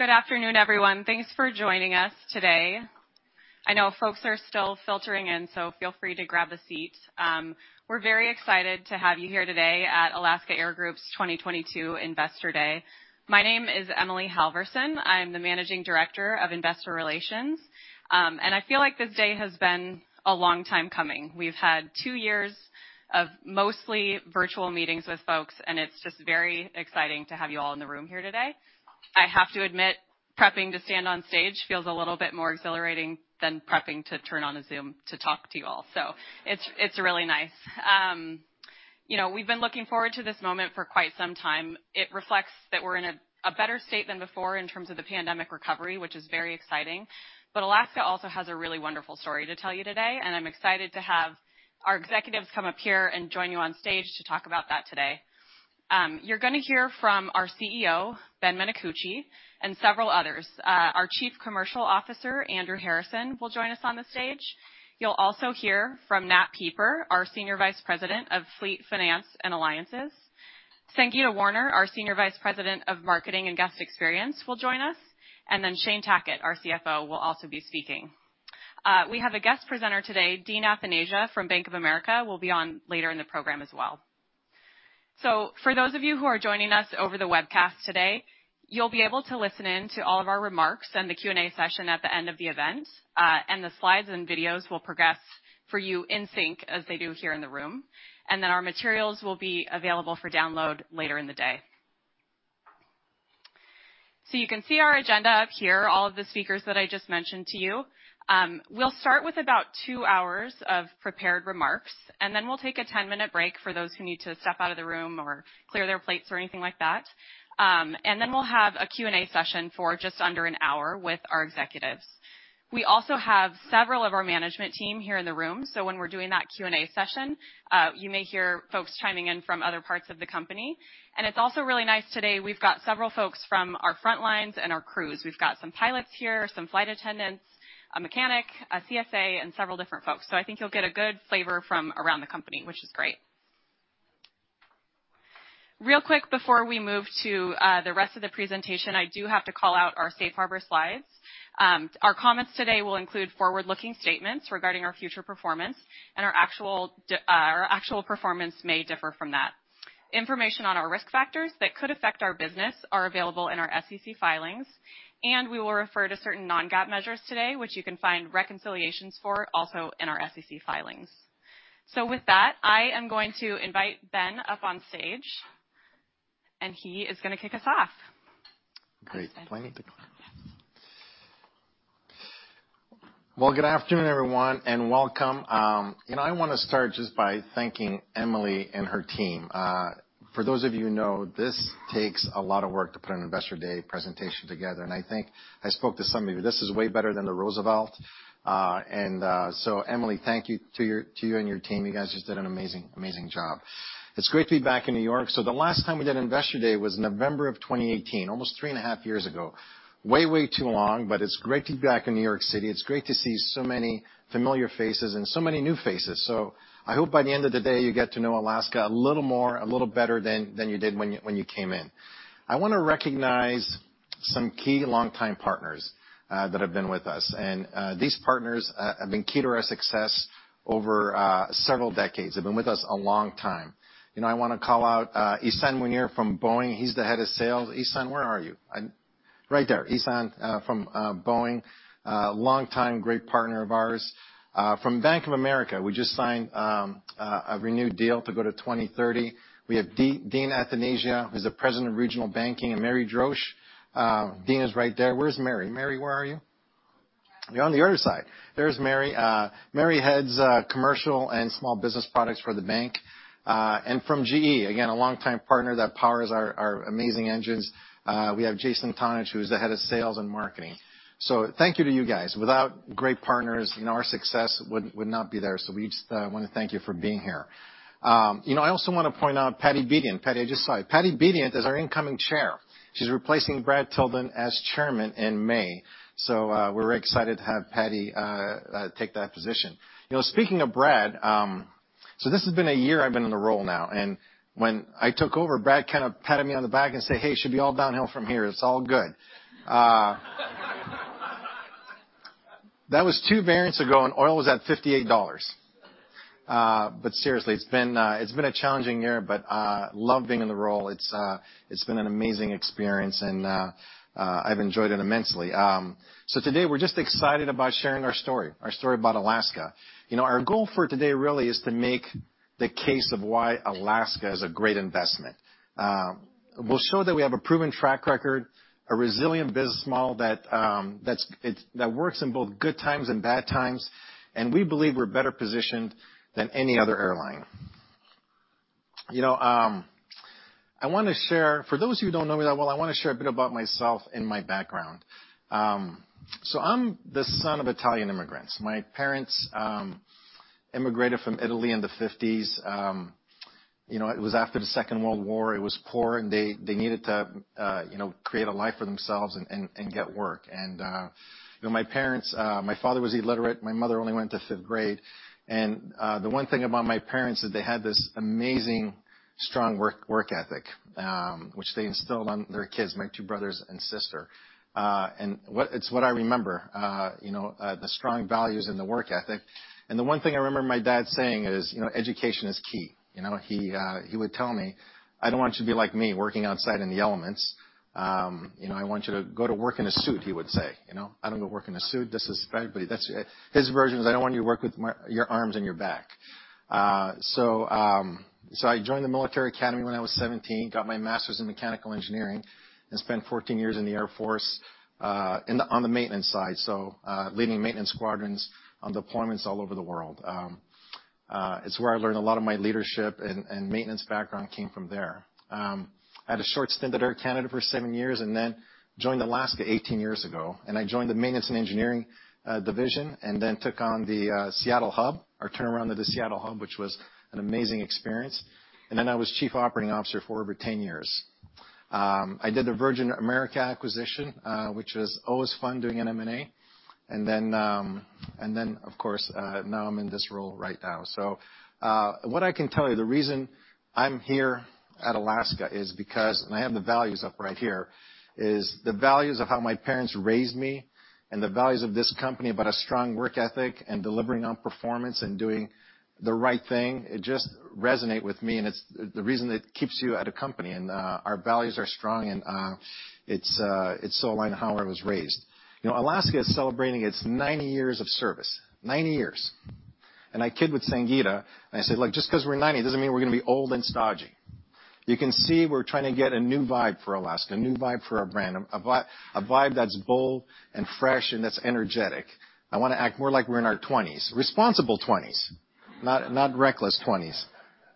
Good afternoon, everyone. Thanks for joining us today. I know folks are still filtering in, so feel free to grab a seat. We're very excited to have you here today at Alaska Air Group's 2022 Investor Day. My name is Emily Halverson. I'm the Managing Director of Investor Relations. I feel like this day has been a long time coming. We've had two years of mostly virtual meetings with folks, and it's just very exciting to have you all in the room here today. I have to admit, prepping to stand on stage feels a little bit more exhilarating than prepping to turn on a Zoom to talk to you all. It's really nice. You know, we've been looking forward to this moment for quite some time. It reflects that we're in a better state than before in terms of the pandemic recovery, which is very exciting. Alaska also has a really wonderful story to tell you today, and I'm excited to have our executives come up here and join you on stage to talk about that today. You're gonna hear from our CEO, Ben Minicucci, and several others. Our Chief Commercial Officer, Andrew Harrison, will join us on the stage. You'll also hear from Nat Pieper, our Senior Vice President of Fleet Finance and Alliances. Sangita Woerner, our Senior Vice President of Marketing and Guest Experience, will join us. And then Shane Tackett, our CFO, will also be speaking. We have a guest presenter today, Dean Athanasia from Bank of America will be on later in the program as well. For those of you who are joining us over the webcast today, you'll be able to listen in to all of our remarks and the Q&A session at the end of the event. The slides and videos will progress for you in sync as they do here in the room. Our materials will be available for download later in the day. You can see our agenda up here, all of the speakers that I just mentioned to you. We'll start with about two hours of prepared remarks, and then we'll take a 10-minute break for those who need to step out of the room or clear their plates or anything like that. We'll have a Q&A session for just under an hour with our executives. We also have several of our management team here in the room, so when we're doing that Q&A session, you may hear folks chiming in from other parts of the company. It's also really nice today, we've got several folks from our frontlines and our crews. We've got some pilots here, some flight attendants, a mechanic, a CSA, and several different folks. I think you'll get a good flavor from around the company, which is great. Real quick, before we move to the rest of the presentation, I do have to call out our safe harbor slides. Our comments today will include forward-looking statements regarding our future performance and our actual performance may differ from that. Information on our risk factors that could affect our business are available in our SEC filings, and we will refer to certain non-GAAP measures today, which you can find reconciliations for also in our SEC filings. With that, I am going to invite Ben up on stage, and he is gonna kick us off. Great. Do I need the clicker? Yes. Well, good afternoon, everyone, and welcome. You know, I wanna start just by thanking Emily and her team. For those of you who know, this takes a lot of work to put an Investor Day presentation together, and I think I spoke to some of you. This is way better than the Roosevelt. Emily, thank you to you and your team. You guys just did an amazing job. It's great to be back in New York. The last time we did Investor Day was November of 2018, almost three and a half years ago. Way too long, but it's great to be back in New York City. It's great to see so many familiar faces and so many new faces. I hope by the end of the day you get to know Alaska a little more, a little better than you did when you came in. I wanna recognize some key longtime partners that have been with us. These partners have been key to our success over several decades. They've been with us a long time. You know, I wanna call out Ihssane Mounir from Boeing. He's the Head of Sales. Ihssane, where are you? Right there. Ihssane from Boeing, longtime great partner of ours. From Bank of America, we just signed a renewed deal to go to 2030. We have Dean Athanasia, who's the President of Regional Banking, and Mary Droesch. Dean is right there. Where's Mary? Mary, where are you? You're on the other side. There's Mary. Mary Droesch Heads Commercial and Small Business Products for the bank. From GE, again, a longtime partner that powers our amazing engines, we have Jason Tonich, who's the Head of Sales and Marketing. Thank you to you guys. Without great partners, you know, our success would not be there. We just wanna thank you for being here. You know, I also wanna point out Patricia Bedient. Patricia, I just saw you. Patricia Bedient is our incoming Chair. She's replacing Brad Tilden as Chairman in May. We're excited to have Patricia take that position. You know, speaking of Brad, this has been a year I've been in the role now, and when I took over, Brad kind of patted me on the back and said, "Hey, it should be all downhill from here. It's all good. That was two variants ago, and oil was at $58. Seriously, it's been a challenging year, but love being in the role. It's been an amazing experience and I've enjoyed it immensely. Today we're just excited about sharing our story about Alaska. You know, our goal for today really is to make the case of why Alaska is a great investment. We'll show that we have a proven track record, a resilient business model that works in both good times and bad times, and we believe we're better positioned than any other airline. You know, I wanna share. For those of you who don't know me that well, I wanna share a bit about myself and my background. I'm the son of Italian immigrants. My parents immigrated from Italy in the fifties. It was after the Second World War. It was poor, and they needed to create a life for themselves and get work. My parents, my father was illiterate. My mother only went to fifth grade. The one thing about my parents is they had this amazing, strong work ethic, which they instilled on their kids, my two brothers and sister. It's what I remember, the strong values and the work ethic. The one thing I remember my dad saying is, "Education is key." He would tell me, "I don't want you to be like me working outside in the elements. You know, I want you to go to work in a suit," he would say. You know, I don't go work in a suit. This is friendly. That's his version is I don't want you to work with your arms and your back. I joined the military academy when I was 17, got my master's in mechanical engineering and spent 14 years in the Air Force, on the maintenance side. Leading maintenance squadrons on deployments all over the world. It's where I learned a lot of my leadership and maintenance background came from there. I had a short stint at Air Canada for seven years and then joined Alaska 18 years ago, and I joined the maintenance and engineering division and then took on the Seattle hub or turnaround at the Seattle hub, which was an amazing experience. I was Chief Operating Officer for over 10 years. I did the Virgin America acquisition, which was always fun doing an M&A. Of course, now I'm in this role right now. What I can tell you, the reason I'm here at Alaska is because, and I have the values up right here, is the values of how my parents raised me and the values of this company about a strong work ethic and delivering on performance and doing the right thing, it just resonate with me, and it's the reason that keeps you at a company. Our values are strong, and it's so aligned how I was raised. You know, Alaska is celebrating its 90 years of service. 90 years. I kid with Sangita, and I said, "Look, just 'cause we're ninety doesn't mean we're gonna be old and stodgy." You can see we're trying to get a new vibe for Alaska, a new vibe for our brand, a vibe that's bold and fresh and that's energetic. I wanna act more like we're in our twenties, responsible twenties, not reckless twenties.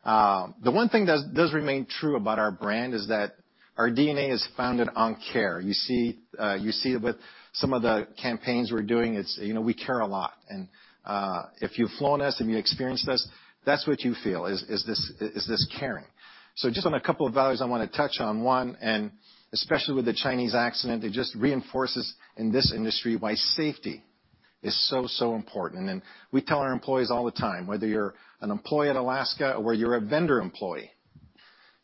The one thing that does remain true about our brand is that our DNA is founded on care. You see it with some of the campaigns we're doing. It's, you know, we care a lot and if you've flown us and you experienced us, that's what you feel is this caring. Just on a couple of values I wanna touch on one and especially with the Chinese accident, it just reinforces in this industry why safety is so important. We tell our employees all the time, whether you're an employee at Alaska or whether you're a vendor employee,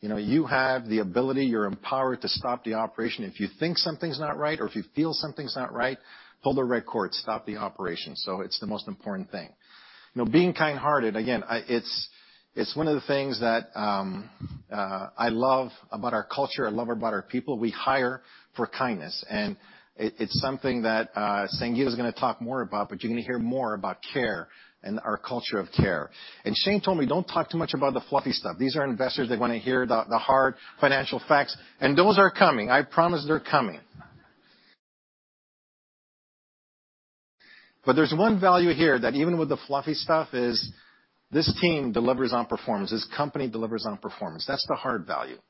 you know, you have the ability, you're empowered to stop the operation. If you think something's not right or if you feel something's not right, pull the red cord. Stop the operation. It's the most important thing. You know, being kind-hearted, again, it's one of the things that I love about our culture. I love about our people. We hire for kindness, and it's something that Sangita is gonna talk more about, but you're gonna hear more about care and our culture of care. Shane told me, "Don't talk too much about the fluffy stuff. These are investors. They wanna hear the hard financial facts," and those are coming. I promise they're coming. There's one value here that even with the fluffy stuff is this team delivers on performance. This company delivers on performance. That's the hard value.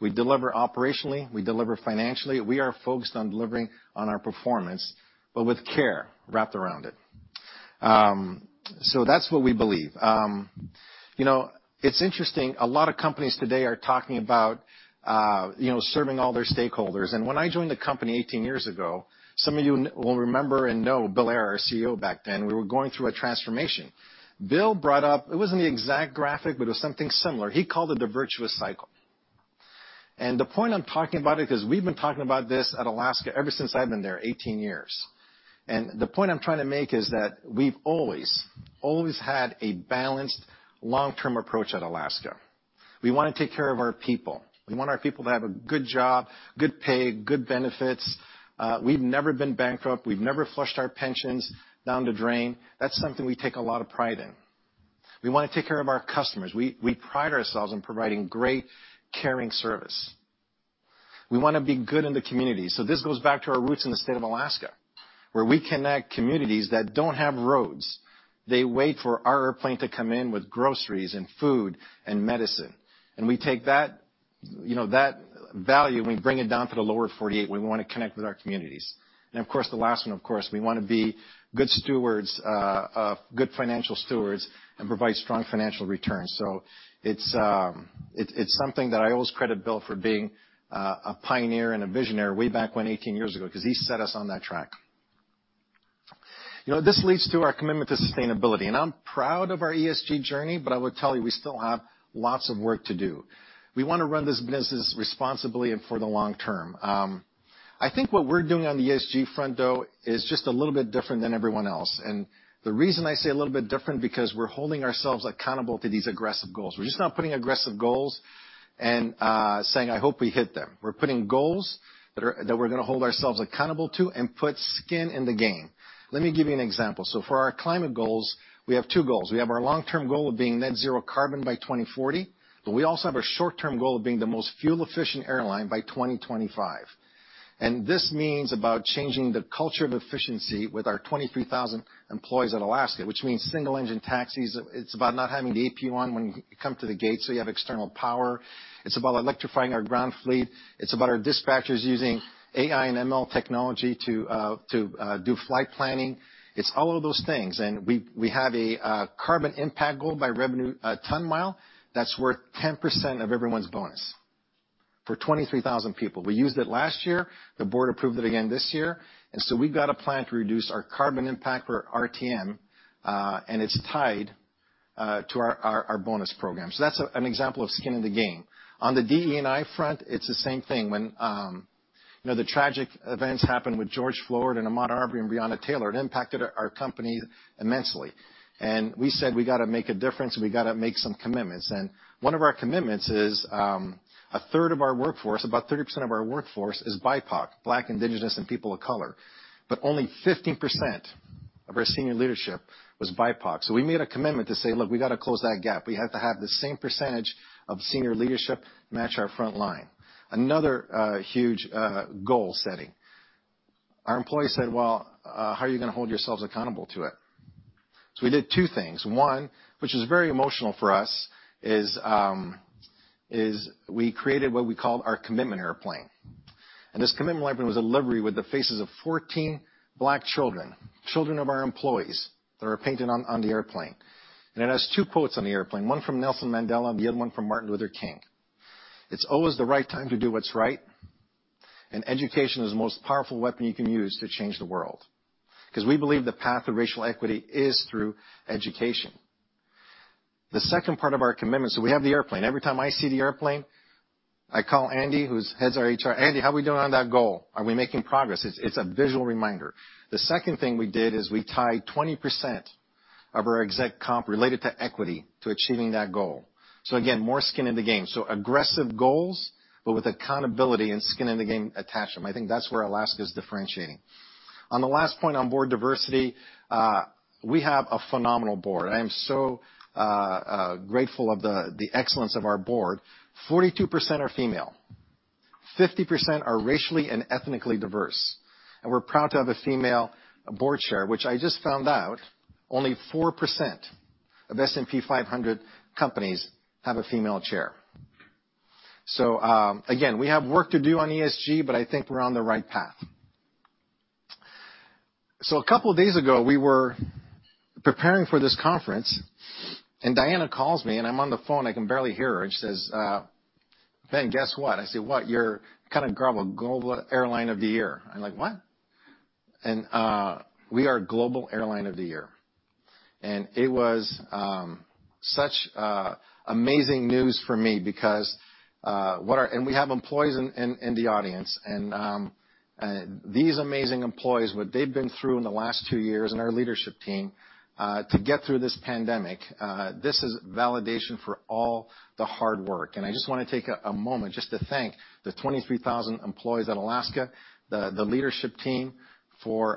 We deliver operationally. We deliver financially. We are focused on delivering on our performance, but with care wrapped around it. So that's what we believe. You know, it's interesting. A lot of companies today are talking about, you know, serving all their stakeholders. When I joined the company 18 years ago, some of you will remember and know Bill Ayer, our CEO back then. We were going through a transformation. Bill brought up. It wasn't the exact graphic, but it was something similar. He called it the virtuous cycle. The point I'm talking about it, 'cause we've been talking about this at Alaska ever since I've been there 18 years. The point I'm trying to make is that we've always had a balanced long-term approach at Alaska. We wanna take care of our people. We want our people to have a good job, good pay, good benefits. We've never been bankrupt. We've never flushed our pensions down the drain. That's something we take a lot of pride in. We wanna take care of our customers. We pride ourselves on providing great, caring service. We wanna be good in the community. This goes back to our roots in the state of Alaska, where we connect communities that don't have roads. They wait for our airplane to come in with groceries and food and medicine. We take that, you know, that value, and we bring it down to the lower 48. We wanna connect with our communities. Of course, the last one, of course, we wanna be good stewards, good financial stewards and provide strong financial returns. It's something that I always credit Bill for being a pioneer and a visionary way back when 18 years ago, 'cause he set us on that track. You know, this leads to our commitment to sustainability, and I'm proud of our ESG journey, but I will tell you we still have lots of work to do. We wanna run this business responsibly and for the long term. I think what we're doing on the ESG front, though, is just a little bit different than everyone else. The reason I say a little bit different because we're holding ourselves accountable to these aggressive goals. We're just not putting aggressive goals and saying, "I hope we hit them." We're putting goals that we're gonna hold ourselves accountable to and put skin in the game. Let me give you an example. For our climate goals, we have two goals. We have our long-term goal of being net zero carbon by 2040, but we also have a short-term goal of being the most fuel-efficient airline by 2025. This means about changing the culture of efficiency with our 23,000 employees at Alaska, which means single engine taxis. It's about not having the APU on when you come to the gate, so you have external power. It's about electrifying our ground fleet. It's about our dispatchers using AI and ML technology to do flight planning. It's all of those things. We have a carbon impact goal by revenue ton mile that's worth 10% of everyone's bonus. For 23,000 people. We used it last year, the board approved it again this year. We've got a plan to reduce our carbon impact for RTM, and it's tied to our bonus program. That's an example of skin in the game. On the DE&I front, it's the same thing. When you know, the tragic events happened with George Floyd and Ahmaud Arbery and Breonna Taylor, it impacted our company immensely. We said, we gotta make a difference, we gotta make some commitments. One of our commitments is, a third of our workforce, about 30% of our workforce is BIPOC, Black, Indigenous, and people of color. But only 15% of our senior leadership was BIPOC. We made a commitment to say, "Look, we got to close that gap. We have to have the same percentage of senior leadership match our front line." Another huge goal setting. Our employees said, "Well, how are you going to hold yourselves accountable to it?" We did two things. One, which is very emotional for us, is we created what we called our commitment airplane. This commitment airplane was a livery with the faces of 14 Black children of our employees that are painted on the airplane. It has two quotes on the airplane, one from Nelson Mandela and the other one from Martin Luther King. It's always the right time to do what's right, and education is the most powerful weapon you can use to change the world. Because we believe the path to racial equity is through education. The second part of our commitment, we have the airplane. Every time I see the airplane, I call Andy, who heads our HR. "Andy, how are we doing on that goal? Are we making progress?" It's a visual reminder. The second thing we did is we tied 20% of our exec comp related to equity to achieving that goal. So again, more skin in the game. So aggressive goals, but with accountability and skin in the game attach them. I think that's where Alaska is differentiating. On the last point on board diversity, we have a phenomenal board. I am so grateful of the excellence of our board. 42% are female, 50% are racially and ethnically diverse, and we're proud to have a female board chair, which I just found out only 4% of S&P 500 companies have a female chair. So, again, we have work to do on ESG, but I think we're on the right path. A couple days ago, we were preparing for this conference and Diana calls me and I'm on the phone, I can barely hear her. She says, "Ben, guess what?" I say, "What?" "You're kind of Global Airline of the Year." I'm like, "What?" We are Global Airline of the Year. It was such amazing news for me because what our employees have been through in the last two years, and our leadership team to get through this pandemic, this is validation for all the hard work. I just want to take a moment just to thank the 23,000 employees at Alaska, the leadership team for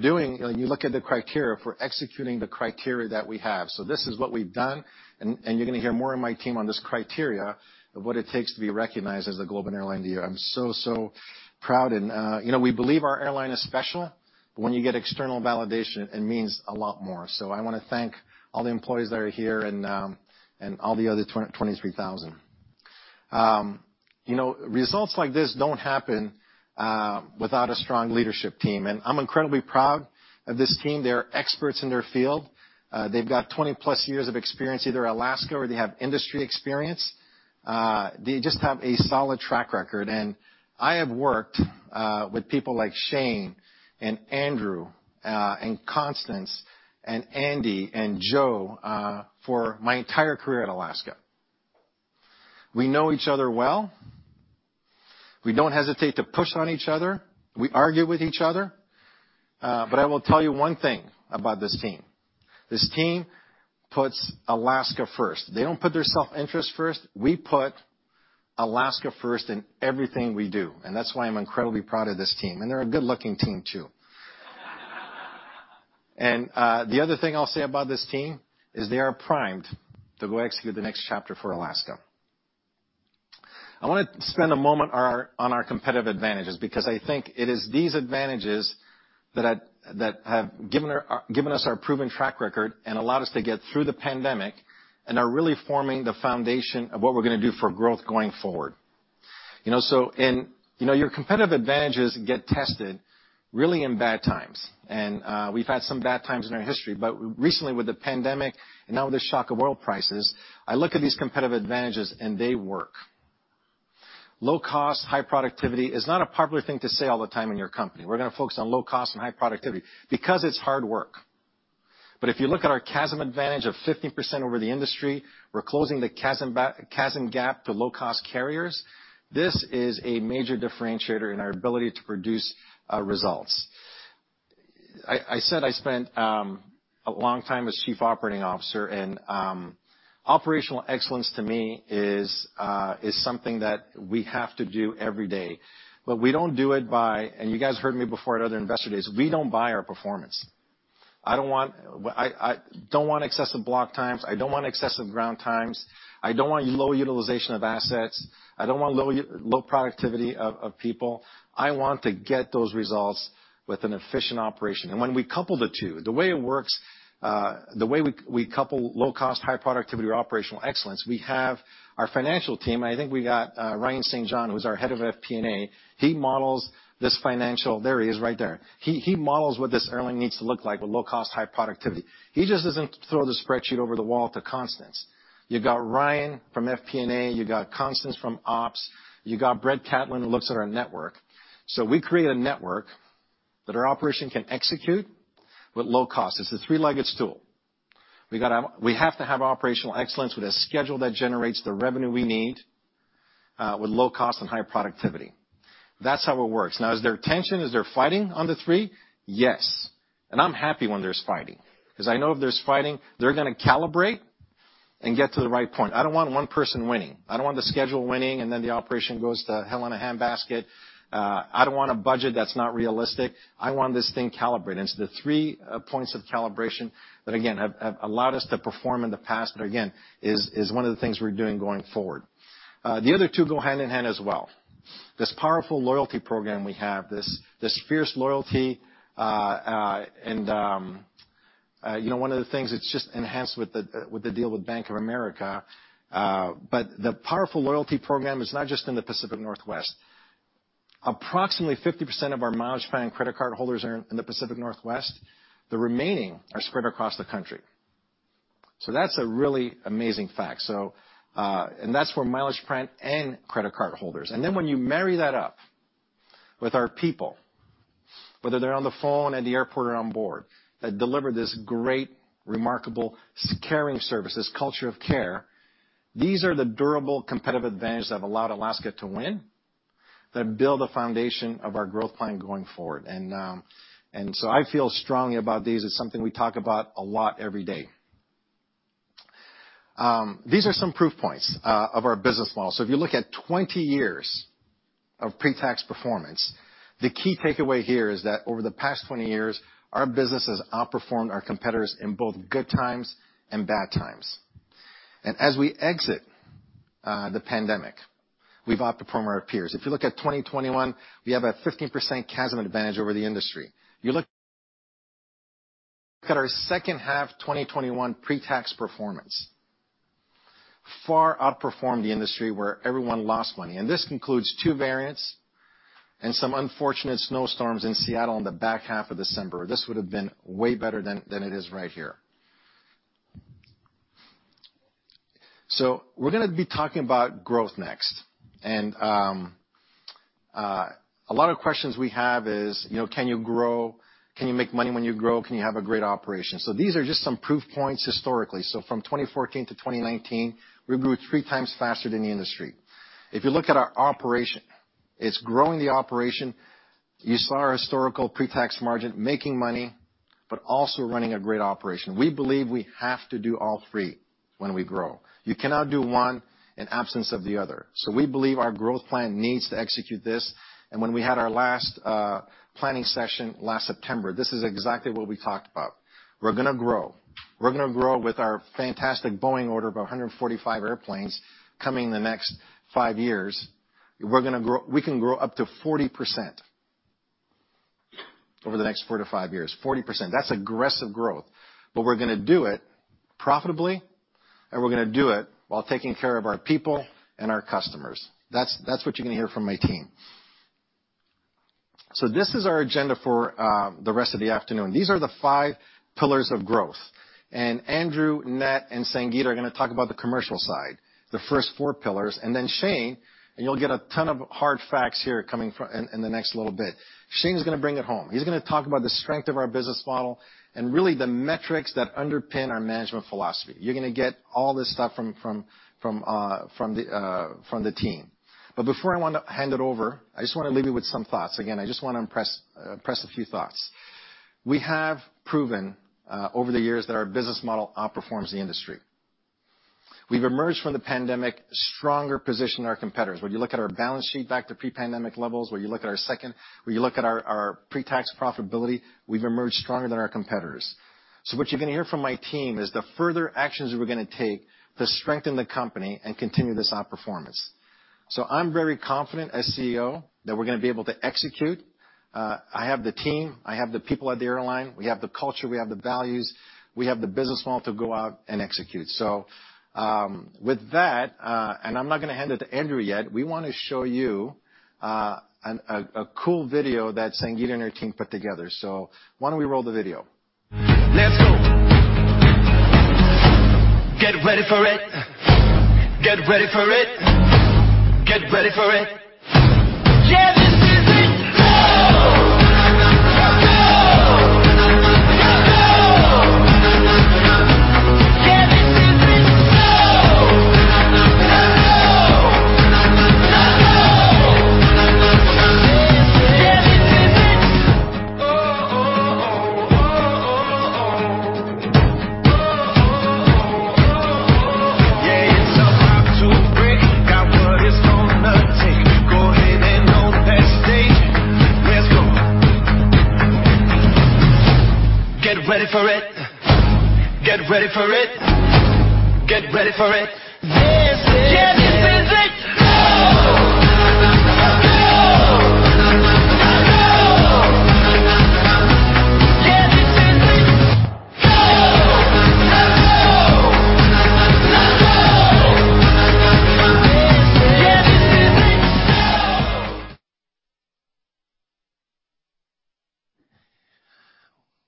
doing. You look at the criteria, for executing the criteria that we have. This is what we've done, and you're going to hear more of my team on this criterion of what it takes to be recognized as the Global Airline of the Year. I'm so proud and we believe our airline is special, but when you get external validation, it means a lot more. I want to thank all the employees that are here and all the other 23,000. Results like this don't happen without a strong leadership team, and I'm incredibly proud of this team. They're experts in their field. They've got 20+ years of experience, either Alaska or they have industry experience. They just have a solid track record. I have worked with people like Shane and Andrew, and Constance and Andy and Joe for my entire career at Alaska. We know each other well. We don't hesitate to push on each other. We argue with each other. But I will tell you one thing about this team. This team puts Alaska first. They don't put their self-interest first. We put Alaska first in everything we do. That's why I'm incredibly proud of this team. They're a good-looking team too. The other thing I'll say about this team is they are primed to go execute the next chapter for Alaska. I want to spend a moment on our competitive advantages because I think it is these advantages that have given us our proven track record and allowed us to get through the pandemic and are really forming the foundation of what we're going to do for growth going forward. You know, your competitive advantages get tested really in bad times. We've had some bad times in our history, but recently with the pandemic and now the shock of oil prices, I look at these competitive advantages and they work. Low cost, high productivity is not a popular thing to say all the time in your company. We're going to focus on low cost and high productivity because it's hard work. If you look at our CASM advantage of 50% over the industry, we're closing the CASM gap to low-cost carriers. This is a major differentiator in our ability to produce results. I said I spent a long time as chief operating officer and operational excellence to me is something that we have to do every day. We don't do it by You guys heard me before at other investor days, we don't buy our performance. I don't want excessive block times. I don't want excessive ground times. I don't want low utilization of assets. I don't want low productivity of people. I want to get those results with an efficient operation. When we couple the two, the way it works, the way we couple low cost, high productivity or operational excellence, we have our financial team. I think we got Ryan St. John, who's our head of FP&A. He models this financial. There he is right there. He models what this airline needs to look like with low cost, high productivity. He just doesn't throw the spreadsheet over the wall to Constance. You got Ryan from FP&A, you got Constance from ops, you got Brett Catlin, who looks at our network. We create a network that our operation can execute with low cost. It's a three-legged stool. We have to have operational excellence with a schedule that generates the revenue we need, with low cost and high productivity. That's how it works. Now is there tension, is there fighting on the three? Yes. I'm happy when there's fighting, 'cause I know if there's fighting, they're gonna calibrate and get to the right point. I don't want one person winning. I don't want the schedule winning, and then the operation goes to hell in a handbasket. I don't want a budget that's not realistic. I want this thing calibrated. The three points of calibration that again have allowed us to perform in the past but again is one of the things we're doing going forward. The other two go hand in hand as well. This powerful loyalty program we have, this fierce loyalty. You know, one of the things that's just enhanced with the deal with Bank of America. But the powerful loyalty program is not just in the Pacific Northwest. Approximately 50% of our Mileage Plan credit card holders are in the Pacific Northwest. The remaining are spread across the country. That's a really amazing fact. That's for Mileage Plan and credit card holders. Then when you marry that up with our people, whether they're on the phone, at the airport, or on board, that deliver this great, remarkable caring service, this culture of care, these are the durable competitive advantage that have allowed Alaska to win, that build a foundation of our growth plan going forward. I feel strongly about these. It's something we talk about a lot every day. These are some proof points of our business model. If you look at 20 years of pre-tax performance, the key takeaway here is that over the past 20 years, our business has outperformed our competitors in both good times and bad times. As we exit the pandemic, we've outperformed our peers. If you look at 2021, we have a 15% CASM advantage over the industry. You look at our second half 2021 pre-tax performance [that] far outperformed the industry where everyone lost money. This includes two variants and some unfortunate snowstorms in Seattle in the back half of December. This would have been way better than it is right here. We're gonna be talking about growth next. A lot of questions we have is, you know, can you grow? Can you make money when you grow? Can you have a great operation? These are just some proof points historically. From 2014 to 2019, we grew three times faster than the industry. If you look at our operation, it's growing the operation. You saw our historical pre-tax margin making money, but also running a great operation. We believe we have to do all three when we grow. You cannot do one in absence of the other. We believe our growth plan needs to execute this. When we had our last planning session last September, this is exactly what we talked about. We're gonna grow. We're gonna grow with our fantastic Boeing order of 145 airplanes coming in the next five years. We can grow up to 40% over the next four to five years. 40%. That's aggressive growth. We're gonna do it profitably, and we're gonna do it while taking care of our people and our customers. That's what you're gonna hear from my team. This is our agenda for the rest of the afternoon. These are the five pillars of growth. Andrew, Nat, and Sangita are gonna talk about the commercial side, the first four pillars. Then Shane, you'll get a ton of hard facts here coming in the next little bit. Shane is gonna bring it home. He's gonna talk about the strength of our business model and really the metrics that underpin our management philosophy. You're gonna get all this stuff from the team. Before I want to hand it over, I just wanna leave you with some thoughts. Again, I just wanna press a few thoughts. We have proven over the years that our business model outperforms the industry. We've emerged from the pandemic stronger position than our competitors. When you look at our balance sheet back to pre-pandemic levels, when you look at our pre-tax profitability, we've emerged stronger than our competitors. What you're gonna hear from my team is the further actions we're gonna take to strengthen the company and continue this outperformance. I'm very confident as CEO that we're gonna be able to execute. I have the team, I have the people at the airline, we have the culture, we have the values, we have the business model to go out and execute. With that, and I'm not gonna hand it to Andrew yet, we wanna show you a cool video that Sangita and her team put together. Why don't we roll the video?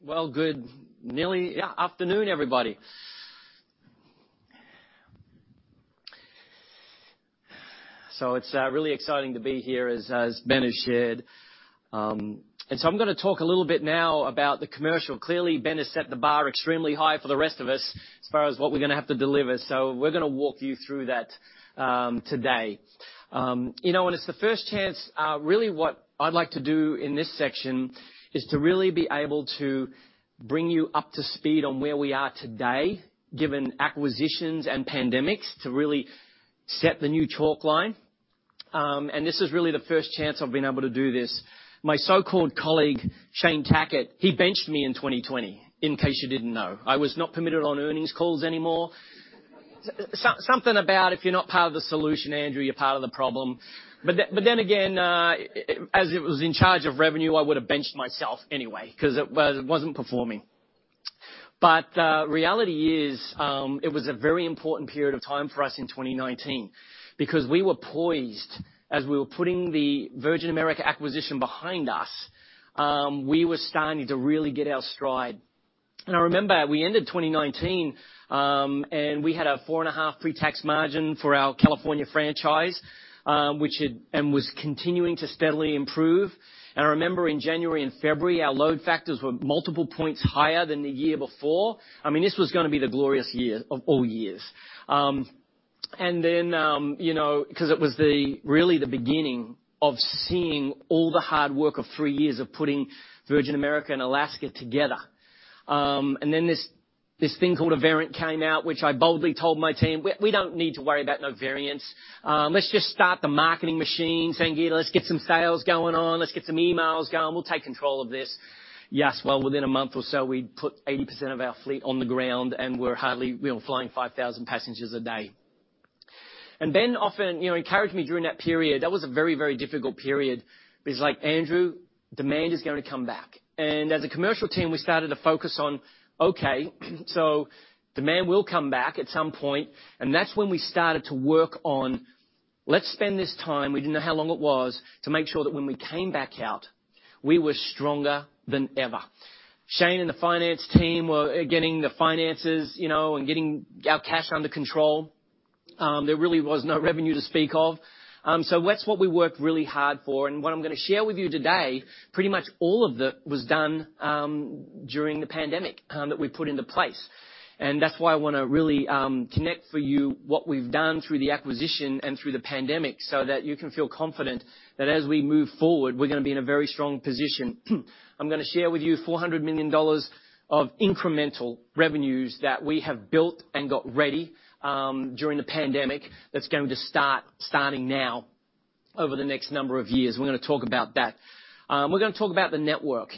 Well, good afternoon, everybody. It's really exciting to be here as Ben has shared. I'm gonna talk a little bit now about the commercial. Clearly, Ben has set the bar extremely high for the rest of us as far as what we're gonna have to deliver, so we're gonna walk you through that today. You know, it's the first chance. Really, what I'd like to do in this section is to really be able to bring you up to speed on where we are today, given acquisitions and pandemics, to really set the new chalk line. This is really the first chance I've been able to do this. My so-called colleague, Shane Tackett, he benched me in 2020, in case you didn't know. I was not permitted on earnings calls anymore. Something about if you're not part of the solution, Andrew, you're part of the problem. But then again, as it was in charge of revenue, I would've benched myself anyway 'cause it wasn't performing. But reality is, it was a very important period of time for us in 2019 because we were poised as we were putting the Virgin America acquisition behind us, we were starting to really get our stride. I remember we ended 2019 and we had a 4.5% pretax margin for our California franchise, which was continuing to steadily improve. I remember in January and February, our load factors were multiple points higher than the year before. I mean, this was gonna be the glorious year of all years. Then, you know, 'cause it was really the beginning of seeing all the hard work of three years of putting Virgin America and Alaska together. Then this thing called a variant came out, which I boldly told my team, "We don't need to worry about no variants. Let's just start the marketing machine, Sangita. Let's get some sales going on. Let's get some emails going. We'll take control of this." Yes, well, within a month or so, we'd put 80% of our fleet on the ground, and we were flying 5,000 passengers a day. Ben often, you know, encouraged me during that period. That was a very, very difficult period. He's like, "Andrew, demand is gonna come back." As a commercial team, we started to focus on, okay, so demand will come back at some point, and that's when we started to work on let's spend this time, we didn't know how long it was, to make sure that when we came back out, we were stronger than ever. Shane and the finance team were getting the finances, you know, and getting our cash under control. There really was no revenue to speak of. That's what we worked really hard for. What I'm gonna share with you today, pretty much all of it was done during the pandemic that we put into place. That's why I wanna really connect for you what we've done through the acquisition and through the pandemic, so that you can feel confident that as we move forward, we're gonna be in a very strong position. I'm gonna share with you $400 million of incremental revenues that we have built and got ready during the pandemic that's going to start now over the next number of years. We're gonna talk about that. We're gonna talk about the network.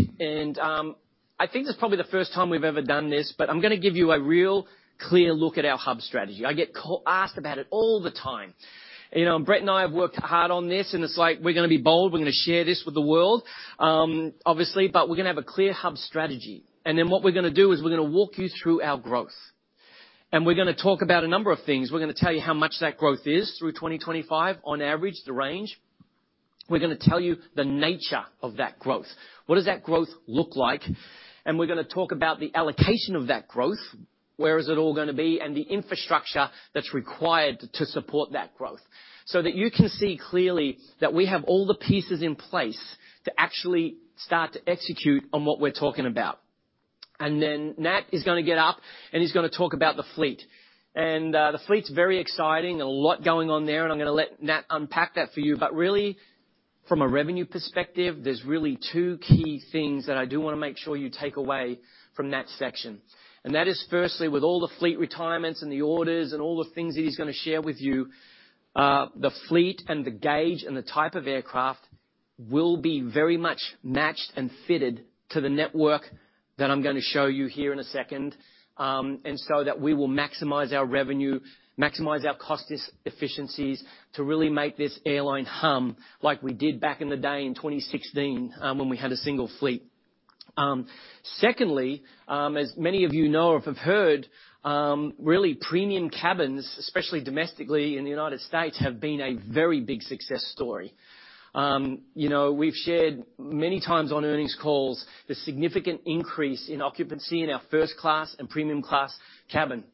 I think this is probably the first time we've ever done this, but I'm gonna give you a real clear look at our hub strategy. I get asked about it all the time. You know, Brett and I have worked hard on this, and it's like, we're gonna be bold, we're gonna share this with the world, obviously, but we're gonna have a clear hub strategy. What we're gonna do is we're gonna walk you through our growth. We're gonna talk about a number of things. We're gonna tell you how much that growth is through 2025 on average, the range. We're gonna tell you the nature of that growth. What does that growth look like? We're gonna talk about the allocation of that growth, where is it all gonna be, and the infrastructure that's required to support that growth, so that you can see clearly that we have all the pieces in place to actually start to execute on what we're talking about. Nat is gonna get up, and he's gonna talk about the fleet. The fleet's very exciting, a lot going on there, and I'm gonna let Nat unpack that for you. Really from a revenue perspective, there's really two key things that I do wanna make sure you take away from that section. That is firstly with all the fleet retirements and the orders and all the things that he's gonna share with you, the fleet and the gauge and the type of aircraft will be very much matched and fitted to the network that I'm gonna show you here in a second, and so that we will maximize our revenue, maximize our cost efficiencies to really make this airline hum like we did back in the day in 2016, when we had a single fleet. Secondly, as many of you know or have heard, really premium cabins, especially domestically in the United States, have been a very big success story. You know, we've shared many times on earnings calls the significant increase in occupancy in our First Class and Premium Class cabin.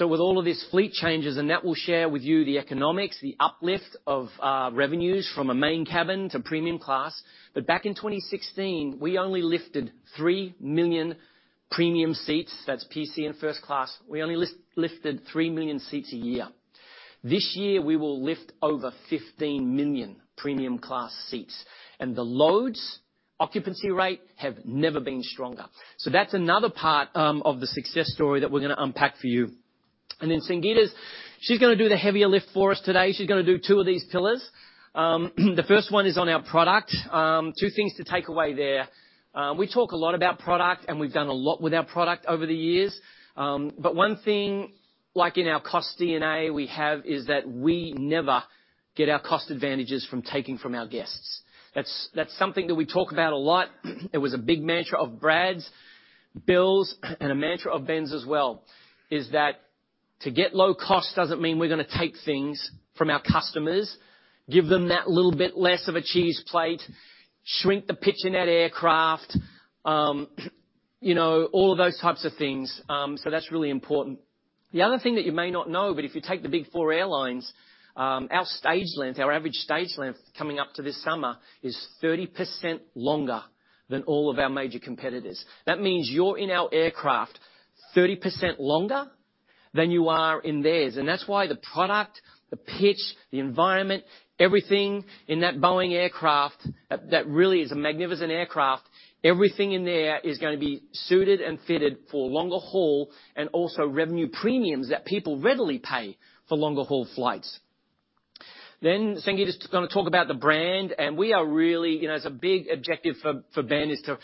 With all of these fleet changes, and Nat will share with you the economics, the uplift of revenues from a Main Cabin to Premium Class. Back in 2016, we only lifted 3 million premium seats. That's PC and First Class. We only lifted 3 million seats a year. This year, we will lift over 15 million Premium Class seats, and the loads, occupancy rate have never been stronger. That's another part of the success story that we're gonna unpack for you. Then Sangita's gonna do the heavier lift for us today. She's gonna do two of these pillars. The first one is on our product. Two things to take away there. We talk a lot about product, and we've done a lot with our product over the years. But one thing, like in our cost DNA we have, is that we never get our cost advantages from taking from our guests. That's something that we talk about a lot. It was a big mantra of Brad's, Bill's, and a mantra of Ben's as well, is that to get low cost doesn't mean we're gonna take things from our customers, give them that little bit less of a cheese plate, shrink the pitch in that aircraft, you know, all of those types of things, so that's really important. The other thing that you may not know, but if you take the big four airlines, our stage length, our average stage length coming up to this summer is 30% longer than all of our major competitors. That means you're in our aircraft 30% longer than you are in theirs. That's why the product, the pitch, the environment, everything in that Boeing aircraft, that really is a magnificent aircraft. Everything in there is gonna be suited and fitted for longer haul and also revenue premiums that people readily pay for longer-haul flights. Sangita is gonna talk about the brand, and we are really, it's a big objective for Ben is to...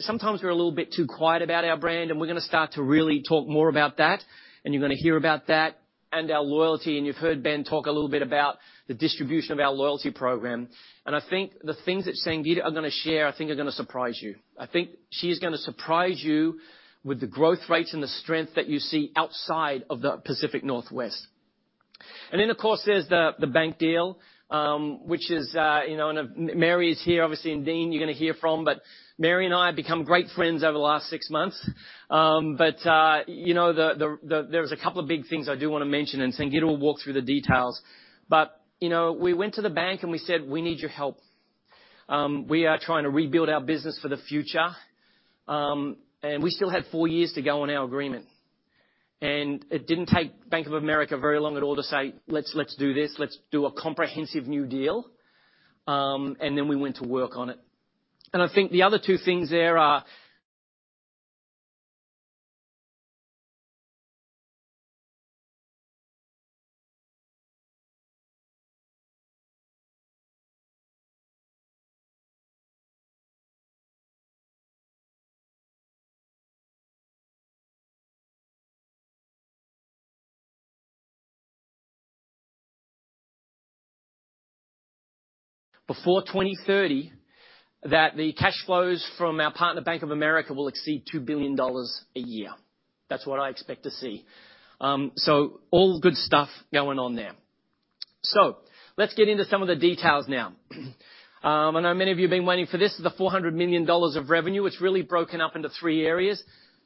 Sometimes we're a little bit too quiet about our brand, and we're gonna start to really talk more about that, and you're gonna hear about that and our loyalty, and you've heard Ben talk a little bit about the distribution of our loyalty program. I think the things that Sangita are gonna share, I think she is gonna surprise you with the growth rates and the strength that you see outside of the Pacific Northwest. Then, of course, there's the bank deal, which is, you know, Mary is here, obviously, and Dean, you're gonna hear from, but Mary and I have become great friends over the last six months. You know, there's a couple of big things I do wanna mention, and Sangita will walk through the details. You know, we went to the bank, and we said, "We need your help. We are trying to rebuild our business for the future." We still had four years to go on our agreement. It didn't take Bank of America very long at all to say, "Let's do this. Let's do a comprehensive new deal." Then we went to work on it. I think the other two things there are before 2030, that the cash flows from our partner Bank of America will exceed $2 billion a year. That's what I expect to see. All good stuff going on there. Let's get into some of the details now. I know many of you have been waiting for this, the $400 million of revenue. It's really broken up into three areas.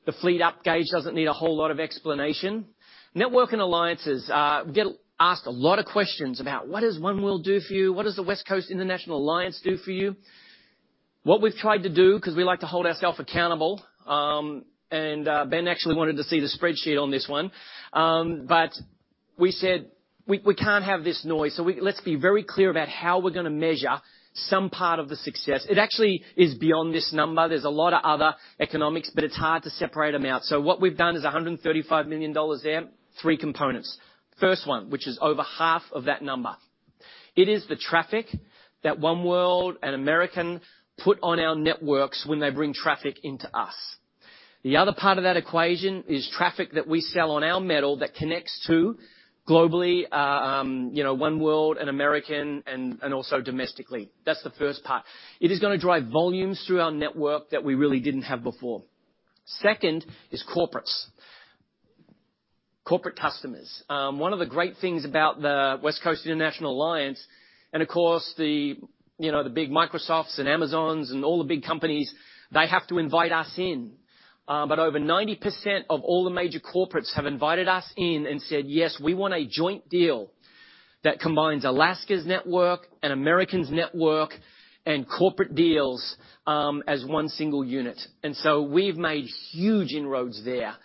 The fleet upgauge doesn't need a whole lot of explanation. Network and alliances, we get asked a lot of questions about what does oneworld do for you? What does the West Coast International Alliance do for you? What we've tried to do, 'cause we like to hold ourselves accountable, and Ben actually wanted to see the spreadsheet on this one. But we said, "We can't have this noise, so let's be very clear about how we're gonna measure some part of the success." It actually is beyond this number. There's a lot of other economics, but it's hard to separate them out. What we've done is $135 million there, three components. First one, which is over half of that number. It is the traffic that oneworld and American put on our networks when they bring traffic into us. The other part of that equation is traffic that we sell on our metal that connects to globally, you know, oneworld and American and also domestically. That's the first part. It is gonna drive volumes through our network that we really didn't have before. Second is corporates. Corporate customers. One of the great things about the West Coast International Alliance, and of course, the, you know, the big Microsofts and Amazons and all the big companies, they have to invite us in. But over 90% of all the major corporates have invited us in and said, "Yes, we want a joint deal that combines Alaska's network and American's network and corporate deals as one single unit." We've made huge inroads there.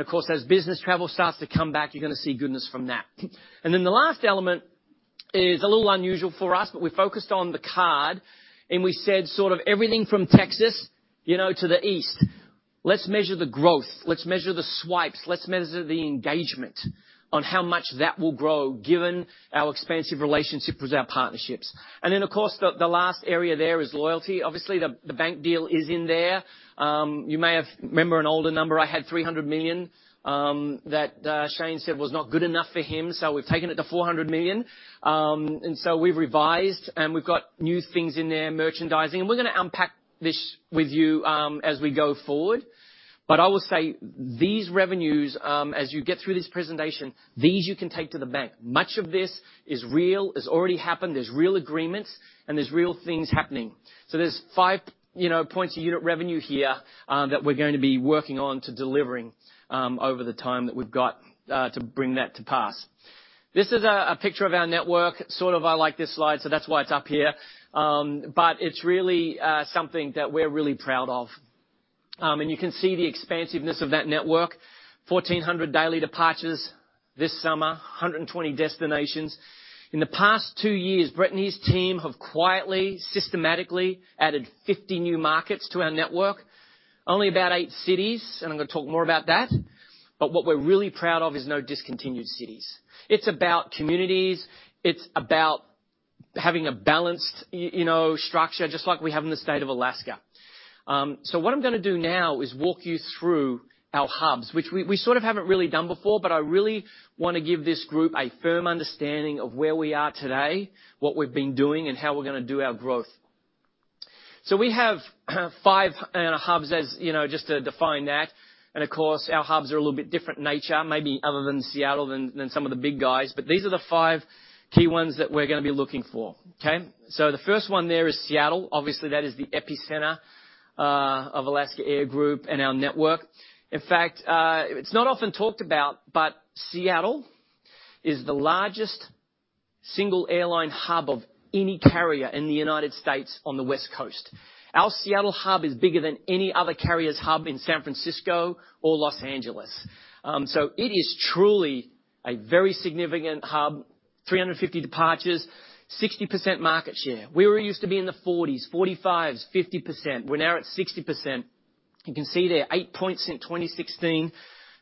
Of course, as business travel starts to come back, you're gonna see goodness from that. The last element is a little unusual for us, but we focused on the card, and we said sort of everything from Texas, you know, to the East, let's measure the growth, let's measure the swipes, let's measure the engagement on how much that will grow given our expansive relationship with our partnerships. The last area there is loyalty. Obviously, the bank deal is in there. You may have remembered an older number. I had $300 million that Shane said was not good enough for him, so we've taken it to $400 million. We've revised, and we've got new things in there, merchandising, and we're gonna unpack this with you as we go forward. I will say these revenues, as you get through this presentation, these you can take to the bank. Much of this is real. It's already happened. There's real agreements, and there's real things happening. There's five, you know, points of unit revenue here, that we're going to be working on to delivering, over the time that we've got, to bring that to pass. This is a picture of our network. Sort of I like this slide, that's why it's up here. It's really something that we're really proud of. You can see the expansiveness of that network. 1,400 daily departures this summer. 120 destinations. In the past two years, Brittany's team have quietly, systematically added 50 new markets to our network. Only about eight cities, and I'm gonna talk more about that, but what we're really proud of is no discontinued cities. It's about communities. It's about having a balanced, you know, structure, just like we have in the state of Alaska. What I'm gonna do now is walk you through our hubs, which we sort of haven't really done before, but I really wanna give this group a firm understanding of where we are today, what we've been doing, and how we're gonna do our growth. We have five hubs, you know, just to define that. Of course, our hubs are a little bit different in nature, maybe other than Seattle than some of the big guys. These are the five key ones that we're gonna be looking for, okay? The first one there is Seattle. Obviously, that is the epicenter of Alaska Air Group and our network. In fact, it's not often talked about, but Seattle is the largest single airline hub of any carrier in the United States on the West Coast. Our Seattle hub is bigger than any other carrier's hub in San Francisco or Los Angeles. It is truly a very significant hub, 350 departures, 60% market share. We used to be in the 40s%, 45s%, 50%. We're now at 60%. You can see there eight points since 2016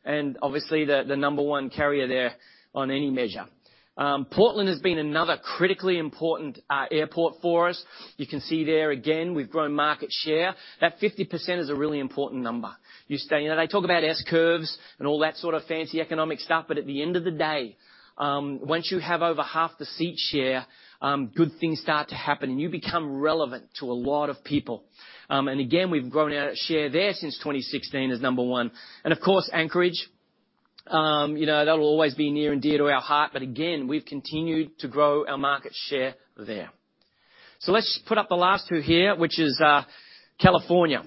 and obviously the number one carrier there on any measure. Portland has been another critically important airport for us. You can see there again, we've grown market share. That 50% is a really important number. They talk about S curves and all that sort of fancy economic stuff, but at the end of the day, once you have over half the seat share, good things start to happen, and you become relevant to a lot of people. We've grown our share there since 2016 as number one. Of course, Anchorage, that'll always be near and dear to our heart, but again, we've continued to grow our market share there. Let's put up the last two here, which is California.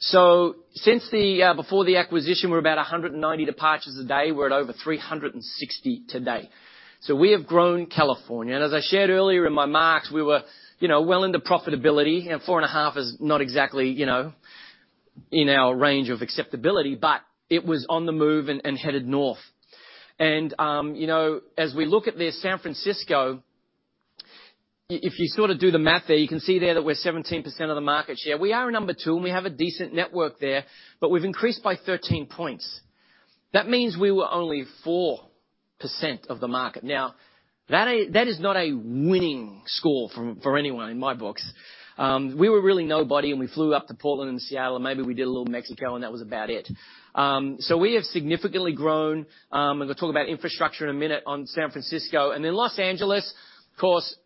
Since before the acquisition, we were about 190 departures a day. We're at over 360 today. We have grown California. As I shared earlier in my remarks, we were well into profitability. 4.5 is not exactly, you know, in our range of acceptability, but it was on the move and headed north. You know, as we look at this San Francisco, if you sort of do the math there, you can see there that we're 17% of the market share. We are number two, and we have a decent network there, but we've increased by 13 points. That means we were only 4% of the market. Now, that is not a winning score for anyone in my books. We were really nobody, and we flew up to Portland and Seattle, and maybe we did a little Mexico, and that was about it. We have significantly grown, and we'll talk about infrastructure in a minute on San Francisco. Then Los Angeles, of course,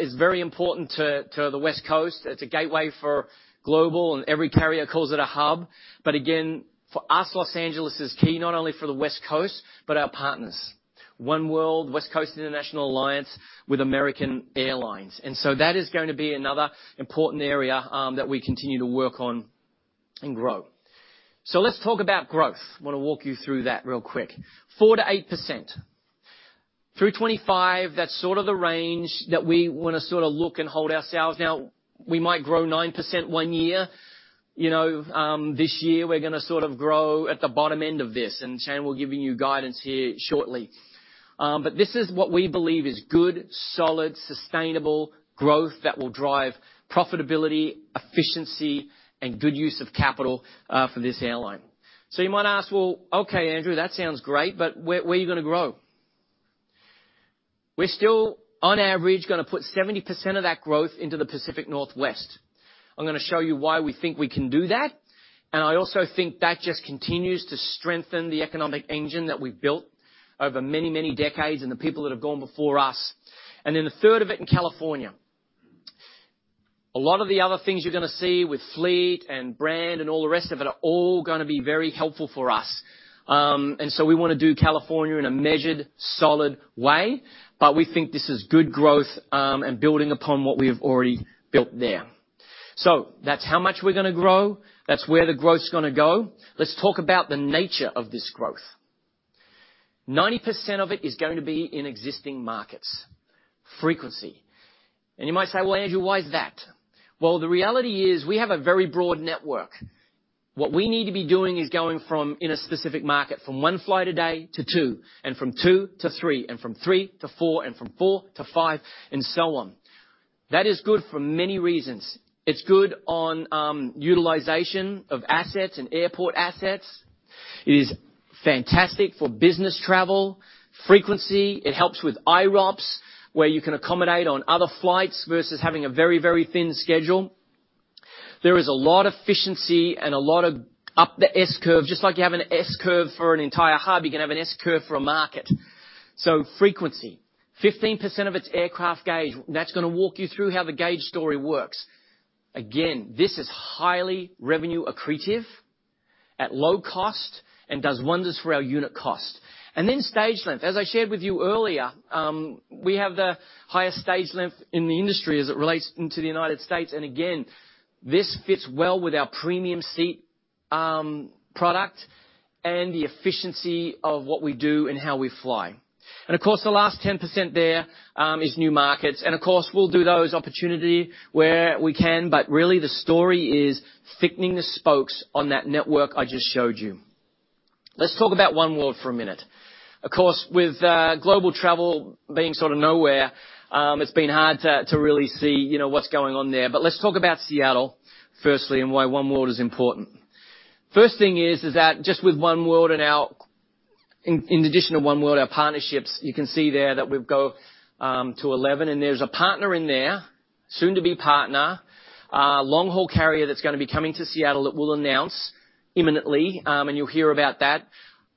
is very important to the West Coast. It's a gateway for global, and every carrier calls it a hub. Again, for us, Los Angeles is key not only for the West Coast, but our partners. oneworld, West Coast International Alliance with American Airlines. That is going to be another important area that we continue to work on and grow. Let's talk about growth. I wanna walk you through that real quick. 4%-8%. Through 2025, that's sort of the range that we wanna sorta look and hold ourselves. Now, we might grow 9% one year. You know, this year we're gonna sort of grow at the bottom end of this, and Shane will giving you guidance here shortly. This is what we believe is good, solid, sustainable growth that will drive profitability, efficiency, and good use of capital for this airline. You might ask, "Well, okay, Andrew, that sounds great, but where are you gonna grow?" We're still, on average, gonna put 70% of that growth into the Pacific Northwest. I'm gonna show you why we think we can do that, and I also think that just continues to strengthen the economic engine that we've built over many, many decades and the people that have gone before us. A third of it in California. A lot of the other things you're gonna see with fleet and brand and all the rest of it are all gonna be very helpful for us. We wanna do California in a measured, solid way, but we think this is good growth, and building upon what we have already built there. That's how much we're gonna grow. That's where the growth's gonna go. Let's talk about the nature of this growth. 90% of it is going to be in existing markets, frequency. You might say, "Well, Andrew, why is that?" Well, the reality is we have a very broad network. What we need to be doing is going from, in a specific market, from 1 flight a day to two and from two to three and from three to four and from four to five and so on. That is good for many reasons. It's good on utilization of assets and airport assets. It is fantastic for business travel, frequency. It helps with IROPS, where you can accommodate on other flights versus having a very, very thin schedule. There is a lot of efficiency and a lot of up the S curve. Just like you have an S curve for an entire hub, you can have an S curve for a market. Frequency. 15% of its aircraft gauge. That's gonna walk you through how the gauge story works. Again, this is highly revenue accretive at low cost and does wonders for our unit cost. Then stage length. As I shared with you earlier, we have the highest stage length in the industry as it relates into the United States. Again, this fits well with our premium seat product and the efficiency of what we do and how we fly. Of course, the last 10% there is new markets. Of course, we'll do those opportunity where we can, but really the story is thickening the spokes on that network I just showed you. Let's talk about oneworld for a minute. Of course, with global travel being sort of nowhere, it's been hard to really see, you know, what's going on there. But let's talk about Seattle firstly and why oneworld is important. First thing is that just with oneworld and our partnerships, in addition to oneworld, you can see there that we've got to 11, and there's a partner in there, soon to be partner, long-haul carrier that's gonna be coming to Seattle that we'll announce imminently, and you'll hear about that.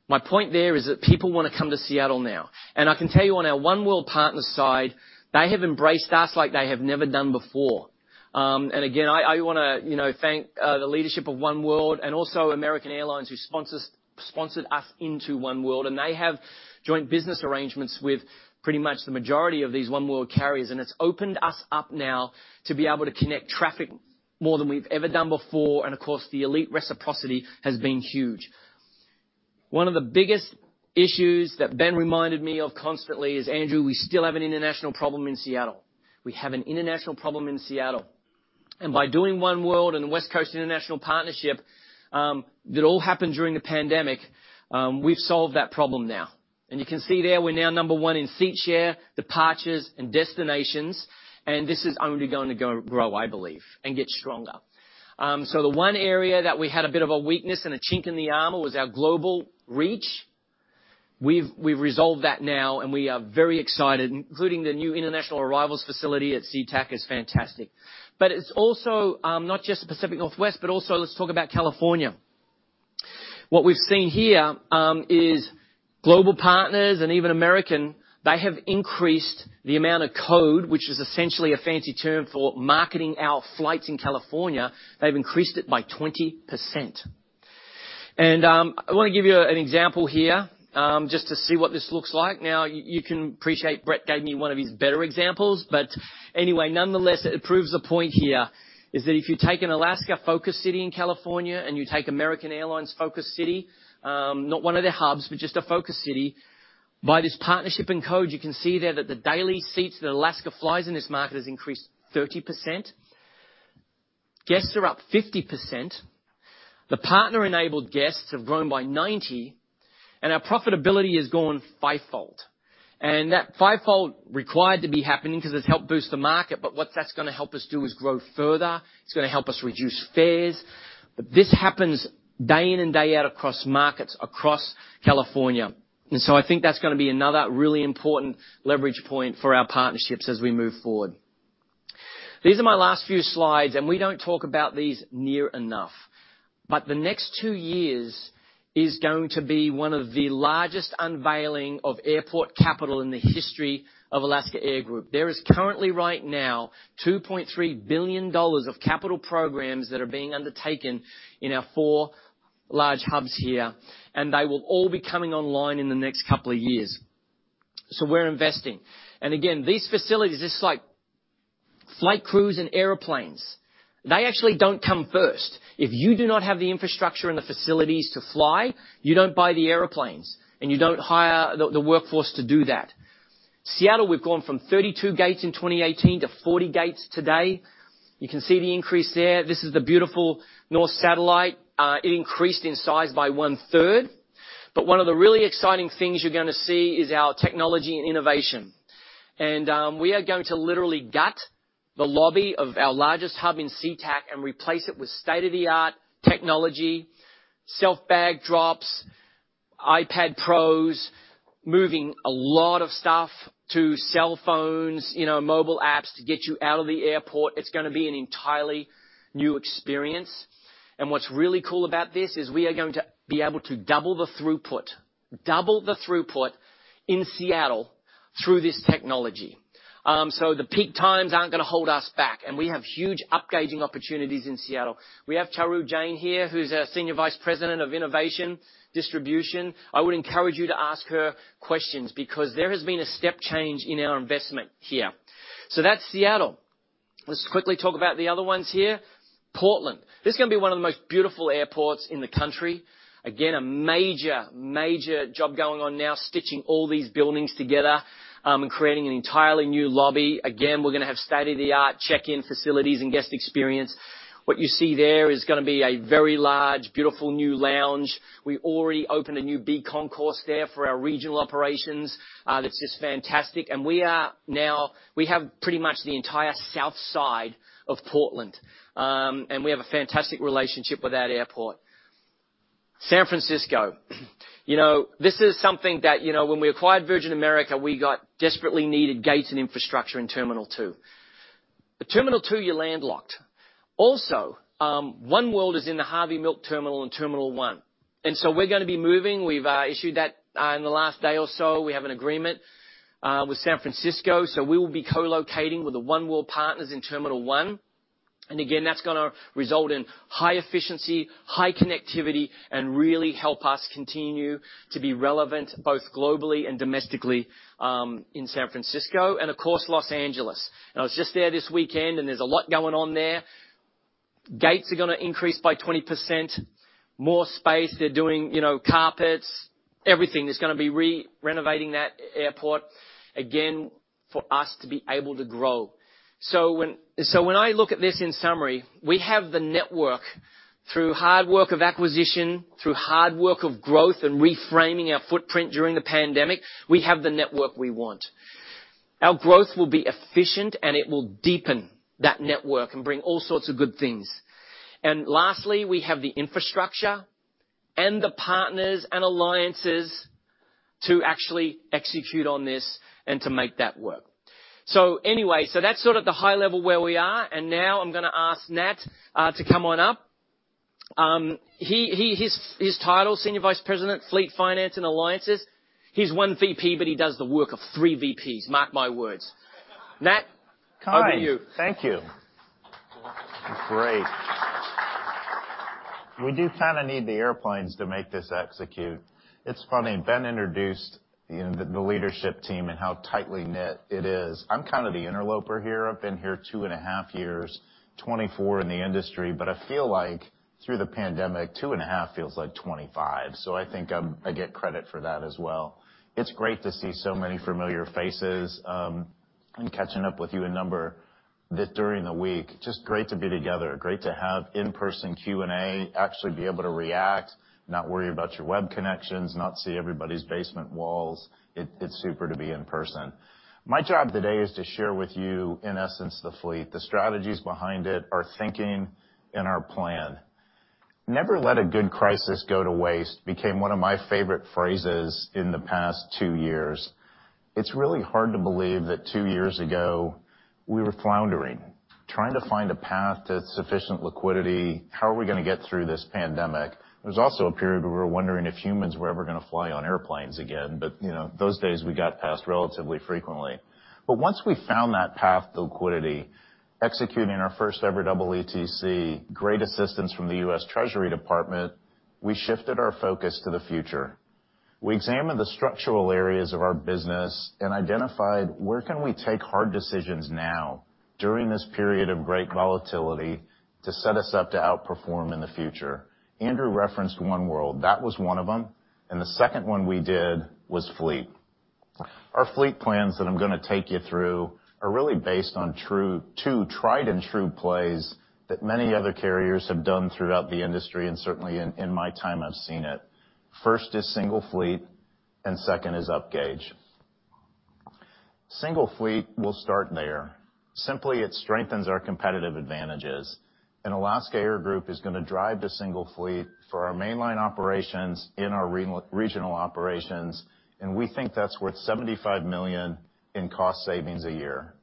My point there is that people wanna come to Seattle now. I can tell you on our oneworld partner side, they have embraced us like they have never done before. Again, I wanna, you know, thank the leadership of oneworld and also American Airlines who sponsored us into oneworld, and they have joint business arrangements with pretty much the majority of these oneworld carriers. It's opened us up now to be able to connect traffic more than we've ever done before, and of course, the elite reciprocity has been huge. One of the biggest issues that Ben reminded me of constantly is, "Andrew, we still have an international problem in Seattle. We have an international problem in Seattle." By doing oneworld and the West Coast International Partnership, that all happened during the pandemic, we've solved that problem now. You can see there, we're now number one in seat share, departures, and destinations. This is only going to go grow, I believe, and get stronger. The one area that we had a bit of a weakness and a chink in the armor was our global reach. We've resolved that now, and we are very excited. The new international arrivals facility at SeaTac is fantastic. It's also not just the Pacific Northwest, but also let's talk about California. What we've seen here is global partners and even American. They have increased the amount of code, which is essentially a fancy term for marketing our flights in California. They've increased it by 20%. I wanna give you an example here, just to see what this looks like. You can appreciate Brett gave me one of his better examples, but anyway, nonetheless, it proves the point here is that if you take an Alaska focus city in California and you take American Airlines' focus city, not one of their hubs, but just a focus city, by this codeshare partnership, you can see there that the daily seats that Alaska flies in this market has increased 30%. Guests are up 50%. The partner-enabled guests have grown by 90%, and our profitability has gone five-fold. That five-fold required to be happening 'cause it's helped boost the market, but what that's gonna help us do is grow further. It's gonna help us reduce fares. This happens day in and day out across markets across California. I think that's gonna be another really important leverage point for our partnerships as we move forward. These are my last few slides, and we don't talk about these near enough. The next two years is going to be one of the largest unveiling of airport capital in the history of Alaska Air Group. There is currently right now $2.3 billion of capital programs that are being undertaken in our four large hubs here, and they will all be coming online in the next couple of years. We're investing. Again, these facilities, just like flight crews and airplanes, they actually don't come first. If you do not have the infrastructure and the facilities to fly, you don't buy the airplanes, and you don't hire the workforce to do that. Seattle, we've gone from 32 gates in 2018 to 40 gates today. You can see the increase there. This is the beautiful North Satellite. It increased in size by one-third. One of the really exciting things you're gonna see is our technology and innovation. We are going to literally gut the lobby of our largest hub in SeaTac and replace it with state-of-the-art technology, self-bag drops, iPad Pros, moving a lot of stuff to cell phones, you know, mobile apps to get you out of the airport. It's gonna be an entirely new experience. What's really cool about this is we are going to be able to double the throughput in Seattle through this technology. So the peak times aren't gonna hold us back, and we have huge up gauging opportunities in Seattle. We have Charu Jain here, who's our Senior Vice President of innovation distribution. I would encourage you to ask her questions because there has been a step change in our investment here. That's Seattle. Let's quickly talk about the other ones here. Portland. This is gonna be one of the most beautiful airports in the country. Again, a major job going on now, stitching all these buildings together, and creating an entirely new lobby. Again, we're gonna have state-of-the-art check-in facilities and guest experience. What you see there is gonna be a very large, beautiful new lounge. We already opened a new B concourse there for our regional operations, that's just fantastic. We have pretty much the entire south side of Portland, and we have a fantastic relationship with that airport. San Francisco. You know, this is something that, you know, when we acquired Virgin America, we got desperately needed gates and infrastructure in Terminal 2. But Terminal 2, you're landlocked. Also, oneworld is in the Harvey Milk Terminal in Terminal 1. We're gonna be moving. We've issued that in the last day or so. We have an agreement with San Francisco, so we will be co-locating with the oneworld partners in Terminal 1. Again, that's gonna result in high efficiency, high connectivity, and really help us continue to be relevant both globally and domestically in San Francisco and, of course, Los Angeles. I was just there this weekend, and there's a lot going on there. Gates are gonna increase by 20%. More space. They're doing, you know, carpets, everything is gonna be renovating that airport again for us to be able to grow. When I look at this in summary, we have the network through hard work of acquisition, through hard work of growth and reframing our footprint during the pandemic, we have the network we want. Our growth will be efficient, and it will deepen that network and bring all sorts of good things. Lastly, we have the infrastructure and the partners and alliances to actually execute on this and to make that work. Anyway, that's sort of the high level where we are, and now I'm gonna ask Nat to come on up. His title, Senior Vice President, Fleet, Finance & Alliances. He's one VP, but he does the work of three VPs, mark my words. Nat, over to you. Hi. Thank you. Great. We do kinda need the airplanes to make this execute. It's funny, Ben introduced the leadership team and how tightly knit it is. I'm kind of the interloper here. I've been here two and a half years, 2024 in the industry, but I feel like through the pandemic, two and a half feels like 2025, so I think I get credit for that as well. It's great to see so many familiar faces and catching up with you during the week. Just great to be together, great to have in-person Q&A, actually be able to react, not worry about your web connections, not see everybody's basement walls. It's super to be in person. My job today is to share with you, in essence, the fleet, the strategies behind it, our thinking and our plan. Never let a good crisis go to waste became one of my favorite phrases in the past two years. It's really hard to believe that two years ago, we were floundering, trying to find a path to sufficient liquidity. How are we gonna get through this pandemic? There was also a period where we were wondering if humans were ever gonna fly on airplanes again, but, you know, those days we got past relatively frequently. Once we found that path to liquidity, executing our first ever double EETC, great assistance from the U.S. Treasury Department, we shifted our focus to the future. We examined the structural areas of our business and identified where can we take hard decisions now during this period of great volatility to set us up to outperform in the future? Andrew referenced oneworld. That was one of them, and the second one we did was fleet. Our fleet plans that I'm gonna take you through are really based on two tried and true plays that many other carriers have done throughout the industry and certainly in my time I've seen it. First is single fleet, and second is upgauge. Single fleet, we'll start there. Simply, it strengthens our competitive advantages. Alaska Air Group is gonna drive to single fleet for our mainline operations in our regional operations, and we think that's worth $75 million in cost savings a year.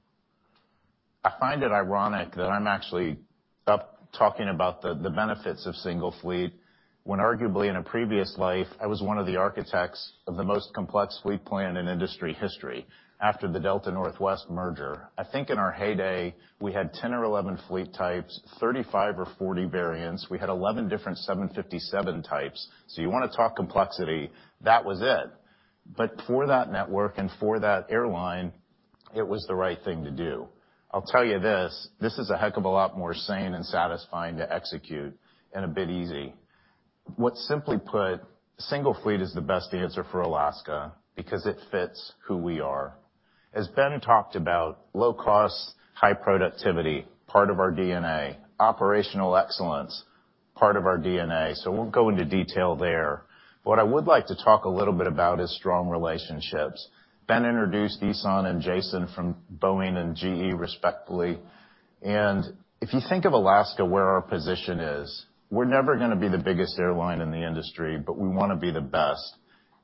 I find it ironic that I'm actually up talking about the benefits of single fleet when arguably in a previous life, I was one of the architects of the most complex fleet plan in industry history after the Delta-Northwest merger. I think in our heyday, we had 10 or 11 fleet types, 35 or 40 variants. We had 11 different 757 types. You wanna talk complexity, that was it. For that network and for that airline, it was the right thing to do. I'll tell you this is a heck of a lot more sane and satisfying to execute, and a bit easy. Simply put, single fleet is the best answer for Alaska because it fits who we are. As Ben talked about, low cost, high productivity, part of our DNA. Operational excellence, part of our DNA. I won't go into detail there. What I would like to talk a little bit about is strong relationships. Ben introduced Ihssane and Jason from Boeing and GE, respectively. If you think of Alaska, where our position is, we're never gonna be the biggest airline in the industry, but we wanna be the best.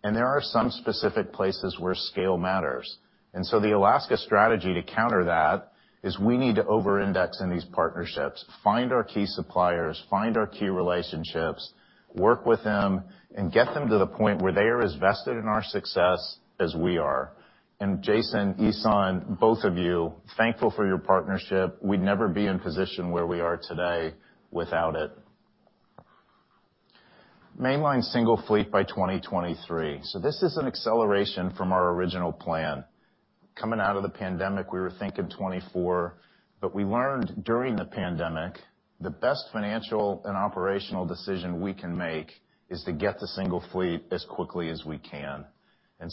There are some specific places where scale matters. The Alaska strategy to counter that is we need to over-index in these partnerships, find our key suppliers, find our key relationships, work with them, and get them to the point where they are as vested in our success as we are. Jason, Ihssane, both of you, we're thankful for your partnership. We'd never be in position where we are today without it. Mainline single fleet by 2023. This is an acceleration from our original plan. Coming out of the pandemic, we were thinking 2024, but we learned during the pandemic the best financial and operational decision we can make is to get to single fleet as quickly as we can.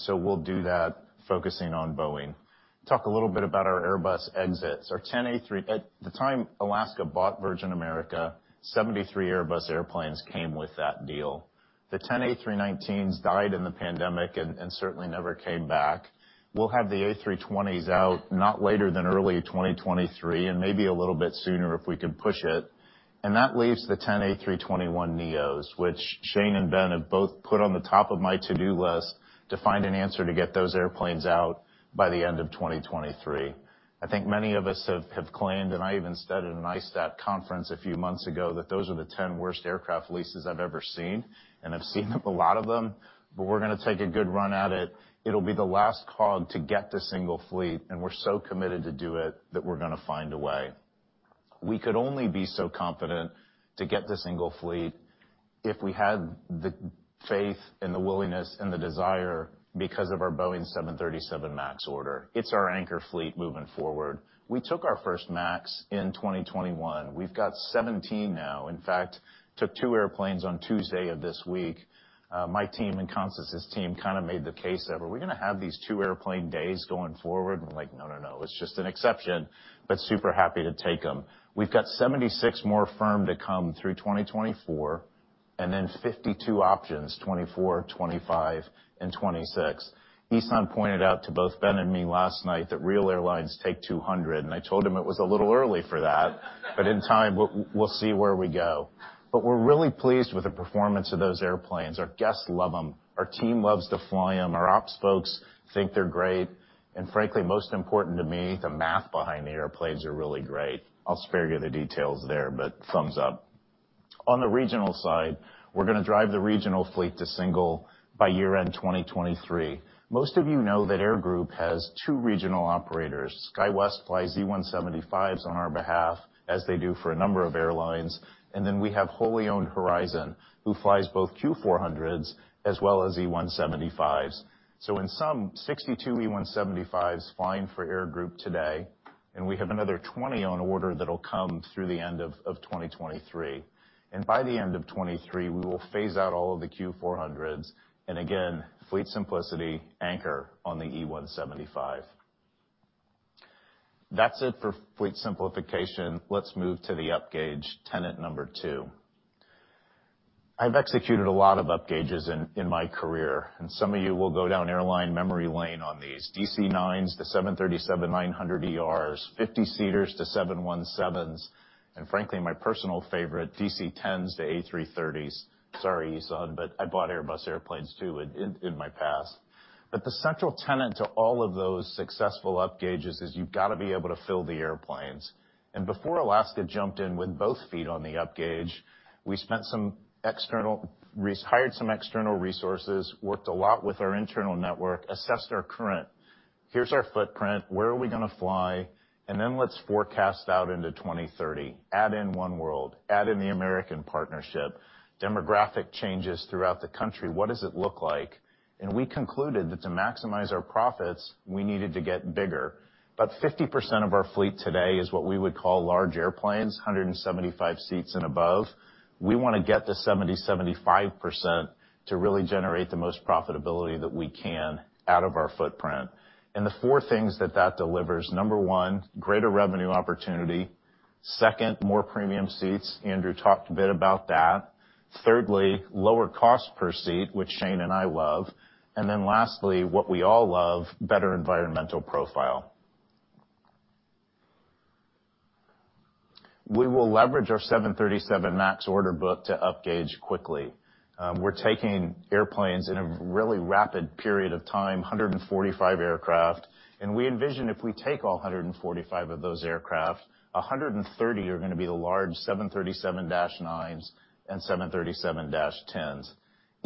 We'll do that focusing on Boeing. Talk a little bit about our Airbus exits. Our ten at the time Alaska bought Virgin America, 73 Airbus airplanes came with that deal. The 10 A319s died in the pandemic and certainly never came back. We'll have the A320s out not later than early 2023 and maybe a little bit sooner if we can push it. That leaves the 10 A321neos, which Shane and Ben have both put on the top of my to-do list to find an answer to get those airplanes out by the end of 2023. I think many of us have claimed, and I even said at an ISTAT conference a few months ago, that those are the 10 worst aircraft leases I've ever seen, and I've seen a lot of them. We're gonna take a good run at it. It'll be the last cog to get to single fleet, and we're so committed to do it that we're gonna find a way. We could only be so confident to get to single fleet if we had the faith and the willingness and the desire because of our Boeing 737 MAX order. It's our anchor fleet moving forward. We took our first MAX in 2021. We've got 17 now. In fact, took two airplanes on Tuesday of this week. My team and Constance's team kinda made the case of, "Are we gonna have these two airplane days going forward?" We're like, "No, no. It's just an exception, but super happy to take them." We've got 76 more firm to come through 2024 and then 52 options 2024, 2025 and 2026. Ihssane pointed out to both Ben and me last night that real airlines take 200, and I told him it was a little early for that. In time, we'll see where we go. We're really pleased with the performance of those airplanes. Our guests love them, our team loves to fly them, our ops folks think they're great. Frankly, most important to me, the math behind the airplanes are really great. I'll spare you the details there, but thumbs up. On the regional side, we're gonna drive the regional fleet to single by year-end 2023. Most of you know that Air Group has two regional operators. SkyWest flies E175s on our behalf, as they do for a number of airlines. Then we have wholly-owned Horizon, who flies both Q400s as well as E175s. In sum, 62 E175s flying for Air Group today, and we have another 20 on order that'll come through the end of 2023. By the end of 2023, we will phase out all of the Q400s, and again, fleet simplicity, anchor on the E175. That's it for fleet simplification. Let's move to the upgauge, tenet number two. I've executed a lot of upgauges in my career, and some of you will go down airline memory lane on these. DC-9s to 737-900ERs, 50-seaters to 717s, and frankly, my personal favorite, DC-10s to A330s. Sorry, Ihssane, but I bought Airbus airplanes too in my past. The central tenet to all of those successful upgauges is you've got to be able to fill the airplanes. Before Alaska jumped in with both feet on the upgauge, we hired some external resources, worked a lot with our internal network, assessed our current footprint. Here's our footprint. Where are we gonna fly? Let's forecast out into 2030. Add in oneworld, add in the American partnership, demographic changes throughout the country. What does it look like? We concluded that to maximize our profits, we needed to get bigger. About 50% of our fleet today is what we would call large airplanes, 175 seats and above. We wanna get to 70%-75% to really generate the most profitability that we can out of our footprint. The four things that that delivers, number one, greater revenue opportunity. Second, more premium seats. Andrew talked a bit about that. Thirdly, lower cost per seat, which Shane and I love. Lastly, what we all love, better environmental profile. We will leverage our 737 MAX order book to upgauge quickly. We're taking airplanes in a really rapid period of time, 145 aircraft. We envision if we take all 145 of those aircraft, 130 are gonna be the large 737-9s and 737-10s.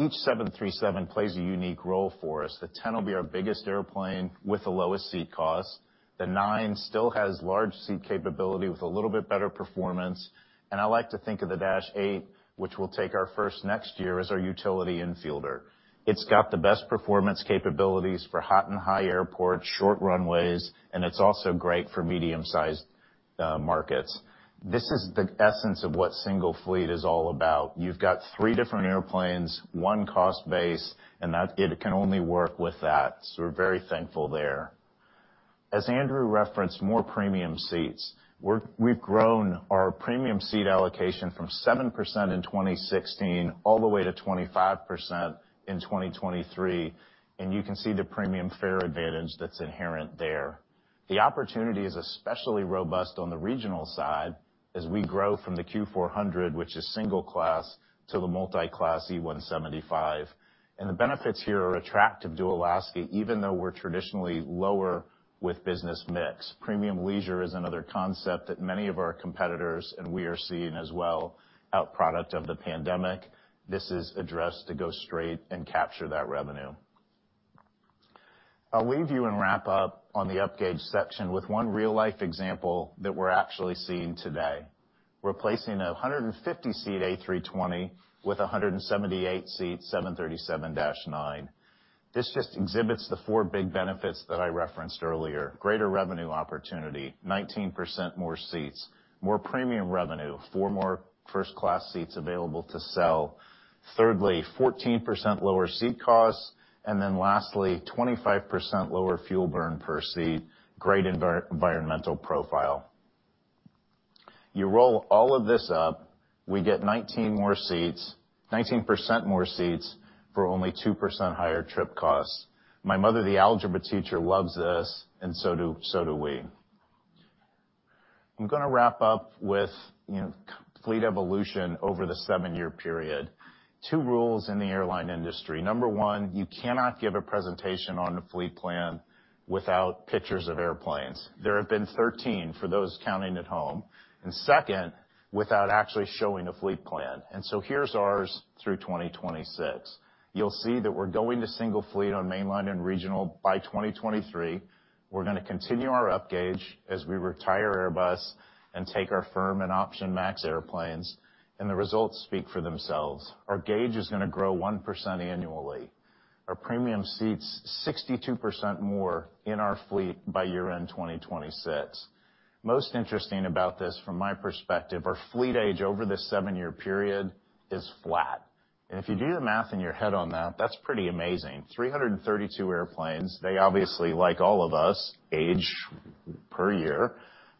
Each 737 plays a unique role for us. The -10 will be our biggest airplane with the lowest seat cost. The -9 still has large seat capability with a little bit better performance. I like to think of the -8, which we'll take our first next year, as our utility infielder. It's got the best performance capabilities for hot and high airports, short runways, and it's also great for medium-sized markets. This is the essence of what single fleet is all about. You've got three different airplanes, one cost base, and that it can only work with that. We're very thankful there. As Andrew referenced, more premium seats. We've grown our premium seat allocation from 7% in 2016 all the way to 25% in 2023, and you can see the premium fare advantage that's inherent there. The opportunity is especially robust on the regional side as we grow from the Q400, which is single class, to the multi-class E175. The benefits here are attractive to Alaska, even though we're traditionally lower with business mix. Premium leisure is another concept that many of our competitors and we are seeing as well, outgrowth of the pandemic. This is a strategy to go direct and capture that revenue. I'll leave you and wrap up on the upgauge section with one real-life example that we're actually seeing today. Replacing a 150-seat A320 with a 178-seat 737-9. This just exhibits the four big benefits that I referenced earlier. Greater revenue opportunity, 19% more seats, more premium revenue, four more first class seats available to sell. Thirdly, 14% lower seat costs, and then lastly, 25% lower fuel burn per seat, great environmental profile. You roll all of this up, we get 19 more seats—19% more seats for only 2% higher trip costs. My mother, the algebra teacher, loves this, and so do we. I'm gonna wrap up with, you know, fleet evolution over the seven year period. Two rules in the airline industry. Number one, you cannot give a presentation on a fleet plan without pictures of airplanes. There have been 13 for those counting at home. Second, without actually showing a fleet plan. Here's ours through 2026. You'll see that we're going to single fleet on main line and regional by 2023. We're gonna continue our upgauge as we retire Airbus and take our firm and option MAX airplanes, and the results speak for themselves. Our gauge is gonna grow 1% annually. Our premium seats, 62% more in our fleet by year-end 2026. Most interesting about this from my perspective, our fleet age over this seven year period is flat. If you do the math in your head on that's pretty amazing. 332 airplanes, they obviously, like all of us, age per year.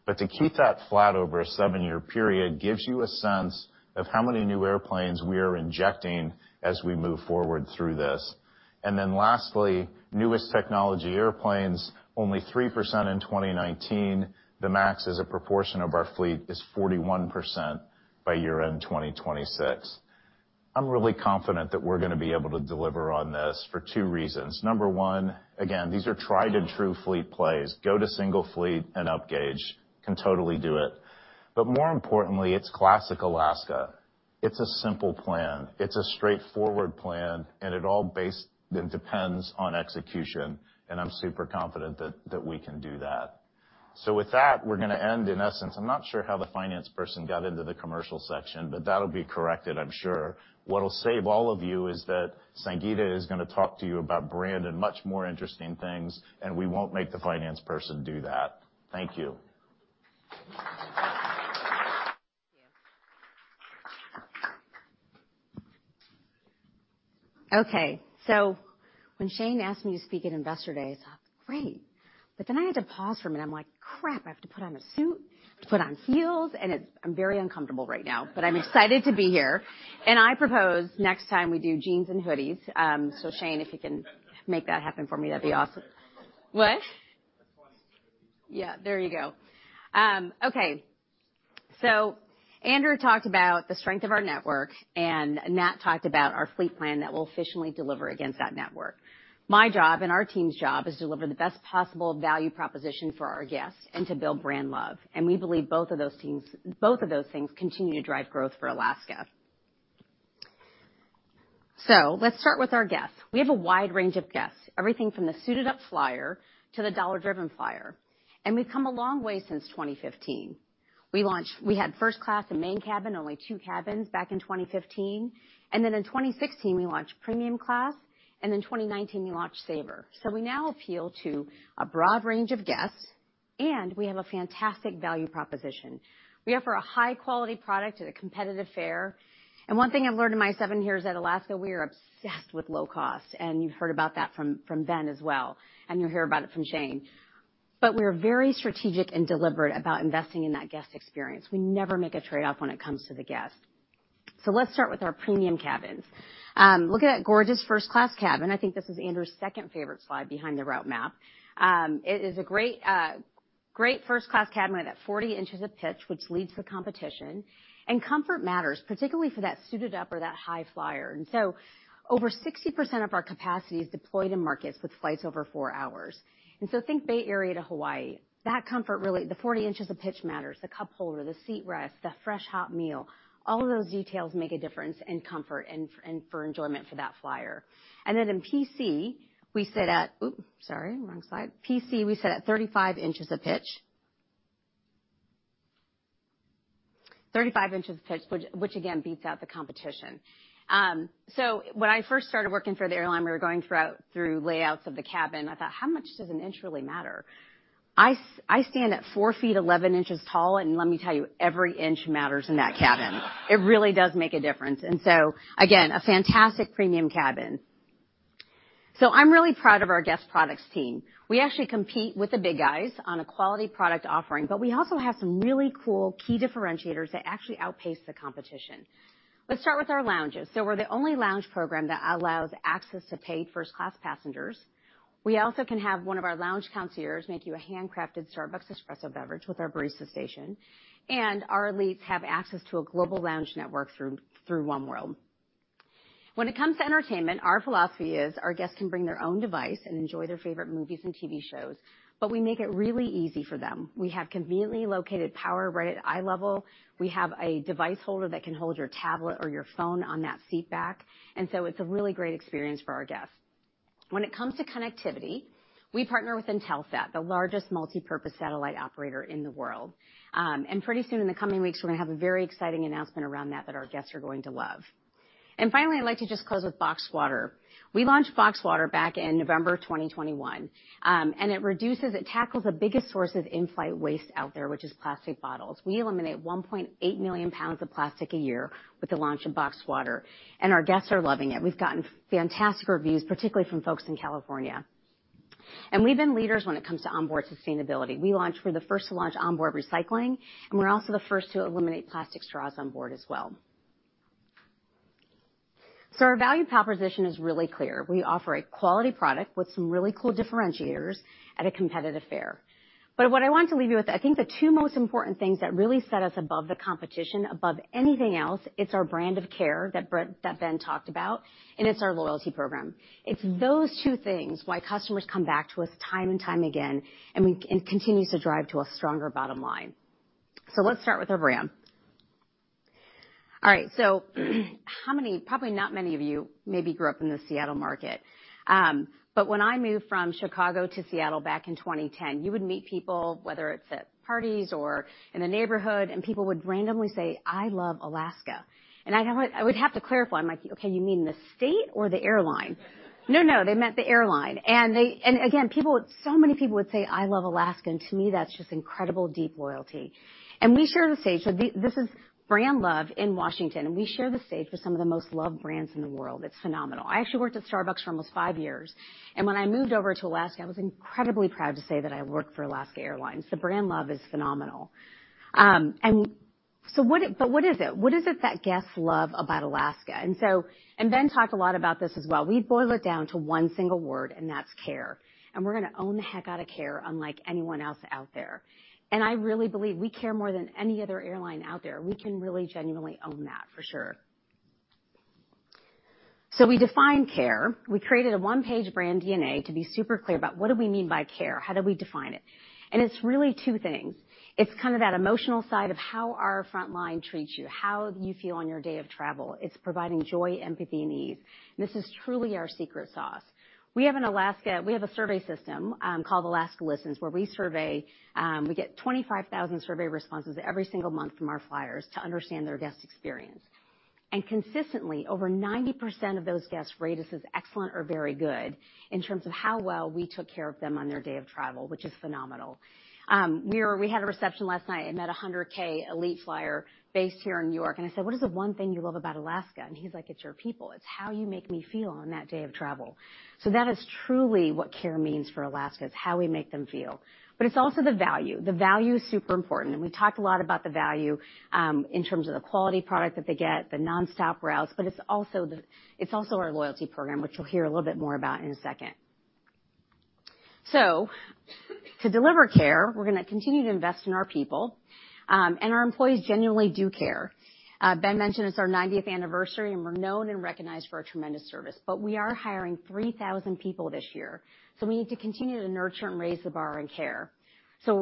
To keep that flat over a seven-year period gives you a sense of how many new airplanes we are injecting as we move forward through this. Then lastly, newest technology airplanes, only 3% in 2019. The MAX as a proportion of our fleet is 41% by year-end 2026. I'm really confident that we're gonna be able to deliver on this for two reasons. Number one, again, these are tried and true fleet plays. Go to single fleet and upgauge, can totally do it. More importantly, it's classic Alaska. It's a simple plan, it's a straightforward plan, and it depends on execution, and I'm super confident that we can do that. With that, we're gonna end in essence. I'm not sure how the finance person got into the commercial section, but that'll be corrected, I'm sure. What'll save all of you is that Sangita is gonna talk to you about brand and much more interesting things, and we won't make the finance person do that. Thank you. Thank you. Okay. When Shane asked me to speak at Investor Day, I thought, "Great." I had to pause for a minute. I'm like, "Crap, I have to put on a suit, put on heels," and it's. I'm very uncomfortable right now. I'm excited to be here, and I propose next time we do jeans and hoodies. Shane, if you can make that happen for me, that'd be awesome. What? That's fine. Yeah, there you go. Okay. Andrew talked about the strength of our network, and Nat talked about our fleet plan that will efficiently deliver against that network. My job and our team's job is to deliver the best possible value proposition for our guests and to build brand love. We believe both of those teams, both of those things continue to drive growth for Alaska. Let's start with our guests. We have a wide range of guests, everything from the suited-up flyer to the dollar-driven flyer. We've come a long way since 2015. We had first class and main cabin, only two cabins back in 2015. In 2016, we launched Premium Class, and in 2019, we launched Saver. We now appeal to a broad range of guests, and we have a fantastic value proposition. We offer a high quality product at a competitive fare. One thing I've learned in my seven years at Alaska, we are obsessed with low cost, and you've heard about that from Ben as well, and you'll hear about it from Shane. We're very strategic and deliberate about investing in that guest experience. We never make a trade-off when it comes to the guest. Let's start with our premium cabins. Look at that gorgeous first class cabin. I think this is Andrew's second favorite slide behind the roadmap. It is a great first class cabin with that 40 inches of pitch, which leads the competition. Comfort matters, particularly for that suited up or that high flyer. Over 60% of our capacity is deployed in markets with flights over four hours. Think Bay Area to Hawaii. That comfort really the 40 inches of pitch matters, the cup holder, the armrest, the fresh, hot meal. All of those details make a difference in comfort and for enjoyment for that flyer. In PC, we sit at-- Ooh, sorry, wrong slide. PC, we sit at 35 inches of pitch. 35 inches of pitch, which again beats out the competition. When I first started working for the airline, we were going through layouts of the cabin. I thought, "How much does an inch really matter?" I stand at 4 ft, 11 inches tall, and let me tell you, every inch matters in that cabin. It really does make a difference. Again, a fantastic Premium cabin. I'm really proud of our Guest Products team. We actually compete with the big guys on a quality product offering, but we also have some really cool key differentiators that actually outpace the competition. Let's start with our lounges. We're the only lounge program that allows access to paid first class passengers. We also can have one of our lounge concierges make you a handcrafted Starbucks espresso beverage with our barista station. Our elites have access to a global lounge network through oneworld. When it comes to entertainment, our philosophy is our guests can bring their own device and enjoy their favorite movies and TV shows, but we make it really easy for them. We have conveniently located power right at eye level. We have a device holder that can hold your tablet or your phone on that seat back. It's a really great experience for our guests. When it comes to connectivity, we partner with Intelsat, the largest multipurpose satellite operator in the world. Pretty soon, in the coming weeks, we're gonna have a very exciting announcement around that our guests are going to love. Finally, I'd like to just close with Boxed Water. We launched Boxed Water back in November 2021, and it tackles the biggest source of in-flight waste out there, which is plastic bottles. We eliminate 1.8 million pounds of plastic a year with the launch of Boxed Water, and our guests are loving it. We've gotten fantastic reviews, particularly from folks in California. We've been leaders when it comes to onboard sustainability. We're the first to launch onboard recycling, and we're also the first to eliminate plastic straws on board as well. Our value proposition is really clear. We offer a quality product with some really cool differentiators at a competitive fare. What I want to leave you with, I think the two most important things that really set us above the competition, above anything else, it's our brand of care that Ben talked about, and it's our loyalty program. It's those two things why customers come back to us time and time again, it continues to drive to a stronger bottom line. Let's start with our brand. All right, probably not many of you maybe grew up in the Seattle market. When I moved from Chicago to Seattle back in 2010, you would meet people, whether it's at parties or in the neighborhood, and people would randomly say, "I love Alaska." I would have to clarify. I'm like, "Okay, you mean the state or the airline?" No, no, they meant the airline. Again, so many people would say, "I love Alaska." To me, that's just incredible deep loyalty. We share the stage with the—this is brand love in Washington. We share the stage with some of the most loved brands in the world. It's phenomenal. I actually worked at Starbucks for almost five years, and when I moved over to Alaska, I was incredibly proud to say that I worked for Alaska Airlines. The brand love is phenomenal. But what is it? What is it that guests love about Alaska? Ben talked a lot about this as well. We boil it down to one single word, and that's care, and we're gonna own the heck out of care unlike anyone else out there. I really believe we care more than any other airline out there. We can really genuinely own that for sure. We defined care. We created a one-page brand DNA to be super clear about what do we mean by care? How do we define it? It's really two things. It's kind of that emotional side of how our front line treats you, how you feel on your day of travel. It's providing joy, empathy, and ease. This is truly our secret sauce. We have a survey system called Alaska Listens, where we survey, we get 25,000 survey responses every single month from our flyers to understand their guest experience. Consistently, over 90% of those guests rate us as excellent or very good in terms of how well we took care of them on their day of travel, which is phenomenal. We had a reception last night and met 100K Elite flyer based here in New York, and I said, "What is the one thing you love about Alaska?" He's like, "It's your people. It's how you make me feel on that day of travel." That is truly what care means for Alaska, is how we make them feel. It's also the value. The value is super important. We talked a lot about the value in terms of the quality product that they get, the nonstop routes, but it's also our loyalty program, which you'll hear a little bit more about in a second. To deliver care, we're gonna continue to invest in our people. Our employees genuinely do care. Ben mentioned it's our ninetieth anniversary, and we're known and recognized for our tremendous service. We are hiring 3,000 people this year, so we need to continue to nurture and raise the bar in care.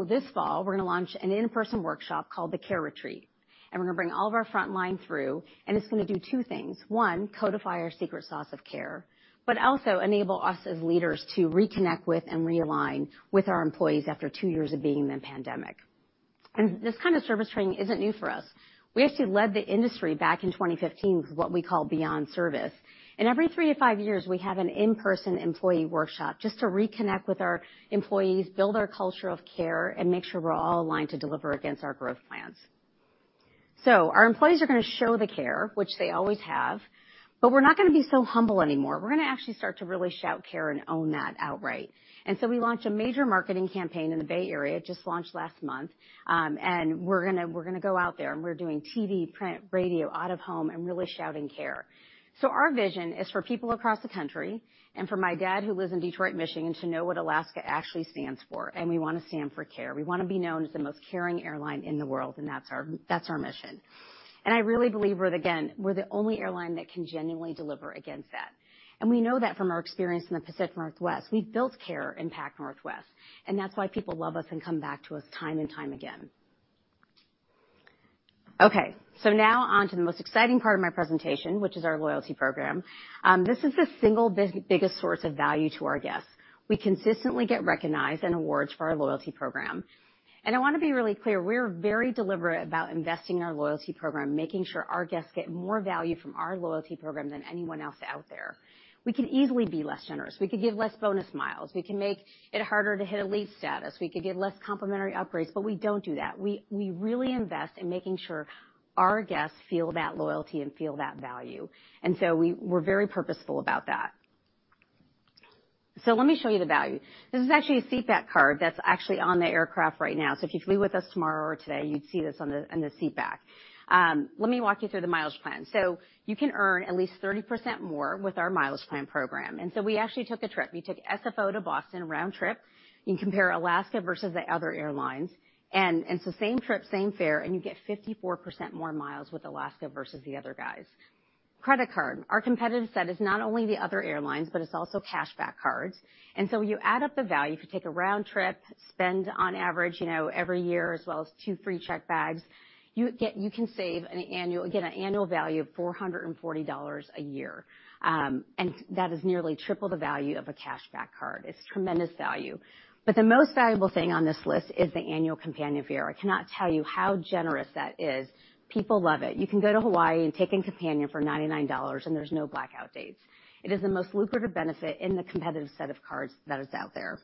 This fall, we're gonna launch an in-person workshop called The Care Retreat, and we're gonna bring all of our front line through, and it's gonna do two things. One, codify our secret sauce of care, but also enable us as leaders to reconnect with and realign with our employees after two years of being in pandemic. This kind of service training isn't new for us. We actually led the industry back in 2015 with what we call Beyond Service. Every three to five years, we have an in-person employee workshop just to reconnect with our employees, build our culture of care, and make sure we're all aligned to deliver against our growth plans. Our employees are gonna show the care, which they always have, but we're not gonna be so humble anymore. We're gonna actually start to really shout care and own that outright. We launched a major marketing campaign in the Bay Area, just launched last month, and we're gonna go out there, and we're doing TV, print, radio, out of home, and really shouting care. Our vision is for people across the country and for my dad, who lives in Detroit, Michigan, to know what Alaska actually stands for, and we wanna stand for care. We wanna be known as the most caring airline in the world, and that's our mission. I really believe we're again the only airline that can genuinely deliver against that. We know that from our experience in the Pacific Northwest. We've built care in Pac Northwest, and that's why people love us and come back to us time and time again. Okay, now on to the most exciting part of my presentation, which is our loyalty program. This is the single biggest source of value to our guests. We consistently get recognized in awards for our loyalty program. I wanna be really clear, we're very deliberate about investing in our loyalty program, making sure our guests get more value from our loyalty program than anyone else out there. We could easily be less generous. We could give less bonus miles. We can make it harder to hit elite status. We could give less complimentary upgrades, but we don't do that. We really invest in making sure our guests feel that loyalty and feel that value. We're very purposeful about that. Let me show you the value. This is actually a seat back card that's actually on the aircraft right now. If you flew with us tomorrow or today, you'd see this on the seat back. Let me walk you through the Mileage Plan. You can earn at least 30% more with our Mileage Plan program. We actually took a trip. We took SFO to Boston round trip. You can compare Alaska versus the other airlines. It's the same trip, same fare, and you get 54% more miles with Alaska versus the other guys. Credit card. Our competitive set is not only the other airlines, but it's also cashback cards. You add up the value. If you take a round trip, spend on average, you know, every year as well as two free checked bags, you can save an annual value of $440 a year. That is nearly triple the value of a cashback card. It's tremendous value. The most valuable thing on this list is the annual companion fare. I cannot tell you how generous that is. People love it. You can go to Hawaii and take a companion for $99, and there's no blackout dates. It is the most lucrative benefit in the competitive set of cards that is out there.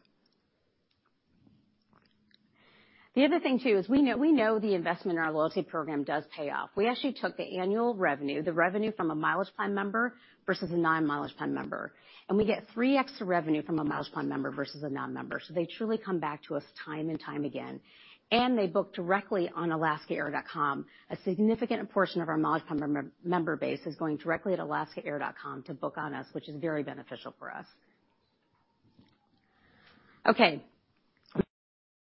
The other thing too is we know the investment in our loyalty program does pay off. We actually took the annual revenue, the revenue from a Mileage Plan member versus a non-Mileage Plan member, and we get three times the revenue from a Mileage Plan member versus a non-member. They truly come back to us time and time again, and they book directly on alaskaair.com. A significant portion of our Mileage Plan member base is going directly to alaskaair.com to book on us, which is very beneficial for us. Okay.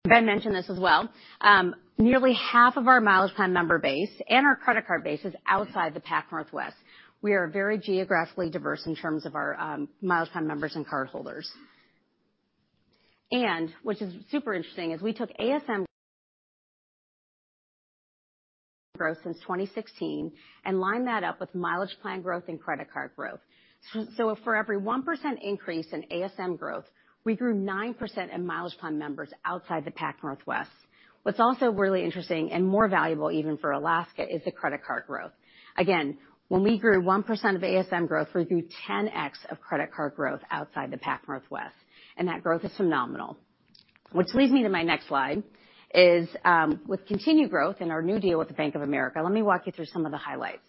Ben mentioned this as well. Nearly half of our Mileage Plan member base and our credit card base is outside the Pacific Northwest. We are very geographically diverse in terms of our mileage plan members and cardholders. Which is super interesting is we took ASM growth since 2016 and lined that up with Mileage Plan growth and credit card growth. For every 1% increase in ASM growth, we grew 9% in Mileage Plan members outside the Pacific Northwest. What's also really interesting and more valuable even for Alaska is the credit card growth. Again, when we grew 1% of ASM growth, we grew 10x of credit card growth outside the Pacific Northwest, and that growth is phenomenal. Which leads me to my next slide with continued growth in our new deal with Bank of America, let me walk you through some of the highlights.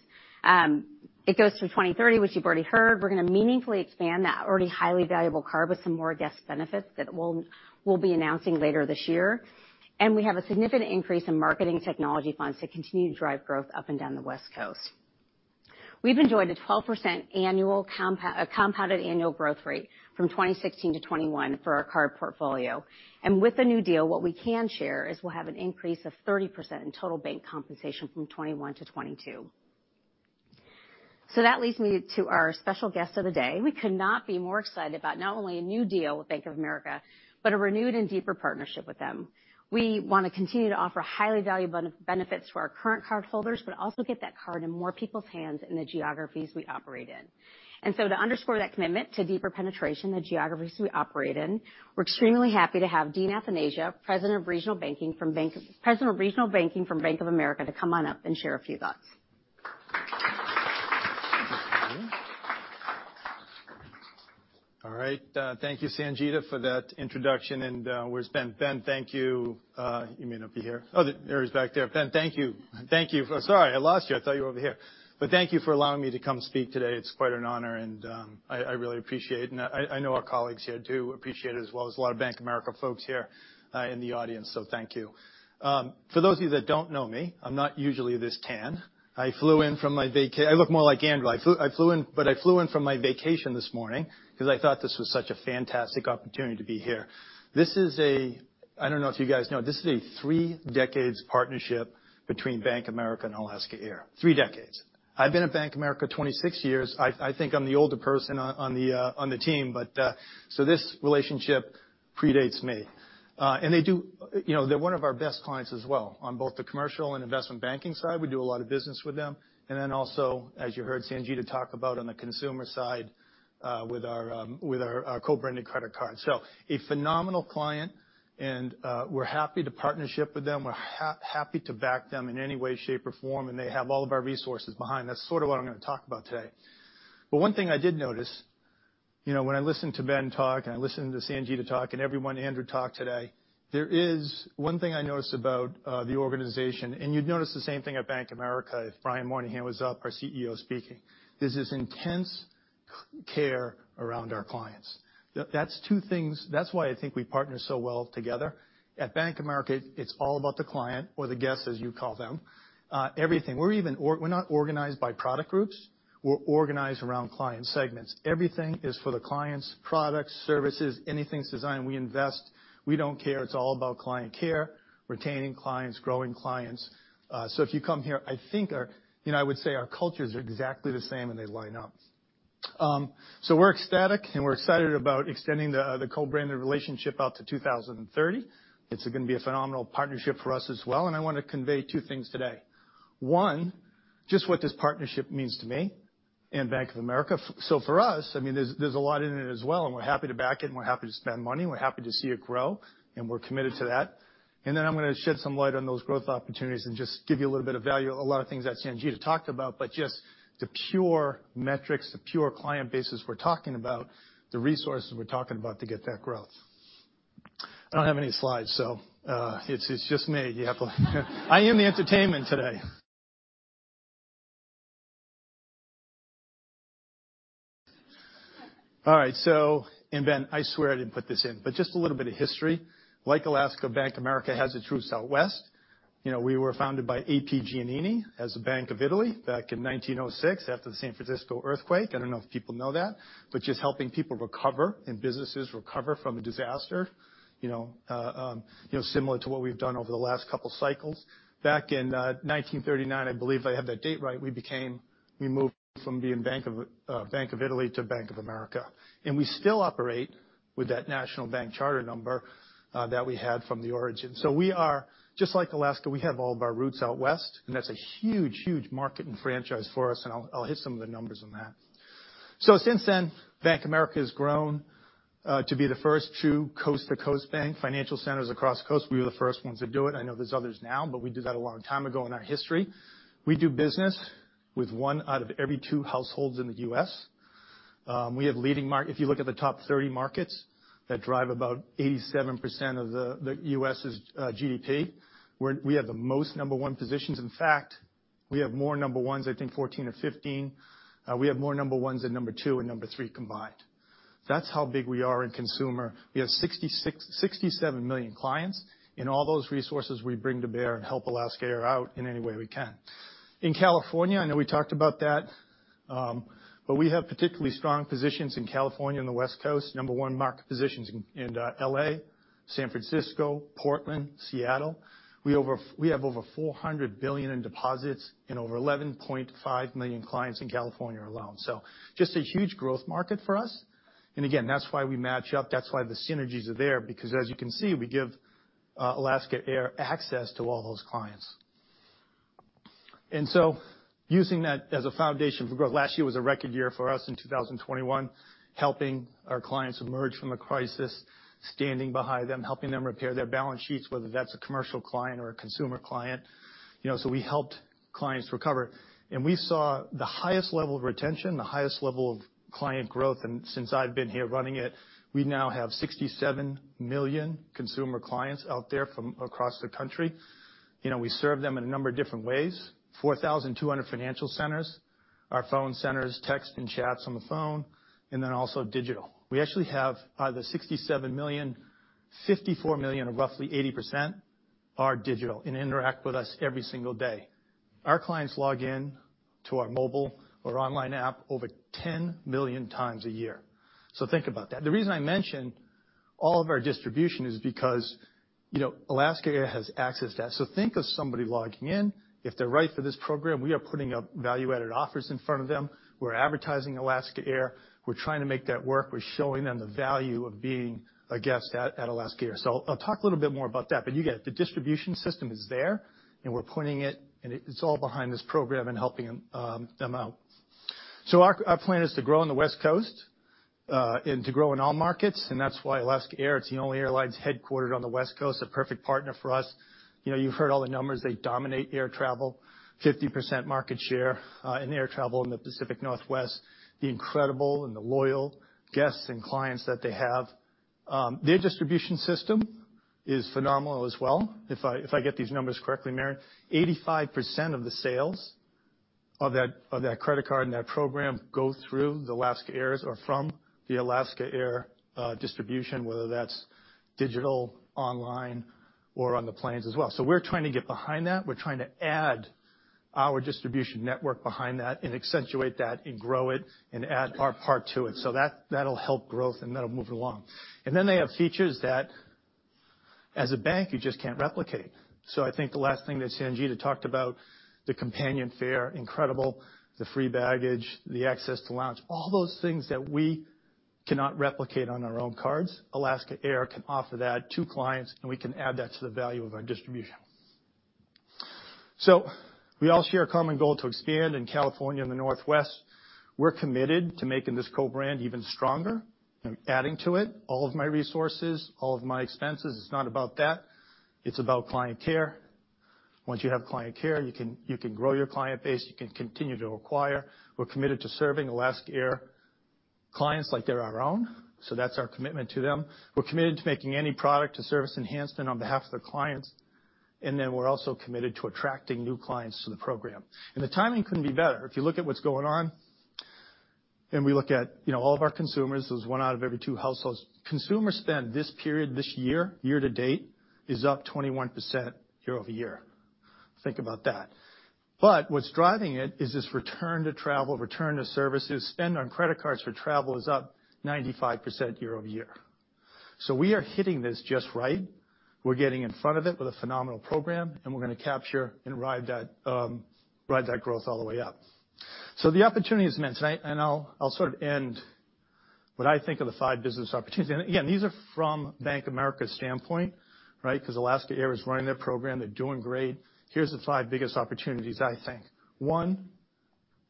It goes through 2030, which you've already heard. We're gonna meaningfully expand that already highly valuable card with some more guest benefits that we'll be announcing later this year. We have a significant increase in marketing technology funds to continue to drive growth up and down the West Coast. We've enjoyed a 12% annual compounded annual growth rate from 2016 to 2021 for our card portfolio. With the new deal, what we can share is we'll have an increase of 30% in total bank compensation from 2021 to 2022. That leads me to our special guest of the day. We could not be more excited about not only a new deal with Bank of America, but a renewed and deeper partnership with them. We wanna continue to offer highly valued benefits to our current cardholders, but also get that card in more people's hands in the geographies we operate in. To underscore that commitment to deeper penetration in the geographies we operate in, we're extremely happy to have Dean Athanasia, President of Regional Banking from Bank of America, to come on up and share a few thoughts. All right. Thank you, Sangita, for that introduction. Where's Ben? Ben, thank you. He may not be here. Oh, there he is back there. Ben, thank you. Sorry, I lost you. I thought you were over here. But thank you for allowing me to come speak today. It's quite an honor, and I really appreciate it. I know our colleagues here do appreciate it as well. There's a lot of Bank of America folks here in the audience, so thank you. For those of you that don't know me, I'm not usually this tan. I look more like Andrew. I flew in from my vacation this morning 'cause I thought this was such a fantastic opportunity to be here. This is a I don't know if you guys know, this is a three decades partnership between Bank of America and Alaska Air. Three decades. I've been at Bank of America 26 years. I think I'm the older person on the team. This relationship predates me. You know, they're one of our best clients as well on both the commercial and investment banking side. We do a lot of business with them. As you heard Sangita talk about on the consumer side, with our co-branded credit card. A phenomenal client, and we're happy to partner with them. We're happy to back them in any way, shape, or form, and they have all of our resources behind. That's sort of what I'm gonna talk about today. One thing I did notice, you know, when I listened to Ben talk, and I listened to Sangita talk, and everyone, Andrew talk today, there is one thing I noticed about the organization, and you'd notice the same thing at Bank of America if Brian Moynihan was up, our CEO speaking. There's this intense care around our clients. That's two things. That's why I think we partner so well together. At Bank of America, it's all about the client or the guest, as you call them. Everything. We're not organized by product groups. We're organized around client segments. Everything is for the clients, products, services, anything's design. We invest. We don't care. It's all about client care, retaining clients, growing clients. If you come here, I think our, you know, I would say our cultures are exactly the same, and they line up. We're ecstatic, and we're excited about extending the co-branded relationship out to 2030. It's gonna be a phenomenal partnership for us as well, and I wanna convey two things today. One, just what this partnership means to me and Bank of America. For us, I mean, there's a lot in it as well, and we're happy to back it, and we're happy to spend money. We're happy to see it grow, and we're committed to that. I'm gonna shed some light on those growth opportunities and just give you a little bit of value, a lot of things that Sangita talked about, but just the pure metrics, the pure client bases we're talking about, the resources we're talking about to get that growth. I don't have any slides, so it's just me. I am the entertainment today. All right, Ben, I swear I didn't put this in, but just a little bit of history. Like Alaska, Bank of America has a true West Coast. You know, we were founded by A.P. Giannini as a Bank of Italy back in 1906 after the San Francisco earthquake. I don't know if people know that, but just helping people recover and businesses recover from a disaster, you know, similar to what we've done over the last couple cycles. Back in 1939, I believe I have that date right, we moved from being Bank of Italy to Bank of America. We still operate with that national bank charter number that we had from the origin. We are just like Alaska. We have all of our roots out West, and that's a huge, huge market and franchise for us, and I'll hit some of the numbers on that. Since then, Bank of America has grown to be the first true coast-to-coast bank, financial centers across the coast. We were the first ones to do it. I know there's others now, but we did that a long time ago in our history. We do business with one out of every two households in the U.S. We have leading market positions. If you look at the top 30 markets that drive about 87% of the U.S.'s GDP, we have the most number one positions. In fact, we have more number ones, I think 14 or 15. We have more number ones than number two and number three combined. That's how big we are in consumer. We have 66 million-67 million clients, and all those resources we bring to bear and help Alaska Air out in any way we can. In California, I know we talked about that, but we have particularly strong positions in California and the West Coast. Number one market positions in L.A., San Francisco, Portland, Seattle. We have over $400 billion in deposits and over 11.5 million clients in California alone. Just a huge growth market for us. Again, that's why we match up. That's why the synergies are there because as you can see, we give Alaska Air access to all those clients. Using that as a foundation for growth, last year was a record year for us in 2021, helping our clients emerge from the crisis, standing behind them, helping them repair their balance sheets, whether that's a commercial client or a consumer client. You know, we helped clients recover. We saw the highest level of retention, the highest level of client growth. Since I've been here running it, we now have 67 million consumer clients out there from across the country. You know, we serve them in a number of different ways. 4,200 financial centers. Our phone centers, text and chats on the phone, and then also digital. We actually have out of the 67 million, 54 million or roughly 80% are digital and interact with us every single day. Our clients log in to our mobile or online app over 10 million times a year. Think about that. The reason I mentioned all of our distribution is because, you know, Alaska Air has access to that. Think of somebody logging in. If they're right for this program, we are putting up value-added offers in front of them. We're advertising Alaska Air. We're trying to make that work. We're showing them the value of being a guest at Alaska Air. I'll talk a little bit more about that, but you get it. The distribution system is there, and we're pointing it, and it's all behind this program and helping them out. Our plan is to grow in the West Coast, and to grow in all markets, and that's why Alaska Airlines, it's the only airline headquartered on the West Coast, a perfect partner for us. You know, you've heard all the numbers. They dominate air travel, 50% market share in air travel in the Pacific Northwest. The incredible and the loyal guests and clients that they have. Their distribution system is phenomenal as well. If I get these numbers correctly, Mary, 85% of the sales of that credit card and that program go through the Alaska Airlines' or from the Alaska Airlines distribution, whether that's digital, online or on the planes as well. We're trying to get behind that. We're trying to add our distribution network behind that and accentuate that and grow it and add our part to it. That'll help growth, and that'll move it along. Then they have features that as a bank, you just can't replicate. I think the last thing that Sangita talked about, the companion fare, incredible. The free baggage, the access to lounge, all those things that we cannot replicate on our own cards, Alaska Airlines can offer that to clients, and we can add that to the value of our distribution. We all share a common goal to expand in California and the Northwest. We're committed to making this co-brand even stronger and adding to it. All of my resources, all of my expenses, it's not about that. It's about client care. Once you have client care, you can grow your client base. You can continue to acquire. We're committed to serving Alaska Air clients like they're our own. That's our commitment to them. We're committed to making any product a service enhancement on behalf of the clients. We're also committed to attracting new clients to the program. The timing couldn't be better. If you look at what's going on, and we look at, you know, all of our consumers, there's one out of every two households. Consumer spend this period this year-to-date, is up 21% year-over-year. Think about that. What's driving it is this return to travel, return to services. Spend on credit cards for travel is up 95% year-over-year. We are hitting this just right. We're getting in front of it with a phenomenal program, and we're gonna capture and ride that growth all the way up. The opportunity is immense, and I'll sort of end what I think are the five business opportunities. Again, these are from Bank of America's standpoint, right? 'Cause Alaska Air is running their program. They're doing great. Here's the five biggest opportunities, I think. One,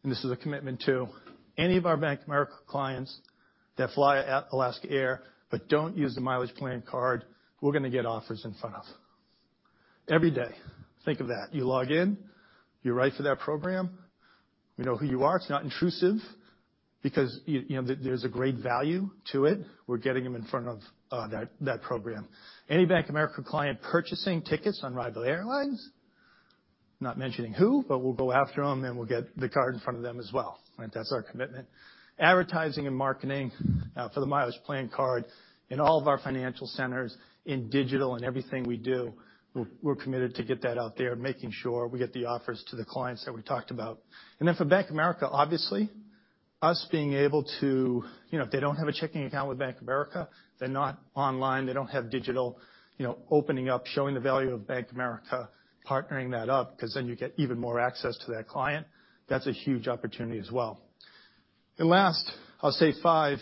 this is a commitment too, any of our Bank of America clients that fly Alaska Air, but don't use the Mileage Plan card, we're gonna get offers in front of them. Every day. Think of that. You log in, you're ripe for that program. We know who you are. It's not intrusive because you know, there's a great value to it. We're getting them in front of that program. Any Bank of America client purchasing tickets on rival airlines, not mentioning who, but we'll go after them, and we'll get the card in front of them as well. Right? That's our commitment. Advertising and marketing for the Mileage Plan card in all of our financial centers, in digital and everything we do, we're committed to get that out there, making sure we get the offers to the clients that we talked about. Then for Bank of America, obviously, us being able to-- You know, if they don't have a checking account with Bank of America, they're not online, they don't have digital, you know, opening up, showing the value of Bank of America, partnering that up, 'cause then you get even more access to that client. That's a huge opportunity as well. Last, I'll say five,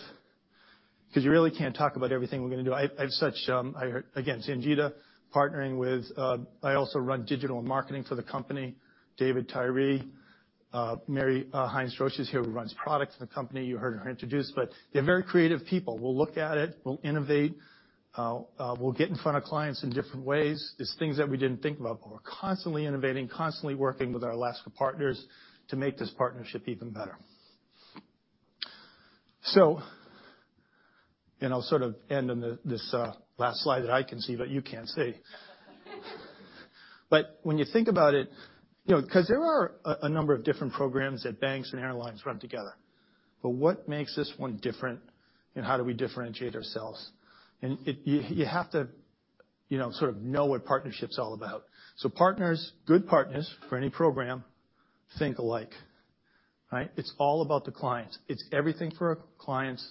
'cause you really can't talk about everything we're gonna do. I have such. I heard again, Sangita partnering with. I also run digital and marketing for the company, David Tyree. Mary Hines Droesch is here, who runs products in the company. You heard her introduced. They're very creative people. We'll look at it, we'll innovate, we'll get in front of clients in different ways. There's things that we didn't think about, but we're constantly innovating, constantly working with our Alaska partners to make this partnership even better. I'll sort of end on this last slide that I can see, but you can't see. When you think about it, you know, 'cause there are a number of different programs that banks and airlines run together. What makes this one different, and how do we differentiate ourselves? You have to, you know, sort of know what partnership's all about. Partners, good partners for any program think alike, right? It's all about the clients. It's everything for our clients,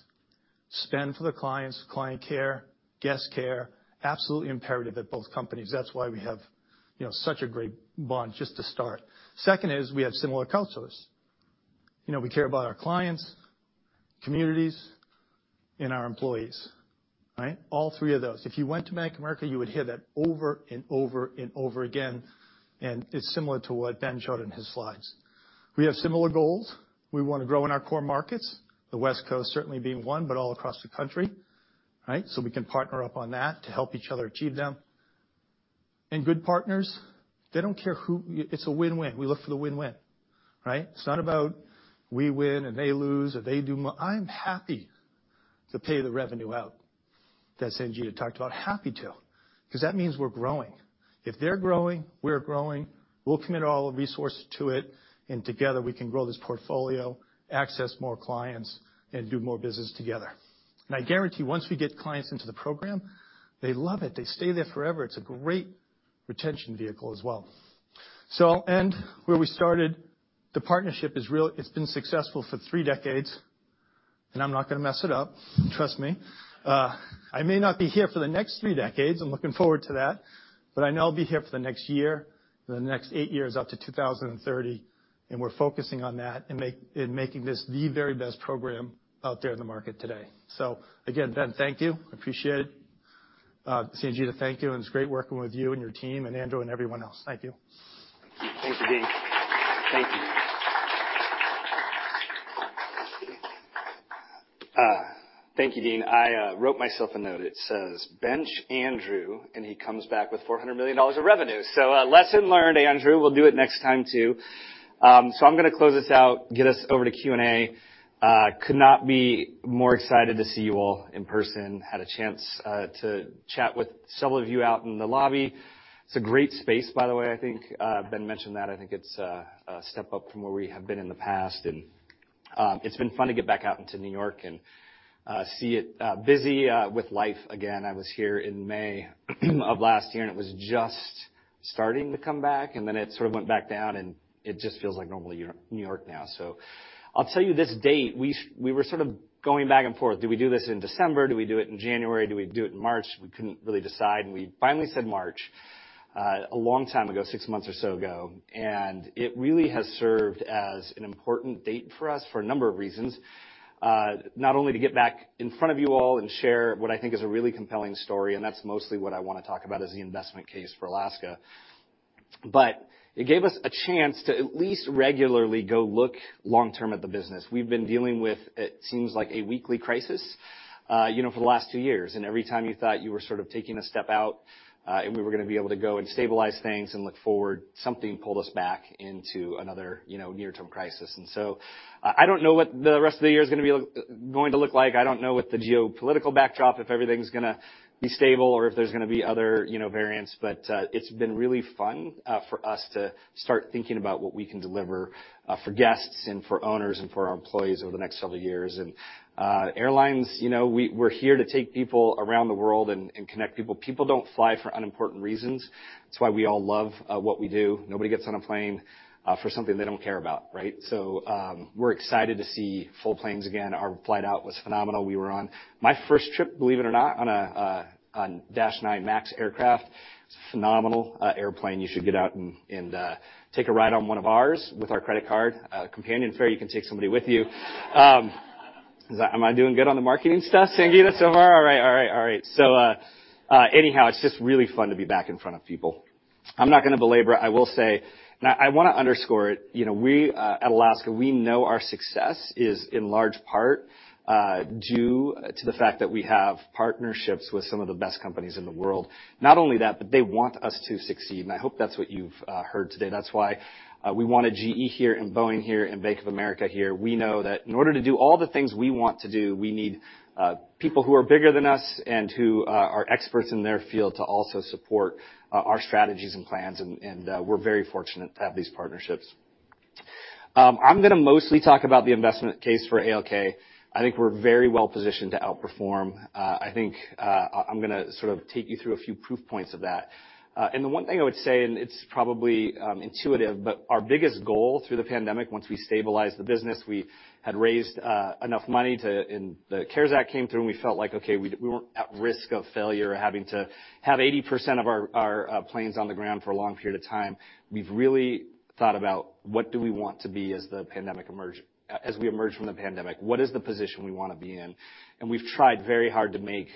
spend for the clients, client care, guest care, absolutely imperative at both companies. That's why we have, you know, such a great bond just to start. Second is we have similar cultures. You know, we care about our clients, communities, and our employees, right? All three of those. If you went to Bank of America, you would hear that over and over and over again, and it's similar to what Ben showed in his slides. We have similar goals. We wanna grow in our core markets, the West Coast certainly being one, but all across the country, right? We can partner up on that to help each other achieve them. Good partners, they don't care who. It's a win-win. We look for the win-win, right? It's not about we win, and they lose. I'm happy to pay the revenue out that Sangita talked about, happy to, 'cause that means we're growing. If they're growing, we're growing, we'll commit all the resources to it, and together we can grow this portfolio, access more clients, and do more business together. I guarantee once we get clients into the program. They love it. They stay there forever. It's a great retention vehicle as well. Where we started, the partnership is real. It's been successful for three decades, and I'm not gonna mess it up, trust me. I may not be here for the next three decades. I'm looking forward to that, but I know I'll be here for the next year, for the next eight years up to 2030, and we're focusing on that and making this the very best program out there in the market today. Again, Ben, thank you. I appreciate it. Sangita, thank you, and it's great working with you and your team and Andrew and everyone else. Thank you. Thank you, Dean. I wrote myself a note. It says, "Bench Andrew," and he comes back with $400 million of revenue. Lesson learned, Andrew. We'll do it next time, too. I'm gonna close this out, get us over to Q&A. Could not be more excited to see you all in person. Had a chance to chat with some of you out in the lobby. It's a great space, by the way. I think Ben mentioned that. I think it's a step up from where we have been in the past, and it's been fun to get back out into New York and see it busy with life again. I was here in May of last year, and it was just starting to come back, and then it sort of went back down, and it just feels like normal New York now. So I'll tell you this date, we were sort of going back and forth. Do we do this in December? Do we do it in January? Do we do it in March? We couldn't really decide, and we finally said March, a long time ago, six months or so ago. It really has served as an important date for us for a number of reasons, not only to get back in front of you all and share what I think is a really compelling story, and that's mostly what I wanna talk about is the investment case for Alaska. It gave us a chance to at least regularly go look long-term at the business. We've been dealing with, it seems like, a weekly crisis, you know, for the last two years. Every time you thought you were sort of taking a step out, and we were gonna be able to go and stabilize things and look forward, something pulled us back into another, you know, near-term crisis. I don't know what the rest of the year is gonna be going to look like. I don't know what the geopolitical backdrop, if everything's gonna be stable or if there's gonna be other, you know, variants. It's been really fun for us to start thinking about what we can deliver for guests and for owners and for our employees over the next several years. Airlines, you know, we're here to take people around the world and connect people. People don't fly for unimportant reasons. That's why we all love what we do. Nobody gets on a plane for something they don't care about, right? We're excited to see full planes again. Our flight out was phenomenal. We were on my first trip, believe it or not, on a Dash 9 Max aircraft. Phenomenal airplane. You should get out and take a ride on one of ours with our credit card companion fare. You can take somebody with you. Am I doing good on the marketing stuff, Sangita, so far? All right. Anyhow, it's just really fun to be back in front of people. I'm not gonna belabor it. I will say, and I wanna underscore it, you know, we at Alaska, we know our success is in large part due to the fact that we have partnerships with some of the best companies in the world. Not only that, but they want us to succeed, and I hope that's what you've heard today. That's why we wanted GE here and Boeing here and Bank of America here. We know that in order to do all the things we want to do, we need people who are bigger than us and who are experts in their field to also support our strategies and plans and we're very fortunate to have these partnerships. I'm gonna mostly talk about the investment case for ALK. I think we're very well positioned to outperform. I think I'm gonna sort of take you through a few proof points of that. The one thing I would say, and it's probably intuitive, but our biggest goal through the pandemic, once we stabilized the business, we had raised enough money to and the CARES Act came through, and we felt like, okay, we weren't at risk of failure or having to have 80% of our planes on the ground for a long period of time. We've really thought about what do we want to be as we emerge from the pandemic. What is the position we wanna be in? We've tried very hard to make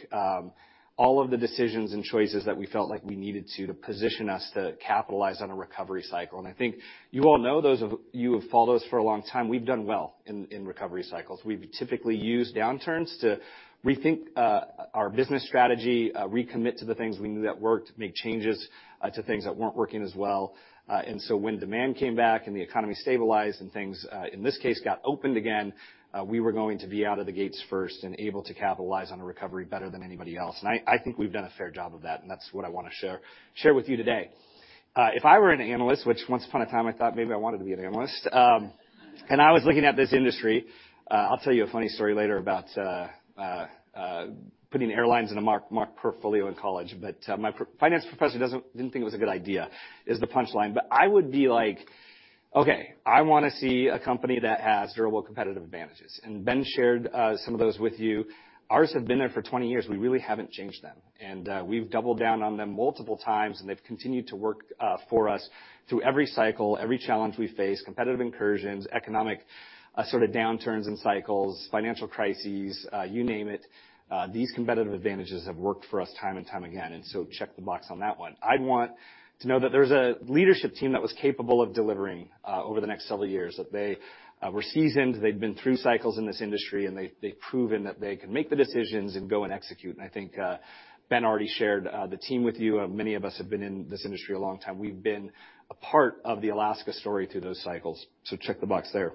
all of the decisions and choices that we felt like we needed to position us to capitalize on a recovery cycle. I think you all know those of you who have followed us for a long time, we've done well in recovery cycles. We've typically used downturns to rethink our business strategy, recommit to the things we knew that worked, make changes to things that weren't working as well. When demand came back and the economy stabilized and things in this case got opened again, we were going to be out of the gates first and able to capitalize on a recovery better than anybody else. I think we've done a fair job of that, and that's what I wanna share with you today. If I were an analyst, which once upon a time I thought maybe I wanted to be an analyst, and I was looking at this industry, I'll tell you a funny story later about putting airlines in a Markowitz portfolio in college. My finance professor didn't think it was a good idea. Is the punchline. I would be like, "Okay, I wanna see a company that has durable competitive advantages." Ben shared some of those with you. Ours have been there for 20 years. We really haven't changed them, and we've doubled down on them multiple times, and they've continued to work for us through every cycle, every challenge we face, competitive incursions, economic sort of downturns and cycles, financial crises, you name it. These competitive advantages have worked for us time and time again, and so check the box on that one. I'd want to know that there's a leadership team that was capable of delivering over the next several years, that they were seasoned, they'd been through cycles in this industry, and they've proven that they can make the decisions and go and execute. I think Ben already shared the team with you. Many of us have been in this industry a long time. We've been a part of the Alaska story through those cycles. Check the box there.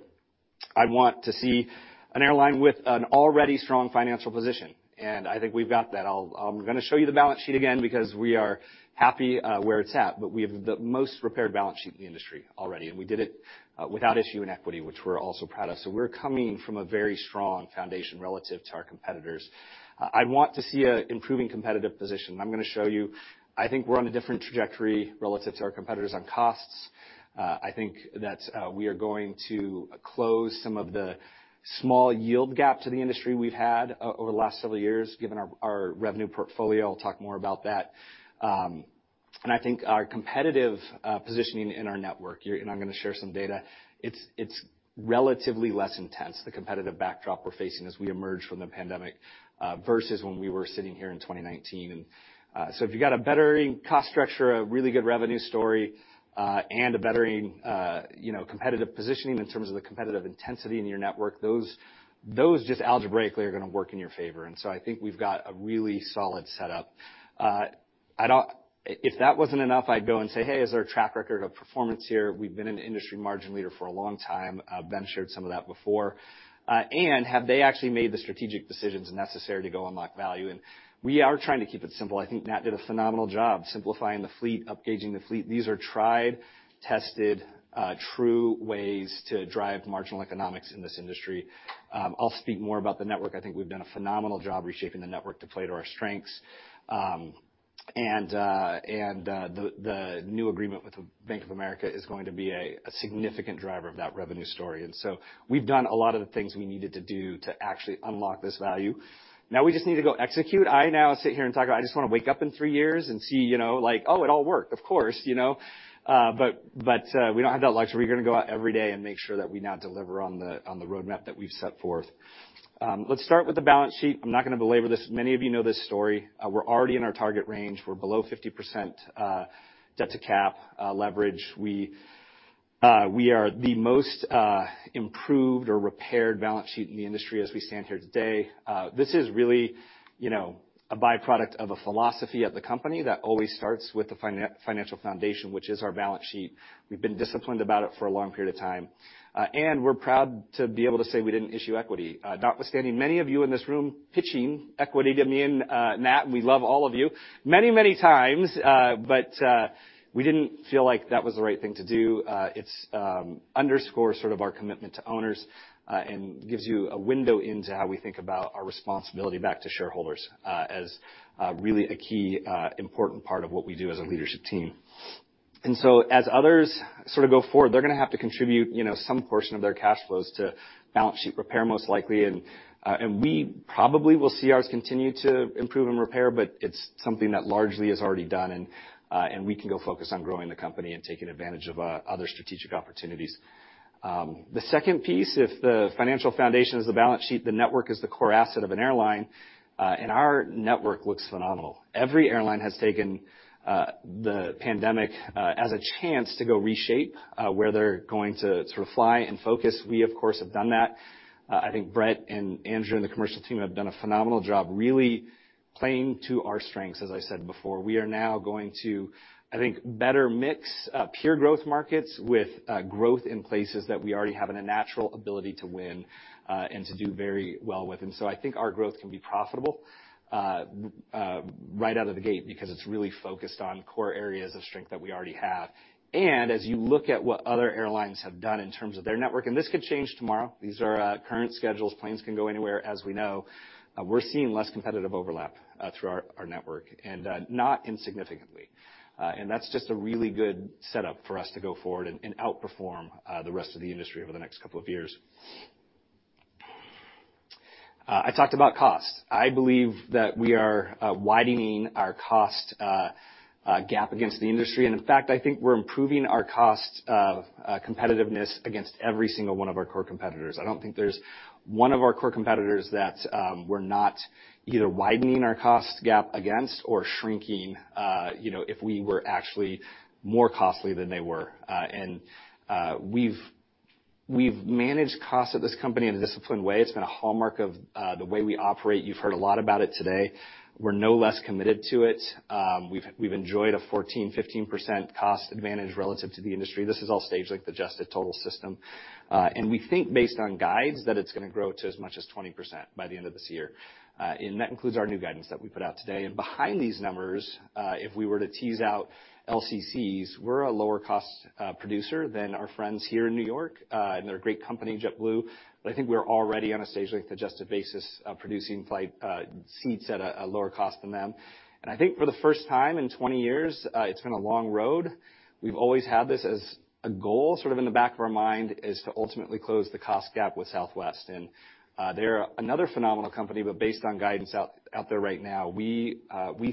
I'd want to see an airline with an already strong financial position, and I think we've got that. I'm gonna show you the balance sheet again because we are happy where it's at, but we have the most prepared balance sheet in the industry already, and we did it without issuing equity, which we're also proud of. We're coming from a very strong foundation relative to our competitors. I'd want to see a improving competitive position. I'm gonna show you, I think we're on a different trajectory relative to our competitors on costs. I think that we are going to close some of the small yield gap to the industry we've had over the last several years given our revenue portfolio. I'll talk more about that. I think our competitive positioning in our network, and I'm gonna share some data, it's relatively less intense, the competitive backdrop we're facing as we emerge from the pandemic versus when we were sitting here in 2019. If you got a better cost structure, a really good revenue story, and a better competitive positioning in terms of the competitive intensity in your network, those just algebraically are gonna work in your favor. I think we've got a really solid setup. If that wasn't enough, I'd go and say, "Hey, is there a track record of performance here?" We've been an industry margin leader for a long time, Ben shared some of that before. Have they actually made the strategic decisions necessary to go unlock value? We are trying to keep it simple. I think Nat did a phenomenal job simplifying the fleet, upgauging the fleet. These are tried, tested, true ways to drive marginal economics in this industry. I'll speak more about the network. I think we've done a phenomenal job reshaping the network to play to our strengths. The new agreement with Bank of America is going to be a significant driver of that revenue story. We've done a lot of the things we needed to do to actually unlock this value. Now we just need to go execute. I now sit here and talk, I just wanna wake up in three years and see, you know, like, oh, it all worked, of course, you know? But we don't have that luxury. We're gonna go out every day and make sure that we now deliver on the roadmap that we've set forth. Let's start with the balance sheet. I'm not gonna belabor this. Many of you know this story. We're already in our target range. We're below 50%, debt-to-cap leverage. We are the most improved or repaired balance sheet in the industry as we stand here today. This is really, you know, a by-product of a philosophy at the company that always starts with the financial foundation, which is our balance sheet. We've been disciplined about it for a long period of time. We're proud to be able to say we didn't issue equity. Notwithstanding many of you in this room pitching equity to me and Nat, we love all of you, many, many times, but we didn't feel like that was the right thing to do. It's underscores sort of our commitment to owners and gives you a window into how we think about our responsibility back to shareholders as really a key important part of what we do as a leadership team. As others sort of go forward, they're gonna have to contribute, you know, some portion of their cash flows to balance sheet repair most likely. We probably will see ours continue to improve and repair, but it's something that largely is already done and we can go focus on growing the company and taking advantage of other strategic opportunities. The second piece, if the financial foundation is the balance sheet, the network is the core asset of an airline, and our network looks phenomenal. Every airline has taken the pandemic as a chance to go reshape where they're going to sort of fly and focus. We, of course, have done that. I think Brett and Andrew and the commercial team have done a phenomenal job really playing to our strengths, as I said before. We are now going to, I think, better mix pure growth markets with growth in places that we already have a natural ability to win and to do very well with. I think our growth can be profitable right out of the gate because it's really focused on core areas of strength that we already have. As you look at what other airlines have done in terms of their network, and this could change tomorrow, these are current schedules, planes can go anywhere, as we know, we're seeing less competitive overlap through our network, and not insignificantly. That's just a really good setup for us to go forward and outperform the rest of the industry over the next couple of years. I talked about cost. I believe that we are widening our cost gap against the industry, and in fact, I think we're improving our cost competitiveness against every single one of our core competitors. I don't think there's one of our core competitors that we're not either widening our cost gap against or shrinking, you know, if we were actually more costly than they were. We've managed cost at this company in a disciplined way. It's been a hallmark of the way we operate. You've heard a lot about it today. We're no less committed to it. We've enjoyed a 14%-15% cost advantage relative to the industry. This is all stage-length like the adjusted total system. We think based on guides that it's gonna grow to as much as 20% by the end of this year. That includes our new guidance that we put out today. Behind these numbers, if we were to tease out LCCs, we're a lower cost producer than our friends here in New York, and they're a great company, JetBlue, but I think we're already on a stage-length adjusted basis of producing flight seats at a lower cost than them. I think for the first time in 20 years, it's been a long road. We've always had this as a goal, sort of in the back of our mind, is to ultimately close the cost gap with Southwest. They're another phenomenal company, but based on guidance out there right now, we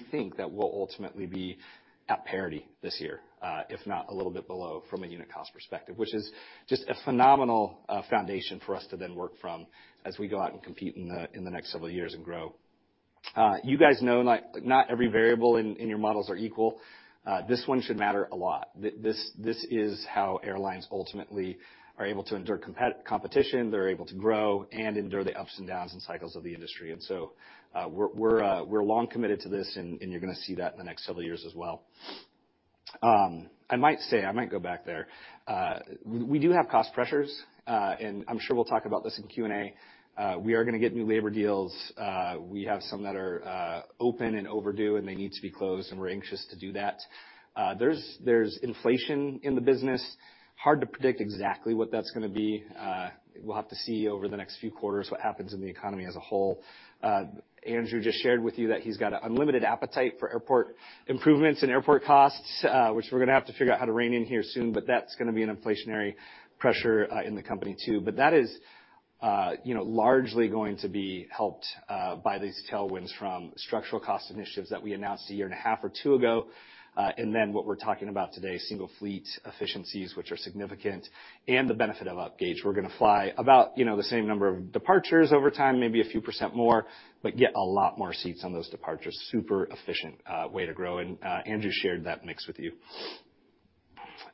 think that we'll ultimately be at parity this year, if not a little bit below from a unit cost perspective, which is just a phenomenal foundation for us to then work from as we go out and compete in the next several years and grow. You guys know not every variable in your models are equal. This one should matter a lot. This is how airlines ultimately are able to endure competition. They're able to grow and endure the ups and downs and cycles of the industry. We're long committed to this and you're gonna see that in the next several years as well. I might say, I might go back there. We do have cost pressures, and I'm sure we'll talk about this in Q&A. We are gonna get new labor deals. We have some that are open and overdue, and they need to be closed, and we're anxious to do that. There's inflation in the business. Hard to predict exactly what that's gonna be. We'll have to see over the next few quarters what happens in the economy as a whole. Andrew just shared with you that he's got an unlimited appetite for airport improvements and airport costs, which we're gonna have to figure out how to rein in here soon, but that's gonna be an inflationary pressure in the company too. That is, you know, largely going to be helped by these tailwinds from structural cost initiatives that we announced a year and a half or two ago. What we're talking about today, single fleet efficiencies, which are significant, and the benefit of upgauge. We're gonna fly about, you know, the same number of departures over time, maybe a few percent more, but get a lot more seats on those departures. Super efficient way to grow, and Andrew shared that mix with you.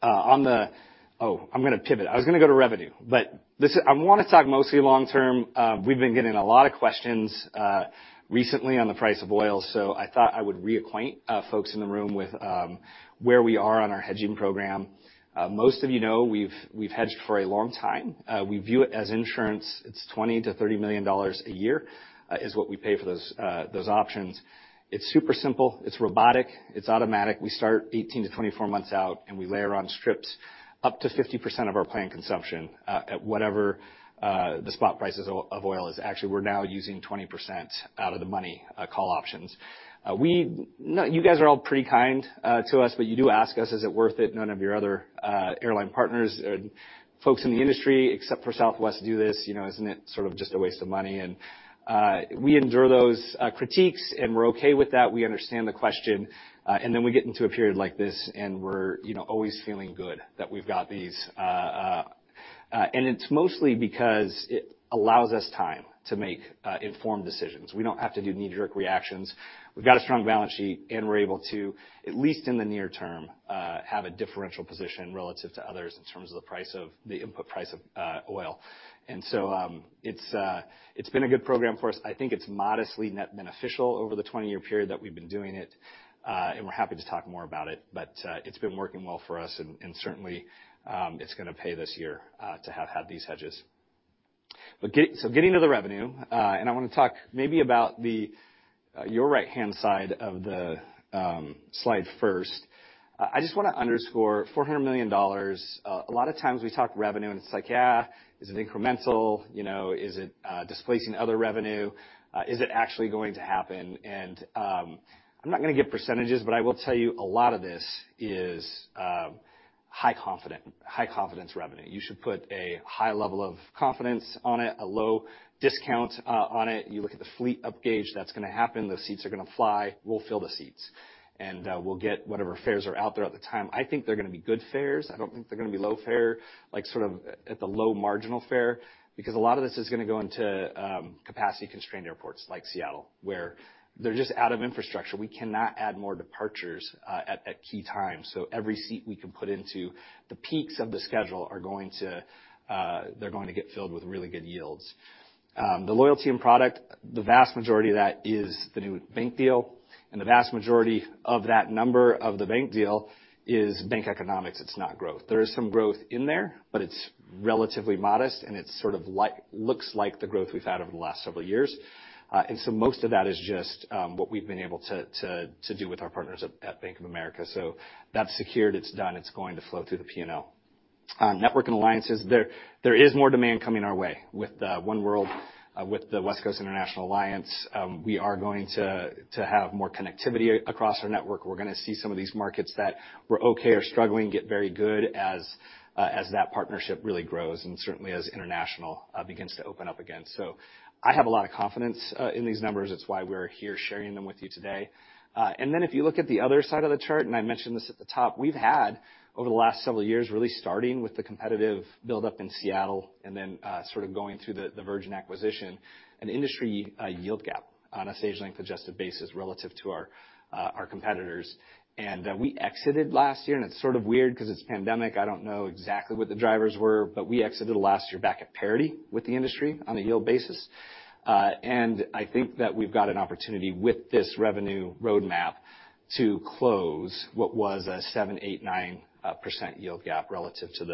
I'm gonna pivot. I was gonna go to revenue, but listen, I wanna talk mostly long term. We've been getting a lot of questions recently on the price of oil, so I thought I would reacquaint folks in the room with where we are on our hedging program. Most of you know, we've hedged for a long time. We view it as insurance. It's $20 million-$30 million a year is what we pay for those options. It's super simple. It's robotic. It's automatic. We start 18-24 months out, and we layer on strips up to 50% of our planned consumption at whatever the spot prices of oil is. Actually, we're now using 20% out of the money call options. We-- You guys are all pretty kind to us, but you do ask us, "Is it worth it? None of your other airline partners or folks in the industry, except for Southwest, do this, you know, isn't it sort of just a waste of money?" We endure those critiques, and we're okay with that. We understand the question, and then we get into a period like this, and we're, you know, always feeling good that we've got these. It's mostly because it allows us time to make informed decisions. We don't have to do knee-jerk reactions. We've got a strong balance sheet, and we're able to, at least in the near term, have a differential position relative to others in terms of the input price of oil. It's been a good program for us. I think it's modestly net beneficial over the 20-year period that we've been doing it, and we're happy to talk more about it. It's been working well for us and certainly it's gonna pay this year to have had these hedges. Getting to the revenue, and I wanna talk maybe about the your right-hand side of the slide first. I just wanna underscore $400 million. A lot of times we talk revenue, and it's like, yeah, is it incremental? You know, is it displacing other revenue? Is it actually going to happen? I'm not gonna give percentages, but I will tell you a lot of this is high confidence revenue. You should put a high level of confidence on it, a low discount on it. You look at the fleet upgauge, that's gonna happen. Those seats are gonna fly. We'll fill the seats. We'll get whatever fares are out there at the time. I think they're gonna be good fares. I don't think they're gonna be low fare, like sort of at the low marginal fare, because a lot of this is gonna go into capacity-constrained airports like Seattle, where they're just out of infrastructure. We cannot add more departures at key times. Every seat we can put into the peaks of the schedule are going to they're going to get filled with really good yields. The loyalty and product, the vast majority of that is the new bank deal, and the vast majority of that number of the bank deal is bank economics. It's not growth. There is some growth in there, but it's relatively modest, and it sort of looks like the growth we've had over the last several years. Most of that is just what we've been able to do with our partners at Bank of America. So that's secured, it's done, it's going to flow through the P&L. Network and alliances, there is more demand coming our way with oneworld, with the West Coast International Alliance. We are going to have more connectivity across our network. We're gonna see some of these markets that were okay or struggling get very good as that partnership really grows and certainly as international begins to open up again. I have a lot of confidence in these numbers. It's why we're here sharing them with you today. If you look at the other side of the chart, and I mentioned this at the top, we've had over the last several years, really starting with the competitive buildup in Seattle and then sort of going through the Virgin acquisition, an industry yield gap on a stage length adjusted basis relative to our competitors. We exited last year, and it's sort of weird because it's pandemic. I don't know exactly what the drivers were, but we exited last year back at parity with the industry on a yield basis. I think that we've got an opportunity with this revenue roadmap to close what was a 7%, 8%, 9% yield gap relative to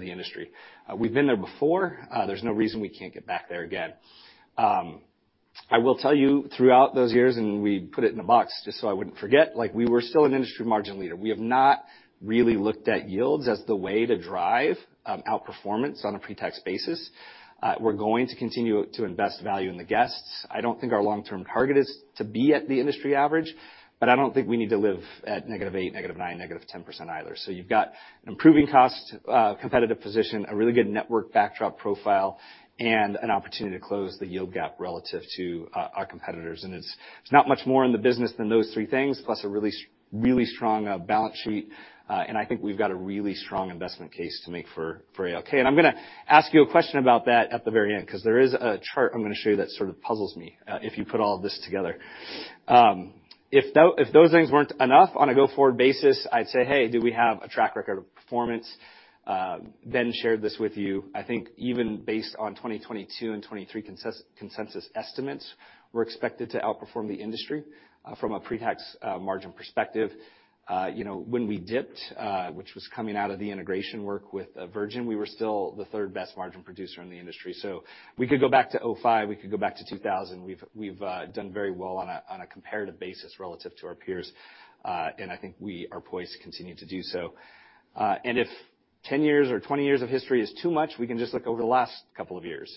the industry. We've been there before. There's no reason we can't get back there again. I will tell you throughout those years, and we put it in a box just so I wouldn't forget, like we were still an industry margin leader. We have not really looked at yields as the way to drive outperformance on a pre-tax basis. We're going to continue to invest value in the guests. I don't think our long-term target is to be at the industry average, but I don't think we need to live at -8%, -9%, -10% either. You've got an improving cost competitive position, a really good network backdrop profile, and an opportunity to close the yield gap relative to our competitors. It's not much more in the business than those three things, plus a really strong balance sheet. I think we've got a really strong investment case to make for ALK. I'm gonna ask you a question about that at the very end, 'cause there is a chart I'm gonna show you that sort of puzzles me if you put all of this together. If those things weren't enough on a go-forward basis, I'd say, "Hey, do we have a track record of performance?" Ben shared this with you. I think even based on 2022 and 2023 consensus estimates, we're expected to outperform the industry from a pre-tax margin perspective. You know, when we dipped, which was coming out of the integration work with Virgin, we were still the third-best margin producer in the industry. We could go back to 2005, we could go back to 2000, we've done very well on a comparative basis relative to our peers, and I think we are poised to continue to do so. If 10 years or 20 years of history is too much, we can just look over the last couple of years.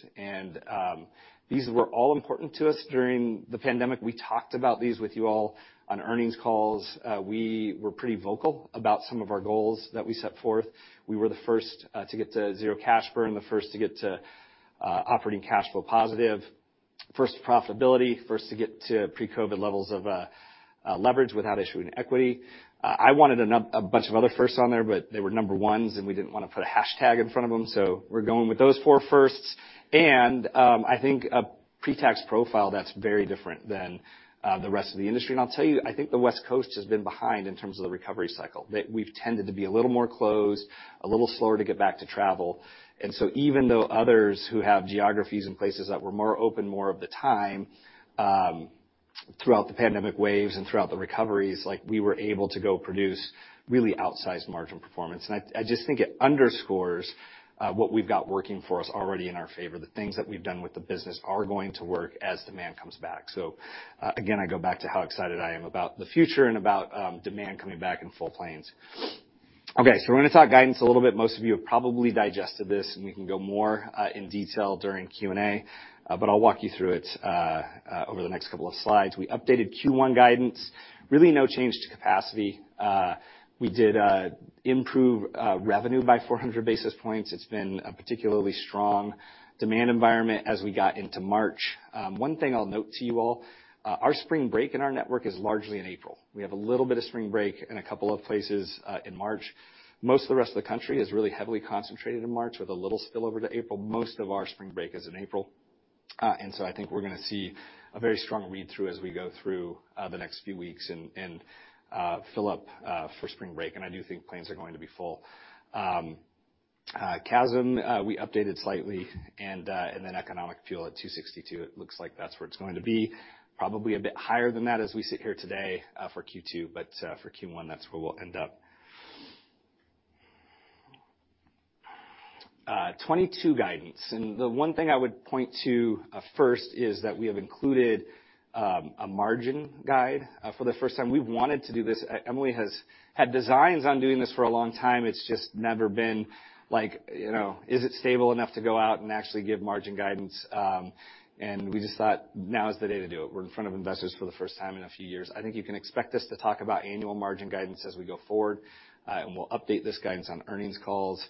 These were all important to us during the pandemic. We talked about these with you all on earnings calls. We were pretty vocal about some of our goals that we set forth. We were the first to get to zero cash burn, the first to get to operating cash flow positive, first to profitability, first to get to pre-COVID levels of leverage without issuing equity. I wanted a bunch of other firsts on there, but they were number ones, and we didn't wanna put a hashtag in front of them, so we're going with those four firsts. I think a pre-tax profile that's very different than the rest of the industry. I'll tell you, I think the West Coast has been behind in terms of the recovery cycle. That we've tended to be a little more closed, a little slower to get back to travel. Even though others who have geographies in places that were more open more of the time, throughout the pandemic waves and throughout the recoveries, like, we were able to go produce really outsized margin performance. I just think it underscores what we've got working for us already in our favor. The things that we've done with the business are going to work as demand comes back. Again, I go back to how excited I am about the future and about demand coming back in full planes. Okay, we're gonna talk guidance a little bit. Most of you have probably digested this, and we can go more in detail during Q&A, but I'll walk you through it over the next couple of slides. We updated Q1 guidance. Really no change to capacity. We did improve revenue by 400 basis points. It's been a particularly strong demand environment as we got into March. One thing I'll note to you all, our spring break in our network is largely in April. We have a little bit of spring break in a couple of places in March. Most of the rest of the country is really heavily concentrated in March with a little spill over to April. Most of our spring break is in April. I think we're gonna see a very strong read-through as we go through the next few weeks and fill up for spring break, and I do think planes are going to be full. CASM, we updated slightly, and then economic fuel at $2.62. It looks like that's where it's going to be. Probably a bit higher than that as we sit here today for Q2, but for Q1, that's where we'll end up. 2022 guidance, the one thing I would point to first is that we have included a margin guide for the first time. We wanted to do this. Emily has had designs on doing this for a long time. It's just never been like, you know, is it stable enough to go out and actually give margin guidance? We just thought now is the day to do it. We're in front of investors for the first time in a few years. I think you can expect us to talk about annual margin guidance as we go forward, and we'll update this guidance on earnings calls.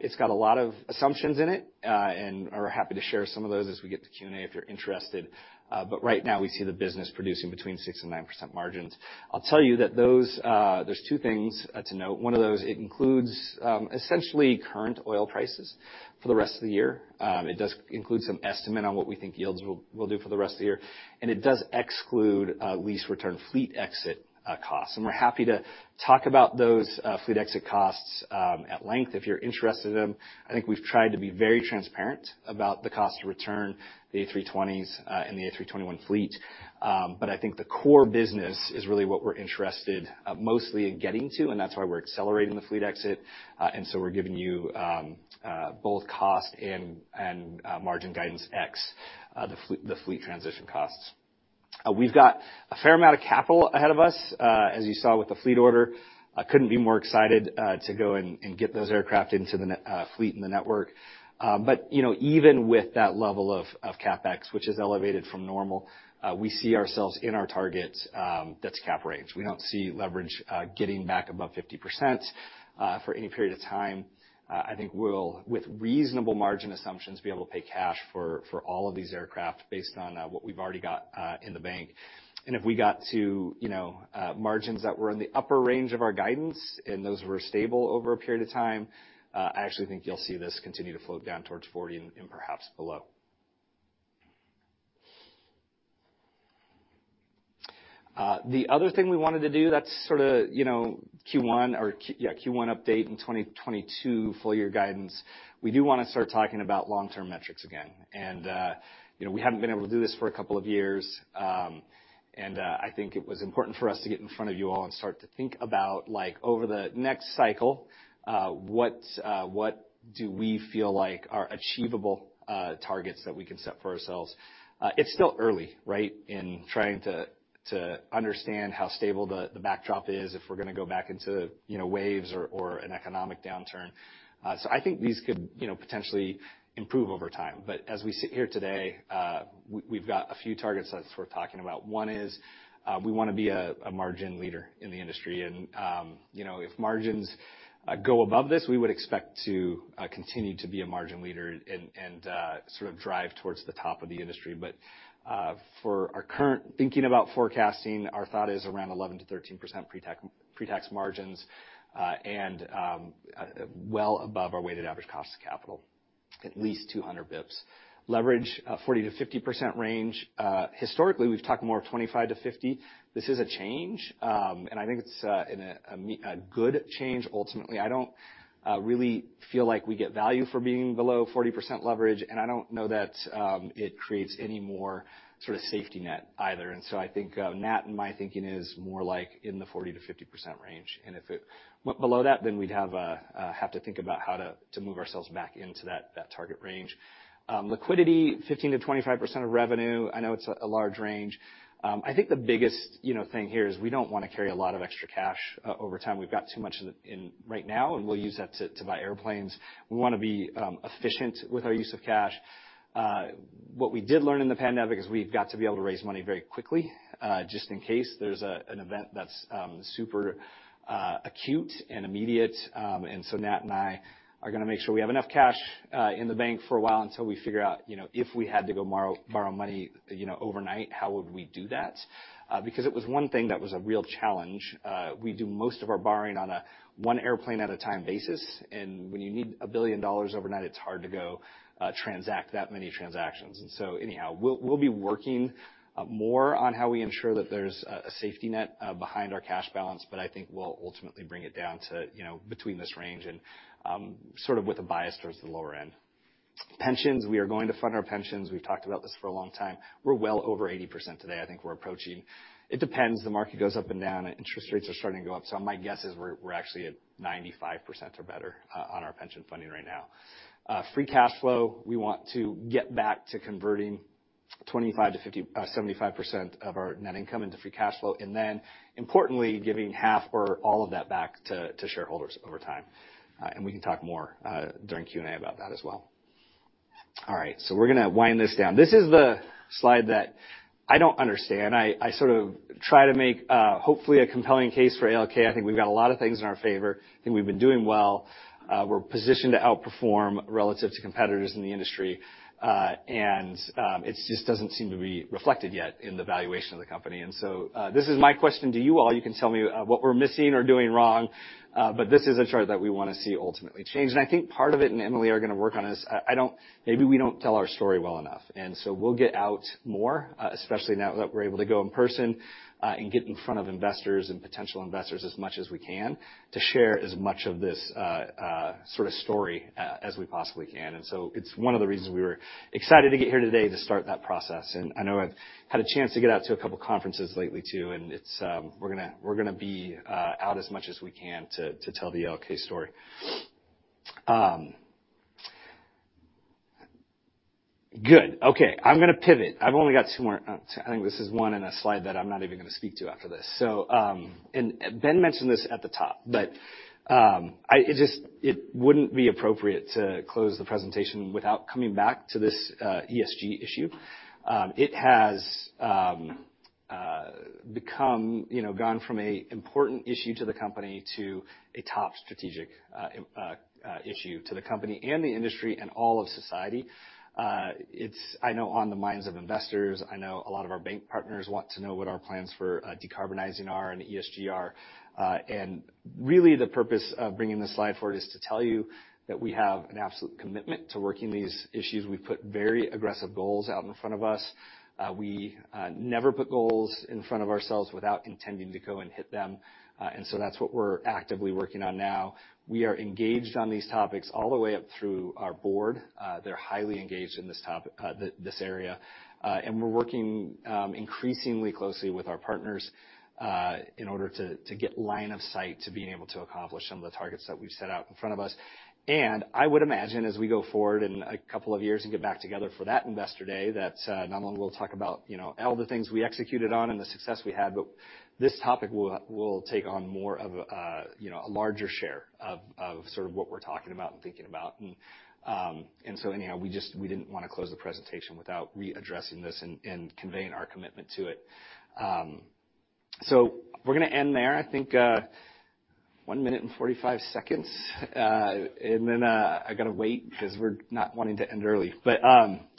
It's got a lot of assumptions in it, and we're happy to share some of those as we get to Q&A if you're interested. But right now, we see the business producing 6%-9% margins. I'll tell you that those, there's two things to note. One of those, it includes essentially current oil prices for the rest of the year. It does include some estimate on what we think yields will do for the rest of the year, and it does exclude lease return fleet exit costs. We're happy to talk about those, fleet exit costs, at length if you're interested in them. I think we've tried to be very transparent about the cost to return the A320s, and the A321 fleet. I think the core business is really what we're interested, mostly in getting to, and that's why we're accelerating the fleet exit. We're giving you, both cost and, margin guidance ex, the fleet transition costs. We've got a fair amount of capital ahead of us, as you saw with the fleet order. I couldn't be more excited, to go and get those aircraft into the fleet and the network. You know, even with that level of CapEx, which is elevated from normal, we see ourselves in our target. That's cap rates. We don't see leverage getting back above 50% for any period of time. I think we'll, with reasonable margin assumptions, be able to pay cash for all of these aircraft based on what we've already got in the bank. If we got to, you know, margins that were in the upper range of our guidance and those were stable over a period of time, I actually think you'll see this continue to float down towards 40 and perhaps below. The other thing we wanted to do that's sorta, you know, Q1 update and 2022 full year guidance, we do wanna start talking about long-term metrics again. You know, we haven't been able to do this for a couple of years. I think it was important for us to get in front of you all and start to think about, like, over the next cycle, what do we feel like are achievable targets that we can set for ourselves? It's still early, right, in trying to understand how stable the backdrop is if we're gonna go back into, you know, waves or an economic downturn. I think these could, you know, potentially improve over time. As we sit here today, we've got a few targets that we're talking about. One is, we wanna be a margin leader in the industry. You know, if margins go above this, we would expect to continue to be a margin leader and sort of drive towards the top of the industry. For our current thinking about forecasting, our thought is around 11%-13% pre-tax margins, and well above our weighted average cost of capital. At least 200 basis points. Leverage 40%-50% range. Historically, we've talked more of 25%-50%. This is a change, and I think it's a good change ultimately. I don't really feel like we get value for being below 40% leverage, and I don't know that it creates any more sort of safety net either. I think Nat, in my thinking, is more like in the 40%-50% range. If it went below that, we'd have to think about how to move ourselves back into that target range. Liquidity, 15%-25% of revenue. I know it's a large range. I think the biggest, you know, thing here is we don't wanna carry a lot of extra cash over time. We've got too much in it right now, and we'll use that to buy airplanes. We wanna be efficient with our use of cash. What we did learn in the pandemic is we've got to be able to raise money very quickly, just in case there's an event that's super acute and immediate. Nat and I are gonna make sure we have enough cash in the bank for a while until we figure out, you know, if we had to borrow money, you know, overnight, how would we do that? Because it was one thing that was a real challenge. We do most of our borrowing on a one airplane at a time basis, and when you need $1 billion overnight, it's hard to go transact that many transactions. Anyhow, we'll be working more on how we ensure that there's a safety net behind our cash balance, but I think we'll ultimately bring it down to, you know, between this range and sort of with a bias towards the lower end. Pensions, we are going to fund our pensions. We've talked about this for a long time. We're well over 80% today. I think we're approaching. It depends. The market goes up and down, and interest rates are starting to go up. My guess is we're actually at 95% or better on our pension funding right now. Free cash flow, we want to get back to converting 25%-75% of our net income into free cash flow, and then importantly, giving half or all of that back to shareholders over time. We can talk more during Q&A about that as well. All right, we're gonna wind this down. This is the slide that I don't understand. I sort of try to make hopefully a compelling case for ALK. I think we've got a lot of things in our favor. I think we've been doing well. We're positioned to outperform relative to competitors in the industry. It just doesn't seem to be reflected yet in the valuation of the company. This is my question to you all. You can tell me what we're missing or doing wrong. This is a chart that we wanna see ultimately change. I think part of it, and Emily are gonna work on this, maybe we don't tell our story well enough. We'll get out more, especially now that we're able to go in person, and get in front of investors and potential investors as much as we can to share as much of this sort of story as we possibly can. It's one of the reasons we were excited to get here today to start that process. I know I've had a chance to get out to a couple conferences lately too, and we're gonna be out as much as we can to tell the ALK story. Good. Okay, I'm gonna pivot. I've only got two more. I think this is one in a slide that I'm not even gonna speak to after this. Ben mentioned this at the top, but it just wouldn't be appropriate to close the presentation without coming back to this ESG issue. It has become, you know, gone from an important issue to the company to a top strategic issue to the company and the industry and all of society. It's, I know, on the minds of investors. I know a lot of our bank partners want to know what our plans for decarbonizing are and ESG are. Really the purpose of bringing this slide forward is to tell you that we have an absolute commitment to working these issues. We've put very aggressive goals out in front of us. We never put goals in front of ourselves without intending to go and hit them. That's what we're actively working on now. We are engaged on these topics all the way up through our board. They're highly engaged in this area. We're working increasingly closely with our partners in order to get line of sight to being able to accomplish some of the targets that we've set out in front of us. I would imagine as we go forward in a couple of years and get back together for that investor day, that not only we'll talk about, you know, all the things we executed on and the success we had, but this topic will take on more of a, you know, a larger share of sort of what we're talking about and thinking about. We just didn't wanna close the presentation without readdressing this and conveying our commitment to it. We're gonna end there. I think 1 minute and 45 seconds. I gotta wait 'cause we're not wanting to end early.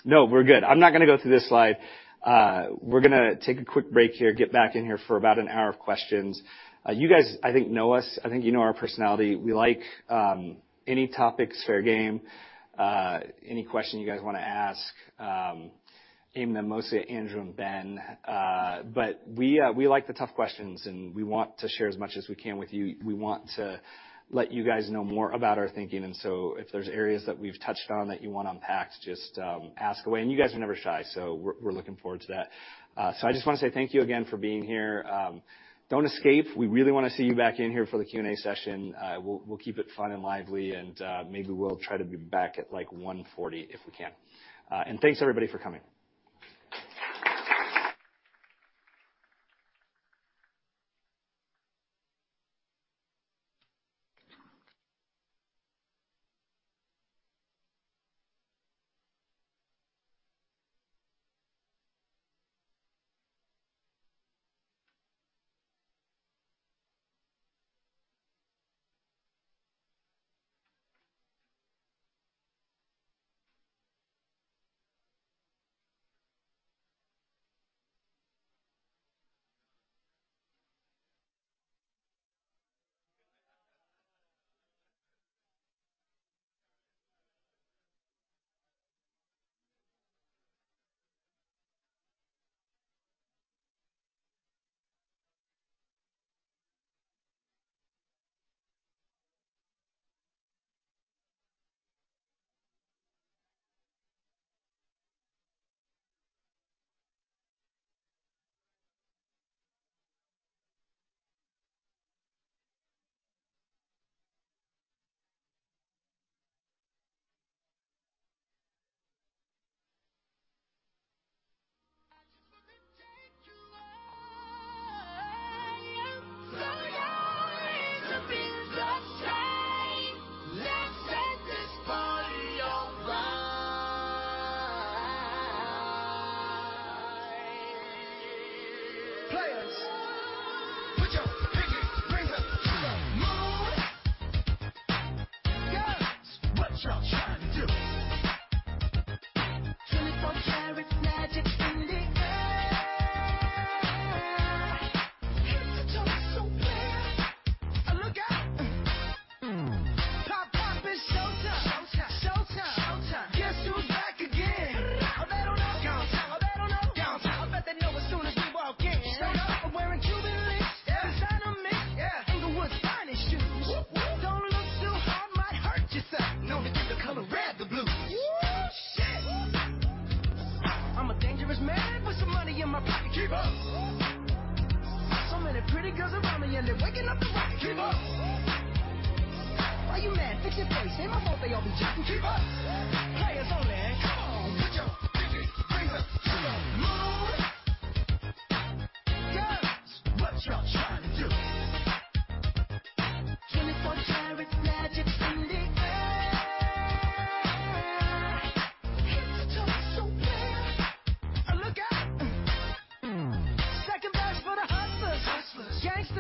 No, we're good. I'm not gonna go through this slide. We're gonna take a quick break here, get back in here for about an hour of questions. You guys, I think, know us. I think you know our personality. We like any topics, fair game, any question you guys wanna ask, aimed at mostly Andrew and Ben. We like the tough questions, and we want to share as much as we can with you. We want to let you guys know more about our thinking. If there's areas that we've touched on that you want unpacked, just ask away. You guys are never shy, so we're looking forward to that. I just wanna say thank you again for being here. Don't escape. We really wanna see you back in here for the Q&A session. We'll keep it fun and lively, and maybe we'll try to be back at, like, 1:40 P.M. if we can. Thanks everybody for coming.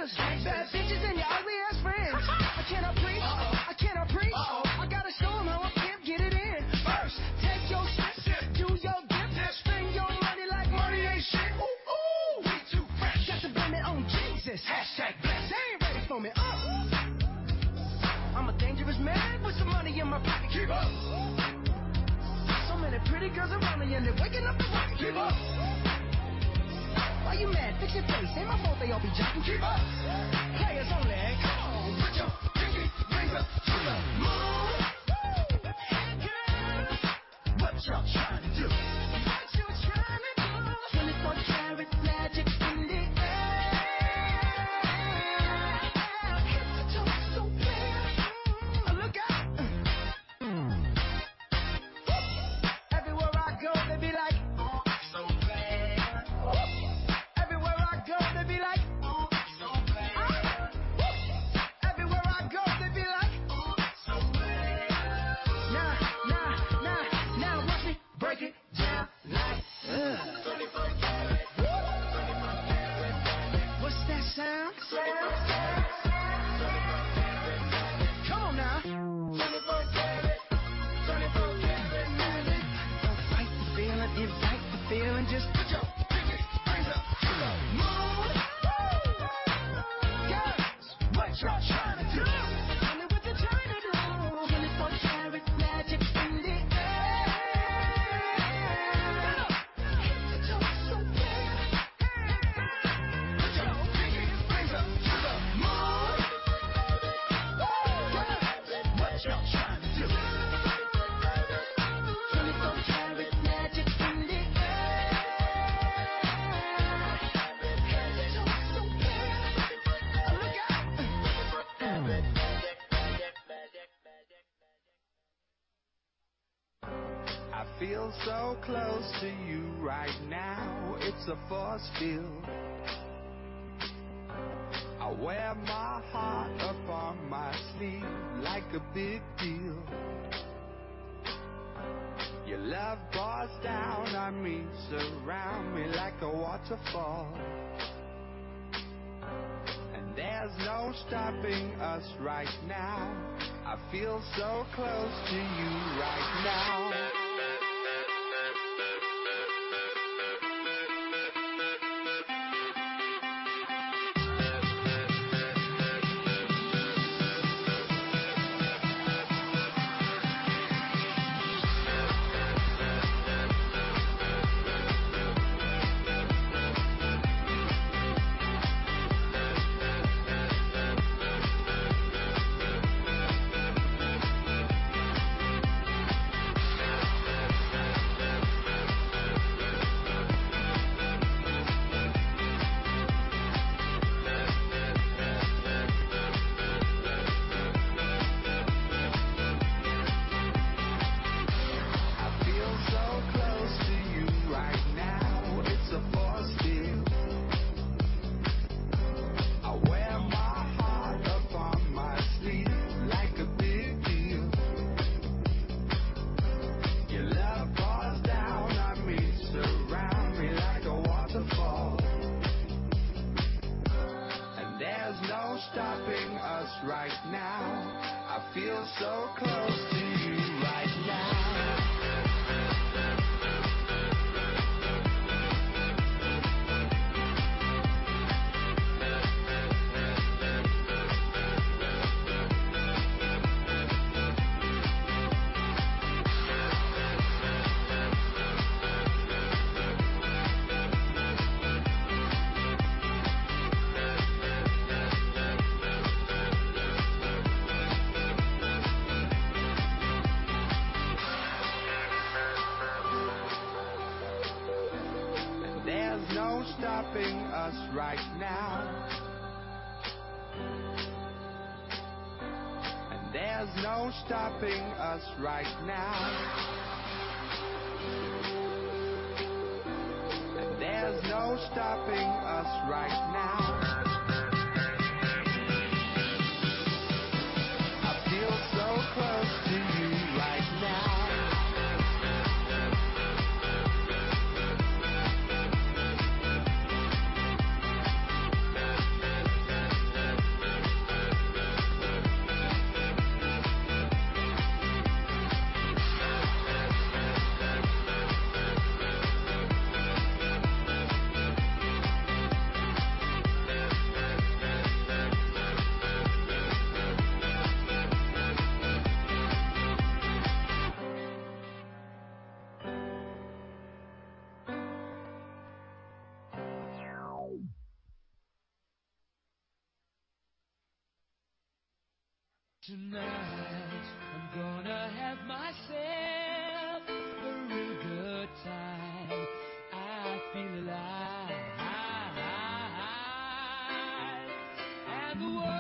Can I talk?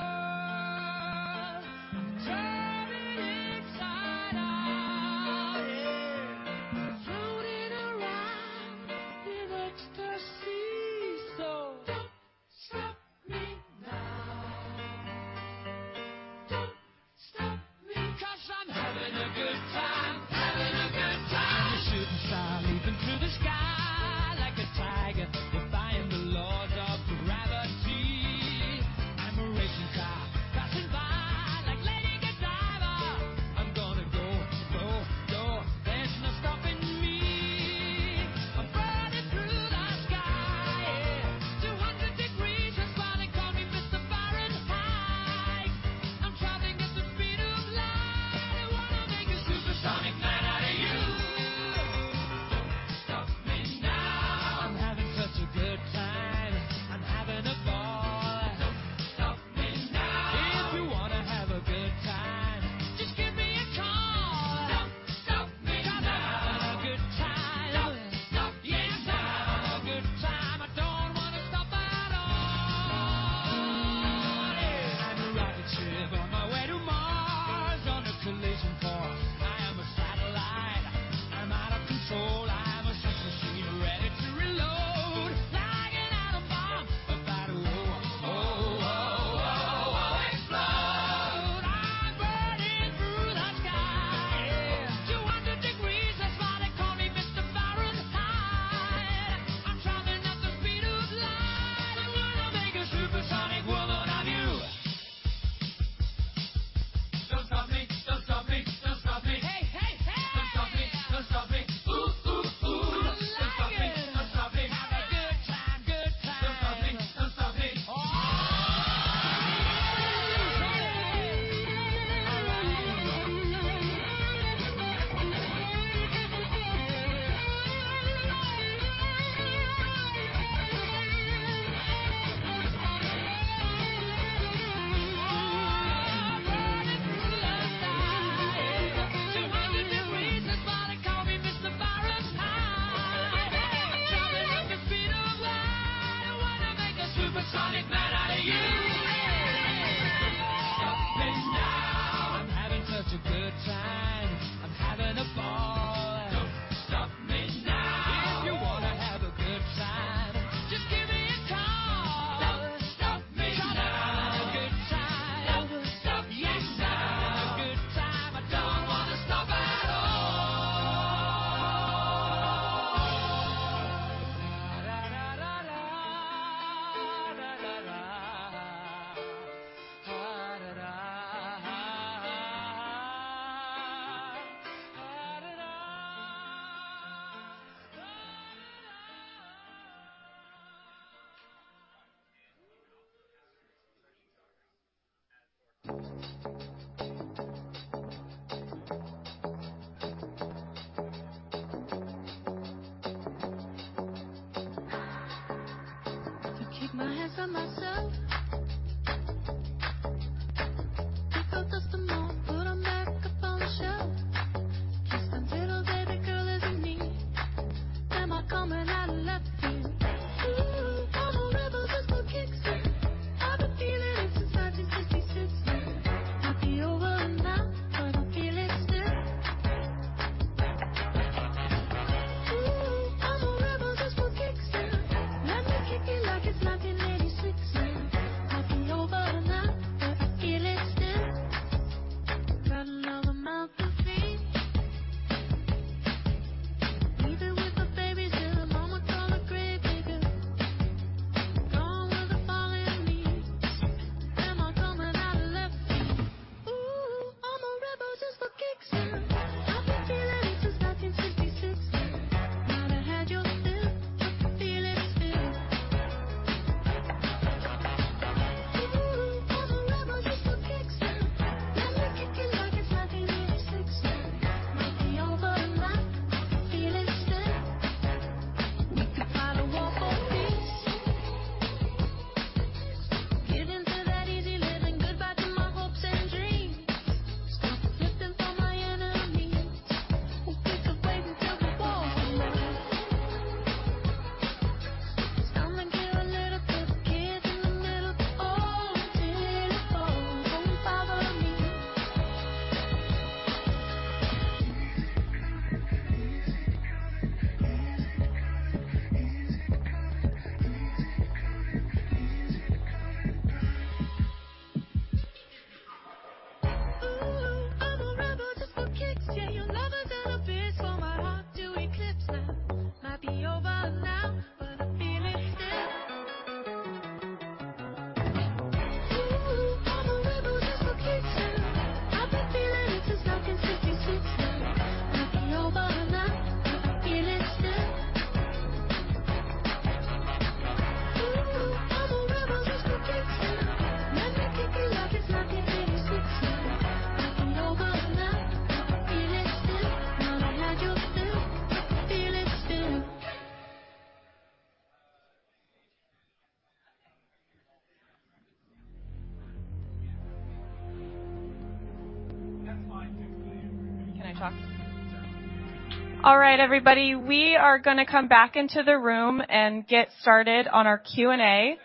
All right, everybody. We are gonna come back into the room and get started on our Q&A.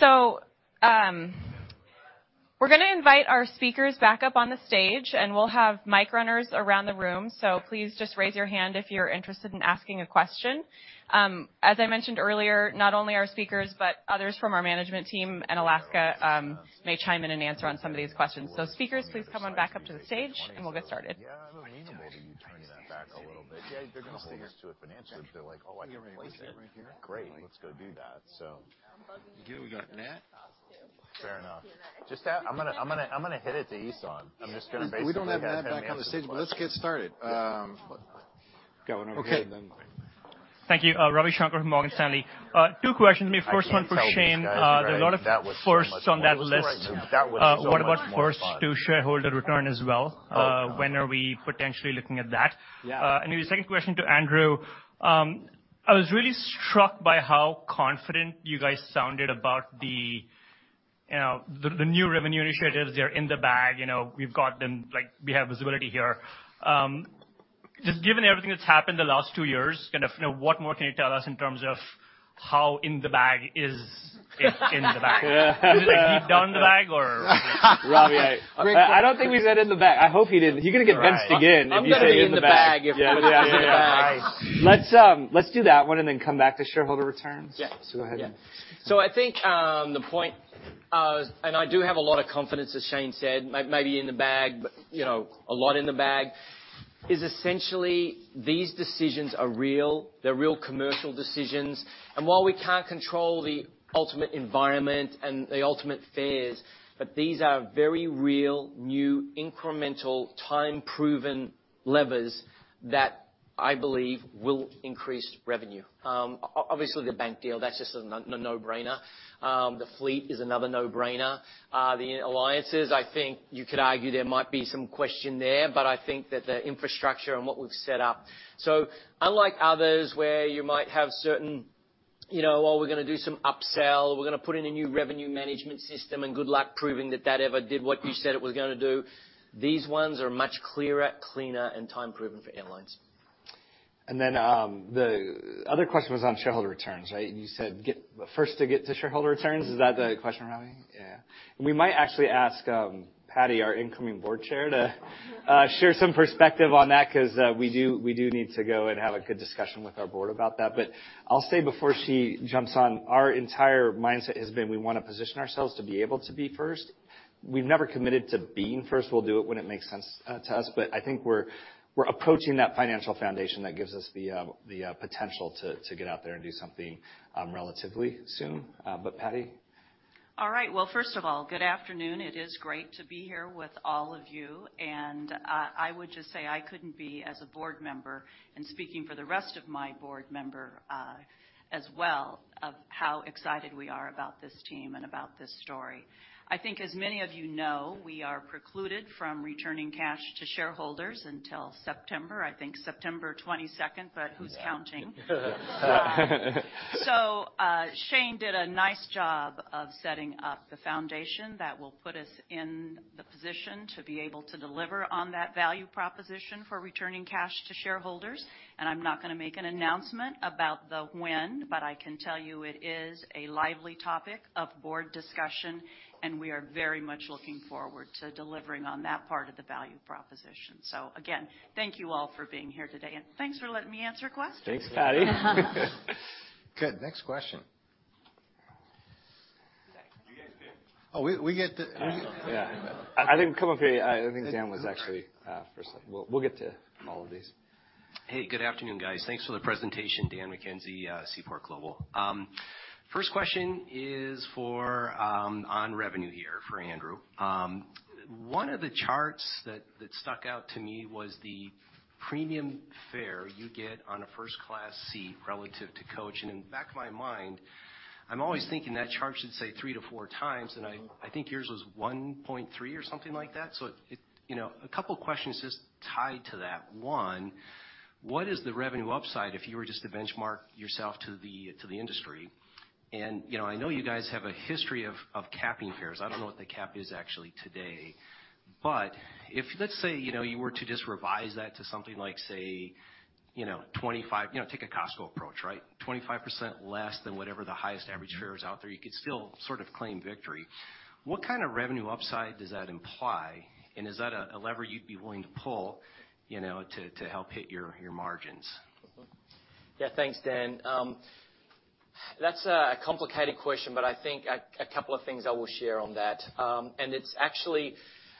We're gonna invite our speakers back up on the stage, and we'll have mic runners around the room. Please just raise your hand if you're interested in asking a question. As I mentioned earlier, not only our speakers, but others from our management team at Alaska may chime in and answer on some of these questions. Speakers, please come on back up to the stage, and we'll get started. Yeah, I'm amenable to you turning that back a little bit. Yeah, they're gonna stick it to it financially if they're like, "Oh, I can place it. Great. Let's go do that. Good. We got Nat. Fair enough. Just that I'm gonna hit it to Esau. I'm just gonna basically- We don't have Nat back on the stage, but let's get started. Go on over here, and then. Okay. Thank you. Ravi Shanker from Morgan Stanley. Two questions. Maybe first one for Shane. I can't tell these guys, right? That was so much fun. There's a lot of firsts on that list. That was so much more fun. What about first to shareholder return as well? Oh, God. When are we potentially looking at that? Yeah. Maybe second question to Andrew. I was really struck by how confident you guys sounded about the, you know, the new revenue initiatives. They're in the bag. You know, we've got them like we have visibility here. Just given everything that's happened the last two years, kind of, you know, what more can you tell us in terms of how in the bag is it? Was it like deep down in the bag or Ravi, I don't think we said in the bag. I hope he didn't. He's gonna get fenced again if you say in the bag. I'm gonna be in the bag if Ravi asks. Let's do that one and then come back to shareholder returns. Yeah. Go ahead. Yeah. I think the point and I do have a lot of confidence, as Shane said. Maybe in the bag, but you know, a lot in the bag is essentially these decisions are real. They're real commercial decisions. While we can't control the ultimate environment and the ultimate fares, but these are very real new incremental time-proven levers that I believe will increase revenue. Obviously, the bank deal, that's just a no brainer. The fleet is another no-brainer. The alliances, I think you could argue there might be some question there, but I think that the infrastructure and what we've set up. Unlike others, where you might have certain, you know, well, we're gonna do some upsell. We're gonna put in a new revenue management system, and good luck proving that that ever did what you said it was gonna do. These ones are much clearer, cleaner, and time-proven for airlines. The other question was on shareholder returns, right? You said first to get to shareholder returns. Is that the question, Ravi? Yeah. We might actually ask, Patty, our incoming Board Chair, to share some perspective on that 'cause, we do need to go and have a good discussion with our board about that. I'll say before she jumps on, our entire mindset has been we wanna position ourselves to be able to be first. We've never committed to being first. We'll do it when it makes sense, to us. I think we're approaching that financial foundation that gives us the potential to get out there and do something, relatively soon. Patty. All right. Well, first of all, good afternoon. It is great to be here with all of you. I would just say I couldn't be as a board member and speaking for the rest of my board member, as well, of how excited we are about this team and about this story. I think as many of you know, we are precluded from returning cash to shareholders until September, I think September 22, but who's counting? Yeah. Shane did a nice job of setting up the foundation that will put us in the position to be able to deliver on that value proposition for returning cash to shareholders. I'm not gonna make an announcement about the when, but I can tell you it is a lively topic of board discussion, and we are very much looking forward to delivering on that part of the value proposition. Again, thank you all for being here today, and thanks for letting me answer questions. Thanks, Patty. Good. Next question. We get the- Yeah. I think come up here. I think Dan was actually first. We'll get to all of these. Hey, good afternoon, guys. Thanks for the presentation. Dan McKenzie, Seaport Global. First question is for Andrew on revenue here. One of the charts that stuck out to me was the premium fare you get on a first class seat relative to coach. In the back of my mind, I'm always thinking that chart should say 3x-4x, and I think yours was 1.3 or something like that. You know, a couple questions just tied to that. One, what is the revenue upside if you were just to benchmark yourself to the industry? You know, I know you guys have a history of capping fares. I don't know what the cap is actually today. If, let's say, you know, you were to just revise that to something like, say, you know, 25%. You know, take a Costco approach, right? 25% less than whatever the highest average fare is out there, you could still sort of claim victory. What kind of revenue upside does that imply? Is that a lever you'd be willing to pull, you know, to help hit your margins? Yeah. Thanks, Dan. That's a complicated question, but I think a couple of things I will share on that. It's actually,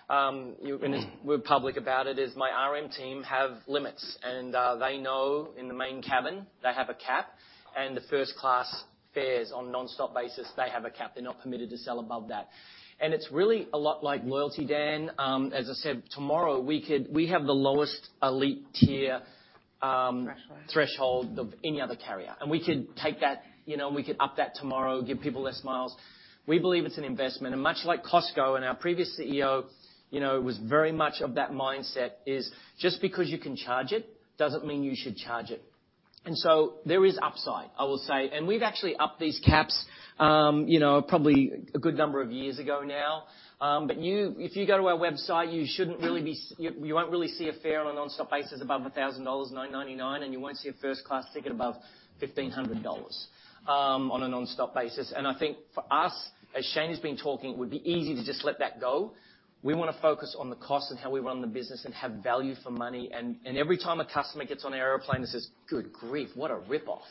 we're public about it, is my RM team have limits. They know in the main cabin they have a cap, and the first class fares on nonstop basis, they have a cap. They're not permitted to sell above that. It's really a lot like loyalty, Dan. As I said, tomorrow, we have the lowest elite tier- Threshold... threshold of any other carrier. We could take that, you know, we could up that tomorrow, give people less miles. We believe it's an investment. Much like Costco and our previous CEO, you know, was very much of that mindset, is just because you can charge it doesn't mean you should charge it. There is upside, I will say. We've actually upped these caps, you know, probably a good number of years ago now. If you go to our website, you won't really see a fare on a nonstop basis above $1,000, $999, and you won't see a first class ticket above $1,500, on a nonstop basis. I think for us, as Shane has been talking, it would be easy to just let that go. We wanna focus on the cost and how we run the business and have value for money. Every time a customer gets on an airplane and says, "Good grief, what a rip-off,"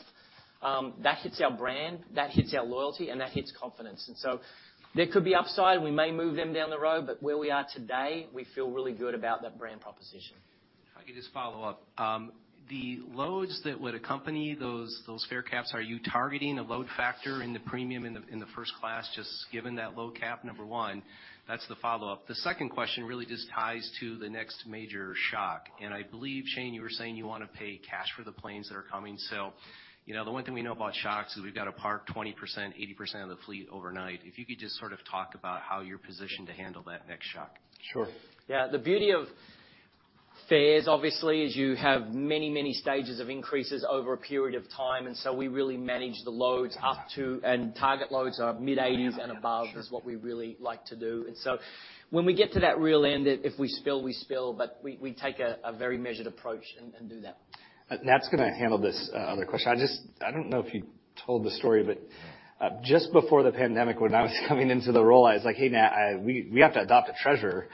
that hits our brand, that hits our loyalty, and that hits confidence. There could be upside, and we may move them down the road, but where we are today, we feel really good about that brand proposition. If I could just follow up. The loads that would accompany those fare caps, are you targeting a load factor in the premium in the first class just given that load cap? Number one. That's the follow-up. I believe, Shane, you were saying you wanna pay cash for the planes that are coming. You know, the one thing we know about shocks is we've got to park 20%, 80% of the fleet overnight. If you could just sort of talk about how you're positioned to handle that next shock. Sure. Yeah. The beauty of fares, obviously, is you have many, many stages of increases over a period of time, and so we really manage the loads up to, and target loads are mid-80s% and above- Sure... is what we really like to do. When we get to that real end, if we spill, we spill, but we take a very measured approach and do that. Nat's gonna handle this other question. I just don't know if you told the story, but just before the pandemic, when I was coming into the role, I was like, "Hey, Nat, we have to appoint a treasurer.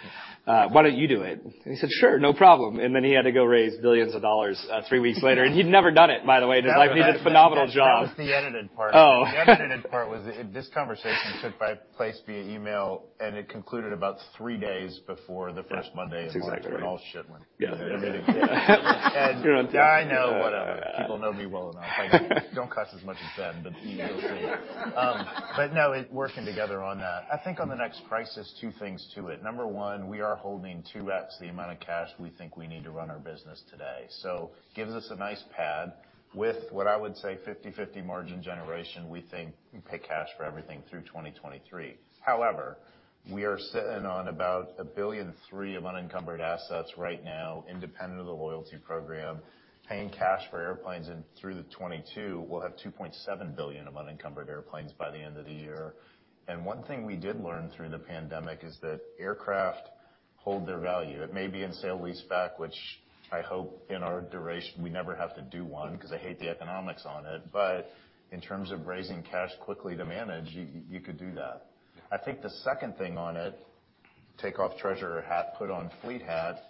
Why don't you do it?" He said, "Sure. No problem." Then he had to go raise billions dollars three weeks later. He'd never done it, by the way. Just like, he did a phenomenal job. That was the edited part. The unedited part was this conversation took place via email, and it concluded about three days before the first Monday in March- Exactly right. ...when all shit went. Yeah. I know, whatever. People know me well enough. I don't cuss as much as Ben, but you'll see. But no, working together on that. I think on the next crisis, two things to it. Number one, we are holding 2x the amount of cash we think we need to run our business today, so gives us a nice pad with what I would say 50/50 margin generation, we think we pay cash for everything through 2023. However, we are sitting on about $1.3 billion of unencumbered assets right now, independent of the loyalty program, paying cash for airplanes. Through 2022, we'll have $2.7 billion of unencumbered airplanes by the end of the year. One thing we did learn through the pandemic is that aircraft hold their value. It may be in sale-leaseback, which I hope in our duration we never have to do one, 'cause I hate the economics on it. In terms of raising cash quickly to manage, you could do that. I think the second thing on it, take off treasurer hat, put on fleet hat.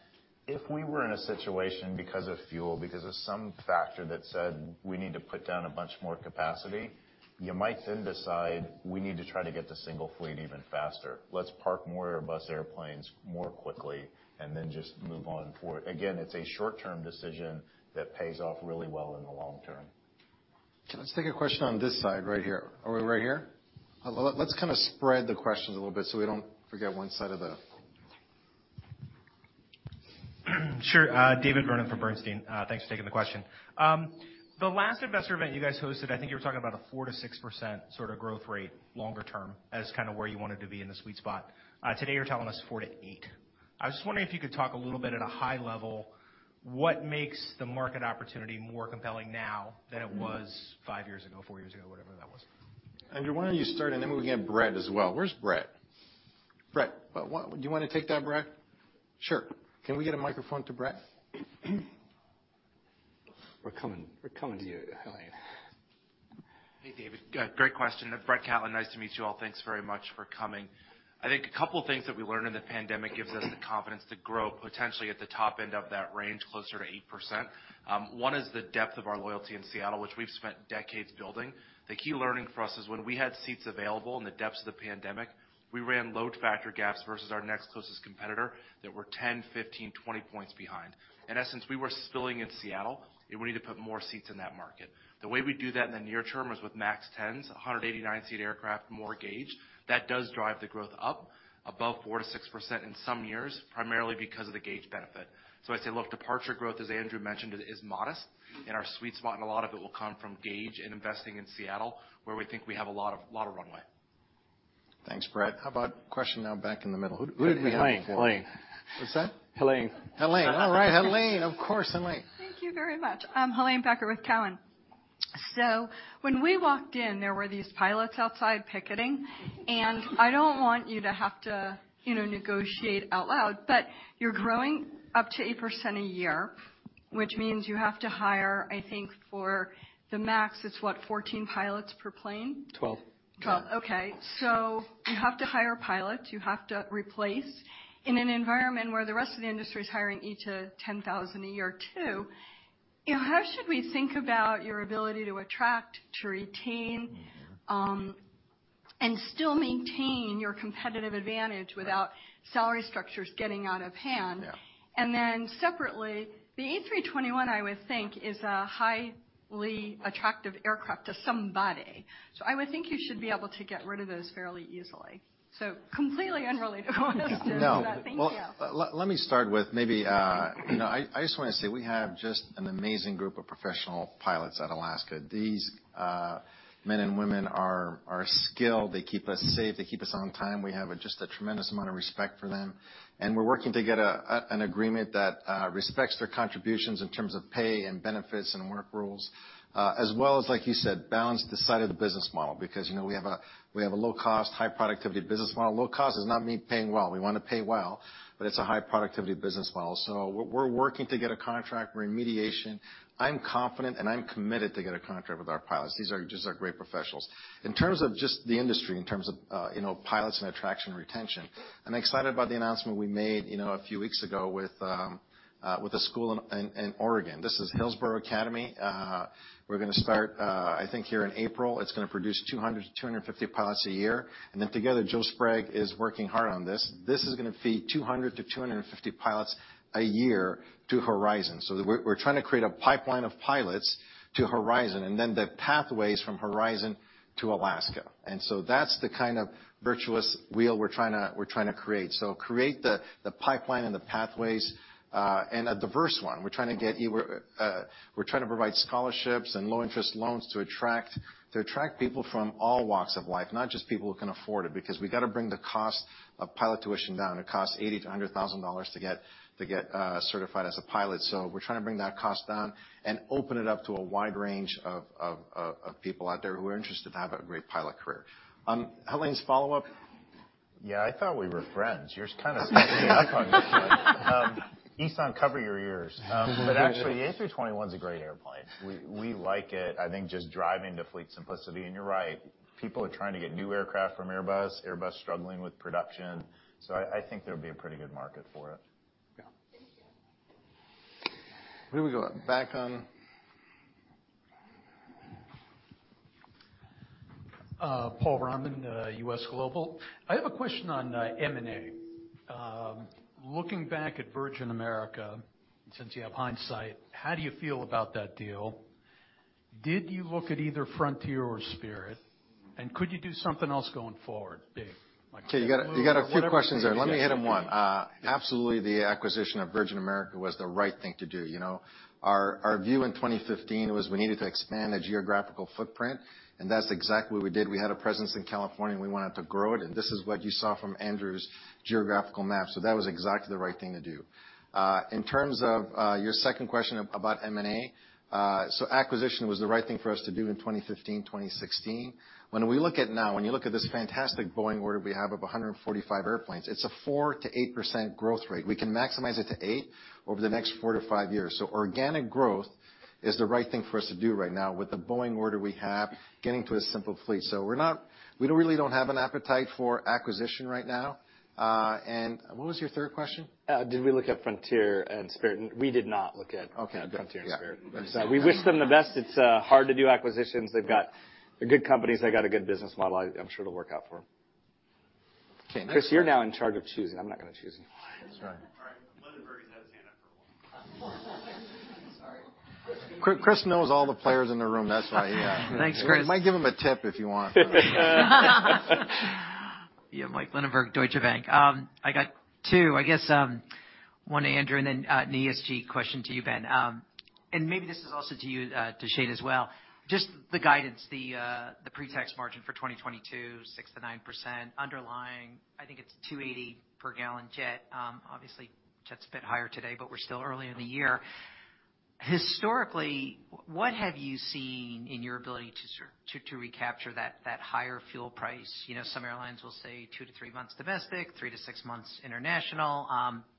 If we were in a situation because of fuel, because of some factor that said we need to put down a bunch more capacity, you might then decide we need to try to get to single fleet even faster. Let's park more Airbus airplanes more quickly and then just move on forward. Again, it's a short-term decision that pays off really well in the long term. Let's take a question on this side right here. Are we right here? Let's kind of spread the questions a little bit so we don't forget one side of the... Sure. David Vernon from Bernstein. Thanks for taking the question. The last investor event you guys hosted, I think you were talking about a 4%-6% sort of growth rate longer term as kind of where you wanted to be in the sweet spot. Today you're telling us 4%-8%. I was just wondering if you could talk a little bit at a high level what makes the market opportunity more compelling now than it was five years ago, four years ago, whatever that was. Andrew, why don't you start, and then we can get Brett as well. Where's Brett? Brett. Do you wanna take that, Brett? Sure. Can we get a microphone to Brett? We're coming. We're coming to you. [inaudible] Hey, David. Great question. Brett Catlin. Nice to meet you all. Thanks very much for coming. I think a couple things that we learned in the pandemic gives us the confidence to grow potentially at the top end of that range, closer to 8%. One is the depth of our loyalty in Seattle, which we've spent decades building. The key learning for us is when we had seats available in the depths of the pandemic, we ran load factor gaps versus our next closest competitor that were 10, 15, 20 points behind. In essence, we were spilling in Seattle, and we need to put more seats in that market. The way we do that in the near term is with 737 MAX 10s, 189-seat aircraft, more gauge. That does drive the growth up above 4%-6% in some years, primarily because of the gauge benefit. I'd say, look, departure growth, as Andrew mentioned, is modest and our sweet spot in a lot of it will come from gauge and investing in Seattle, where we think we have a lot of runway. Thanks, Brad. How about a question now back in the middle? Who Helane. What's that? Helene. Helane. All right, Helane. Of course, Helane. Thank you very much. I'm Helane Becker with Cowen. When we walked in, there were these pilots outside picketing, and I don't want you to have to, you know, negotiate out loud, but you're growing up to 8% a year, which means you have to hire, I think, for the MAX, it's what? 14 pilots per plane? 12. 12. Okay. You have to hire pilots, you have to replace in an environment where the rest of the industry is hiring each at 10,000 a year too. You know, how should we think about your ability to attract, to retain, and still maintain your competitive advantage without salary structures getting out of hand? Yeah. Then separately, the A321, I would think is a highly attractive aircraft to somebody. I would think you should be able to get rid of those fairly easily. Completely unrelated No. Thank you. Well, you know, I just wanna say we have just an amazing group of professional pilots at Alaska. These men and women are skilled. They keep us safe. They keep us on time. We have just a tremendous amount of respect for them, and we're working to get an agreement that respects their contributions in terms of pay and benefits and work rules, as well as, like you said, balance the side of the business model. Because, you know, we have a low cost, high productivity business model. Low cost does not mean paying well. We wanna pay well, but it's a high productivity business model. We're working to get a contract. We're in mediation. I'm confident, and I'm committed to get a contract with our pilots. These are just great professionals. In terms of just the industry, you know, pilots and attraction and retention, I'm excited about the announcement we made, you know, a few weeks ago with a school in Oregon. This is Hillsboro Aero Academy. We're gonna start, I think, here in April. It's gonna produce 200-250 pilots a year. Then together, Joe Sprague is working hard on this. This is gonna feed 200-250 pilots a year to Horizon. We're trying to create a pipeline of pilots to Horizon and then the pathways from Horizon to Alaska. That's the kind of virtuous wheel we're trying to create. Create the pipeline and the pathways, and a diverse one. We're trying to provide scholarships and low interest loans to attract people from all walks of life, not just people who can afford it, because we gotta bring the cost of pilot tuition down. It costs $80,000-$100,000 to get certified as a pilot. So we're trying to bring that cost down and open it up to a wide range of people out there who are interested to have a great pilot career. Helane's follow-up? Yeah, I thought we were friends. You're just kinda ganging up on me. Easton, cover your ears. Actually, the A321's a great airplane. We like it. I think just driving to fleet simplicity, and you're right. People are trying to get new aircraft from Airbus. Airbus is struggling with production, so I think there'll be a pretty good market for it. Yeah. Thank you. Who do we go up? Back on. Paul Roman, U.S. Global. I have a question on M&A. Looking back at Virgin America, since you have hindsight, how do you feel about that deal? Did you look at either Frontier or Spirit, and could you do something else going forward, big? Okay. You got a few questions there. Let me hit them one. Absolutely, the acquisition of Virgin America was the right thing to do. You know, our view in 2015 was we needed to expand the geographical footprint, and that's exactly what we did. We had a presence in California, and we wanted to grow it, and this is what you saw from Andrew's geographical map. That was exactly the right thing to do. In terms of your second question about M&A, acquisition was the right thing for us to do in 2015, 2016. When we look at now, when you look at this fantastic Boeing order we have of 145 airplanes, it's a 4%-8% growth rate. We can maximize it to eight over the next four to five years. Organic growth is the right thing for us to do right now with the Boeing order we have getting to a simple fleet. We don't really have an appetite for acquisition right now, and what was your third question? Did we look at Frontier and Spirit? We did not look at- Okay. Frontier and Spirit. Yeah. We wish them the best. It's hard to do acquisitions. They've got. They're good companies. They got a good business model. I'm sure it'll work out for them. Okay. Chris, you're now in charge of choosing. I'm not gonna choose anymore. That's right. All right. Linenberg's had his hand up for a while. Sorry. Chris knows all the players in the room. That's why, yeah. Thanks, Chris. You might give him a tip if you want. Yeah. Michael Linenberg, Deutsche Bank. I got two, I guess, one to Andrew and then an ESG question to you, Ben. Maybe this is also to you, to Shane as well. Just the guidance, the pre-tax margin for 2022, 6%-9% underlying, I think it's $2.80 per gallon jet. Obviously jet's a bit higher today, but we're still early in the year. Historically, what have you seen in your ability to sort to recapture that higher fuel price? You know, some airlines will say two to thee months domestic, three to six months international.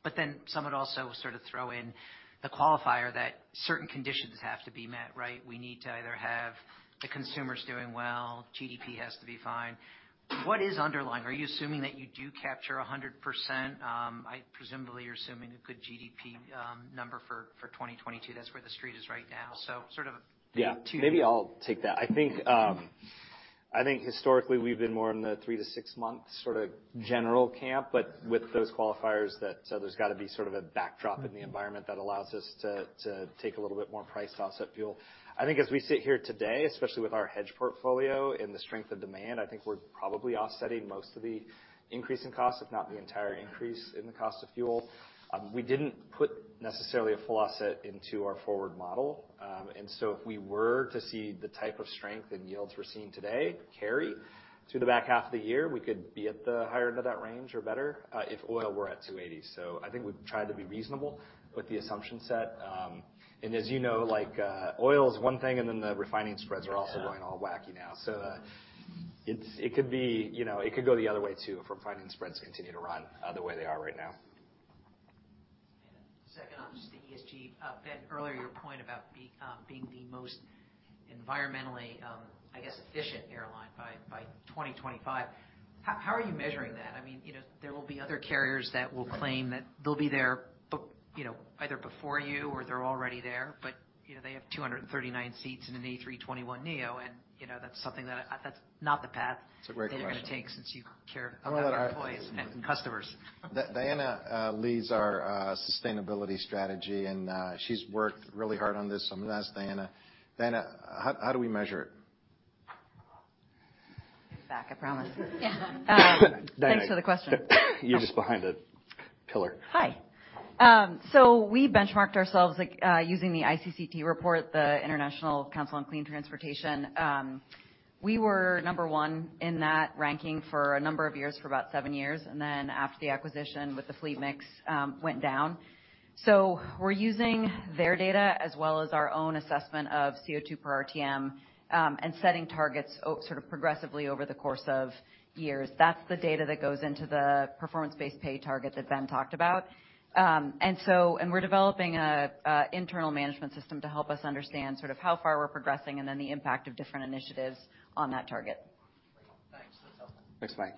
But then some would also sort of throw in the qualifier that certain conditions have to be met, right? We need to either have the consumers doing well, GDP has to be fine. What is underlying? Are you assuming that you do capture 100%? I presumably you're assuming a good GDP number for 2022. That's where the street is right now. Sort of two- Yeah. Maybe I'll take that. I think historically we've been more in the three to six month sort of general camp, but with those qualifiers, so there's gotta be sort of a backdrop in the environment that allows us to take a little bit more price to offset fuel. I think as we sit here today, especially with our hedge portfolio and the strength of demand, I think we're probably offsetting most of the increase in costs, if not the entire increase in the cost of fuel. We didn't put necessarily a full offset into our forward model. If we were to see the type of strength in yields we're seeing today carry to the back half of the year, we could be at the higher end of that range or better, if oil were at $280. I think we've tried to be reasonable with the assumption set. As you know, like, oil is one thing, and then the refining spreads are also- Yeah. ...going all wacky now. It could be, you know, it could go the other way, too, if refining spreads continue to run the way they are right now. Second on just the ESG. Ben, earlier your point about being the most environmentally, I guess, efficient airline by 2025, how are you measuring that? I mean, you know, there will be other carriers that will claim that they'll be there, but, you know, either before you or they're already there, but, you know, they have 239 seats in an A321neo and, you know, that's something that that's not the path. That's a great question. They're gonna take since you care about your employees and customers. Diana leads our sustainability strategy, and she's worked really hard on this. I'm gonna ask Diana. Diana, how do we measure it? Back, I promise. Diana. Thanks for the question. You're just behind a pillar. Hi. We benchmarked ourselves, like, using the ICCT report, the International Council on Clean Transportation. We were number one in that ranking for a number of years, for about seven years. After the acquisition with the fleet mix, went down. We're using their data as well as our own assessment of CO2 per RTM, and setting targets sort of progressively over the course of years. That's the data that goes into the performance-based pay target that Ben talked about. We're developing an internal management system to help us understand sort of how far we're progressing and then the impact of different initiatives on that target. Great. Thanks. That's helpful. Thanks, Mike.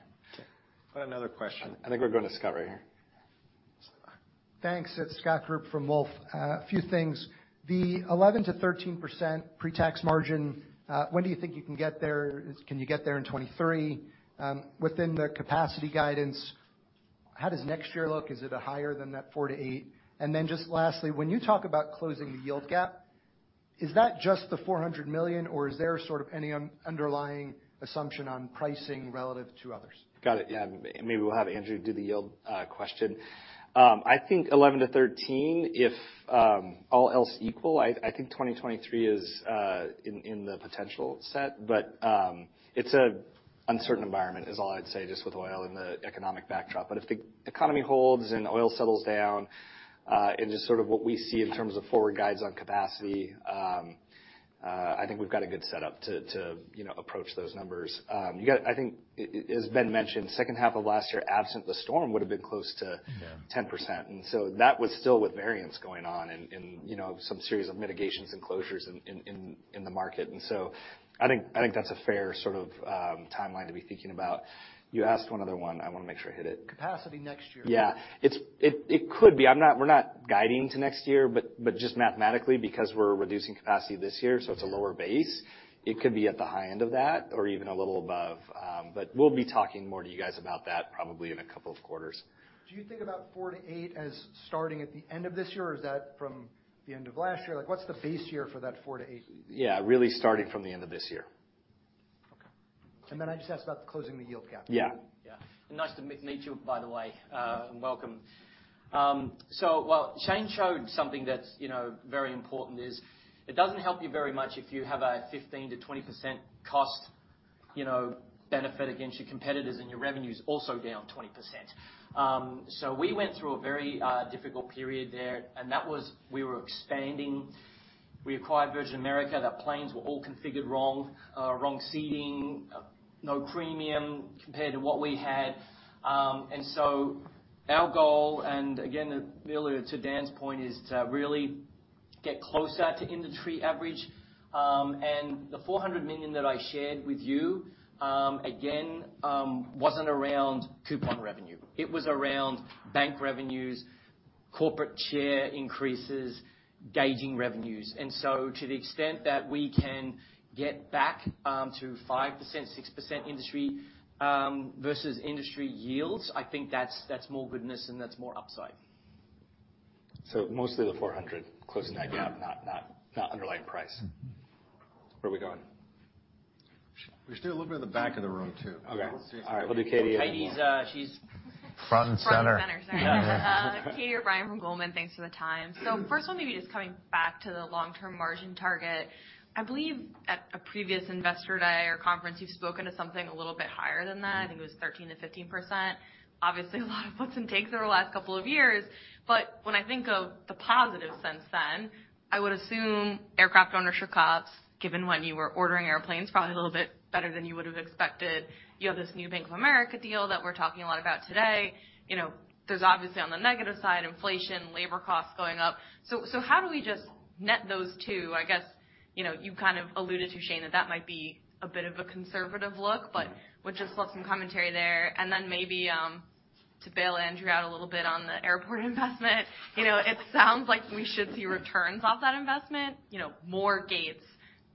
Got another question. I think we'll go to Scott right here. Thanks. It's Scott Group from Wolfe. A few things. The 11%-13% pre-tax margin, when do you think you can get there? Can you get there in 2023? Within the capacity guidance, how does next year look? Is it higher than that 4%-8%? And then just lastly, when you talk about closing the yield gap, is that just the $400 million, or is there sort of any underlying assumption on pricing relative to others? Got it. Yeah. Maybe we'll have Andrew do the yield question. I think 11%-13% if all else equal. I think 2023 is in the potential set, but it's an uncertain environment is all I'd say, just with oil and the economic backdrop. If the economy holds and oil settles down, and just sort of what we see in terms of forward guides on capacity, I think we've got a good setup to, you know, approach those numbers. You got it. I think as Ben mentioned, second half of last year, absent the storm, would have been close to- Yeah. ...10%. That was still with variance going on and, you know, some series of mitigations and closures in the market. I think that's a fair sort of timeline to be thinking about. You asked one other one. I wanna make sure I hit it. Capacity next year. Yeah. It could be. We're not guiding to next year, but just mathematically because we're reducing capacity this year, so it's a lower base, it could be at the high end of that or even a little above. We'll be talking more to you guys about that probably in a couple of quarters. Do you think about 4%-8% as starting at the end of this year, or is that from the end of last year? Like, what's the base year for that 4%-8%? Yeah, really starting from the end of this year. Okay. I just asked about closing the yield gap. Yeah. Yeah. Nice to meet you, by the way, and welcome. While Shane showed something that's, you know, very important is it doesn't help you very much if you have a 15%-20% cost, you know, benefit against your competitors and your revenue is also down 20%. We went through a very difficult period there, we were expanding. We acquired Virgin America. The planes were all configured wrong seating, no premium compared to what we had. Our goal and again, earlier to Dan's point, is to really get closer to industry average. The $400 million that I shared with you, again, wasn't around coupon revenue. It was around bank revenues, corporate share increases, gauging revenues. To the extent that we can get back to 5%, 6% industry versus industry yields, I think that's more goodness and that's more upside. Mostly the Q400, closing that gap. Yeah. Not underlying price. Where are we going? We should do a little bit of the back of the room, too. Okay. All right. We'll do Catie and. [inaudible] Catie's, she's- Front and center. Front and center. Sorry. Catie O'Brien from Goldman. Thanks for the time. First one maybe just coming back to the long-term margin target. I believe at a previous investor day or conference, you've spoken to something a little bit higher than that. I think it was 13%-15%. Obviously, a lot of puts and takes over the last couple of years. When I think of the positives since then, I would assume aircraft ownership COPs, given when you were ordering airplanes, probably a little bit better than you would have expected. You have this new Bank of America deal that we're talking a lot about today. You know, there's obviously on the negative side, inflation, labor costs going up. How do we just net those two? I guess, you know, you kind of alluded to, Shane, that that might be a bit of a conservative look, but would just love some commentary there. Maybe to bail Andrew out a little bit on the airport investment. You know, it sounds like we should see returns off that investment, you know, more gates,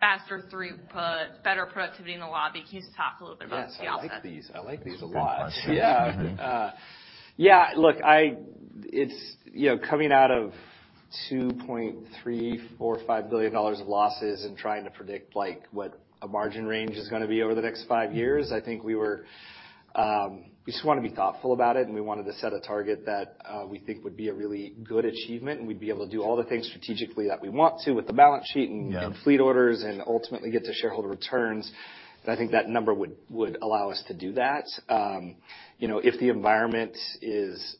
faster throughput, better productivity in the lobby. Can you just talk a little bit about the offset? Yes, I like these. I like these a lot. These are good questions. Yeah. Yeah, look, it's, you know, coming out of $2.3 million-$4.5 billion of losses and trying to predict, like, what a margin range is gonna be over the next five years. I think we were, we just wanna be thoughtful about it, and we wanted to set a target that, we think would be a really good achievement, and we'd be able to do all the things strategically that we want to with the balance sheet and- Yeah... fleet orders and ultimately get to shareholder returns. I think that number would allow us to do that. You know, if the environment is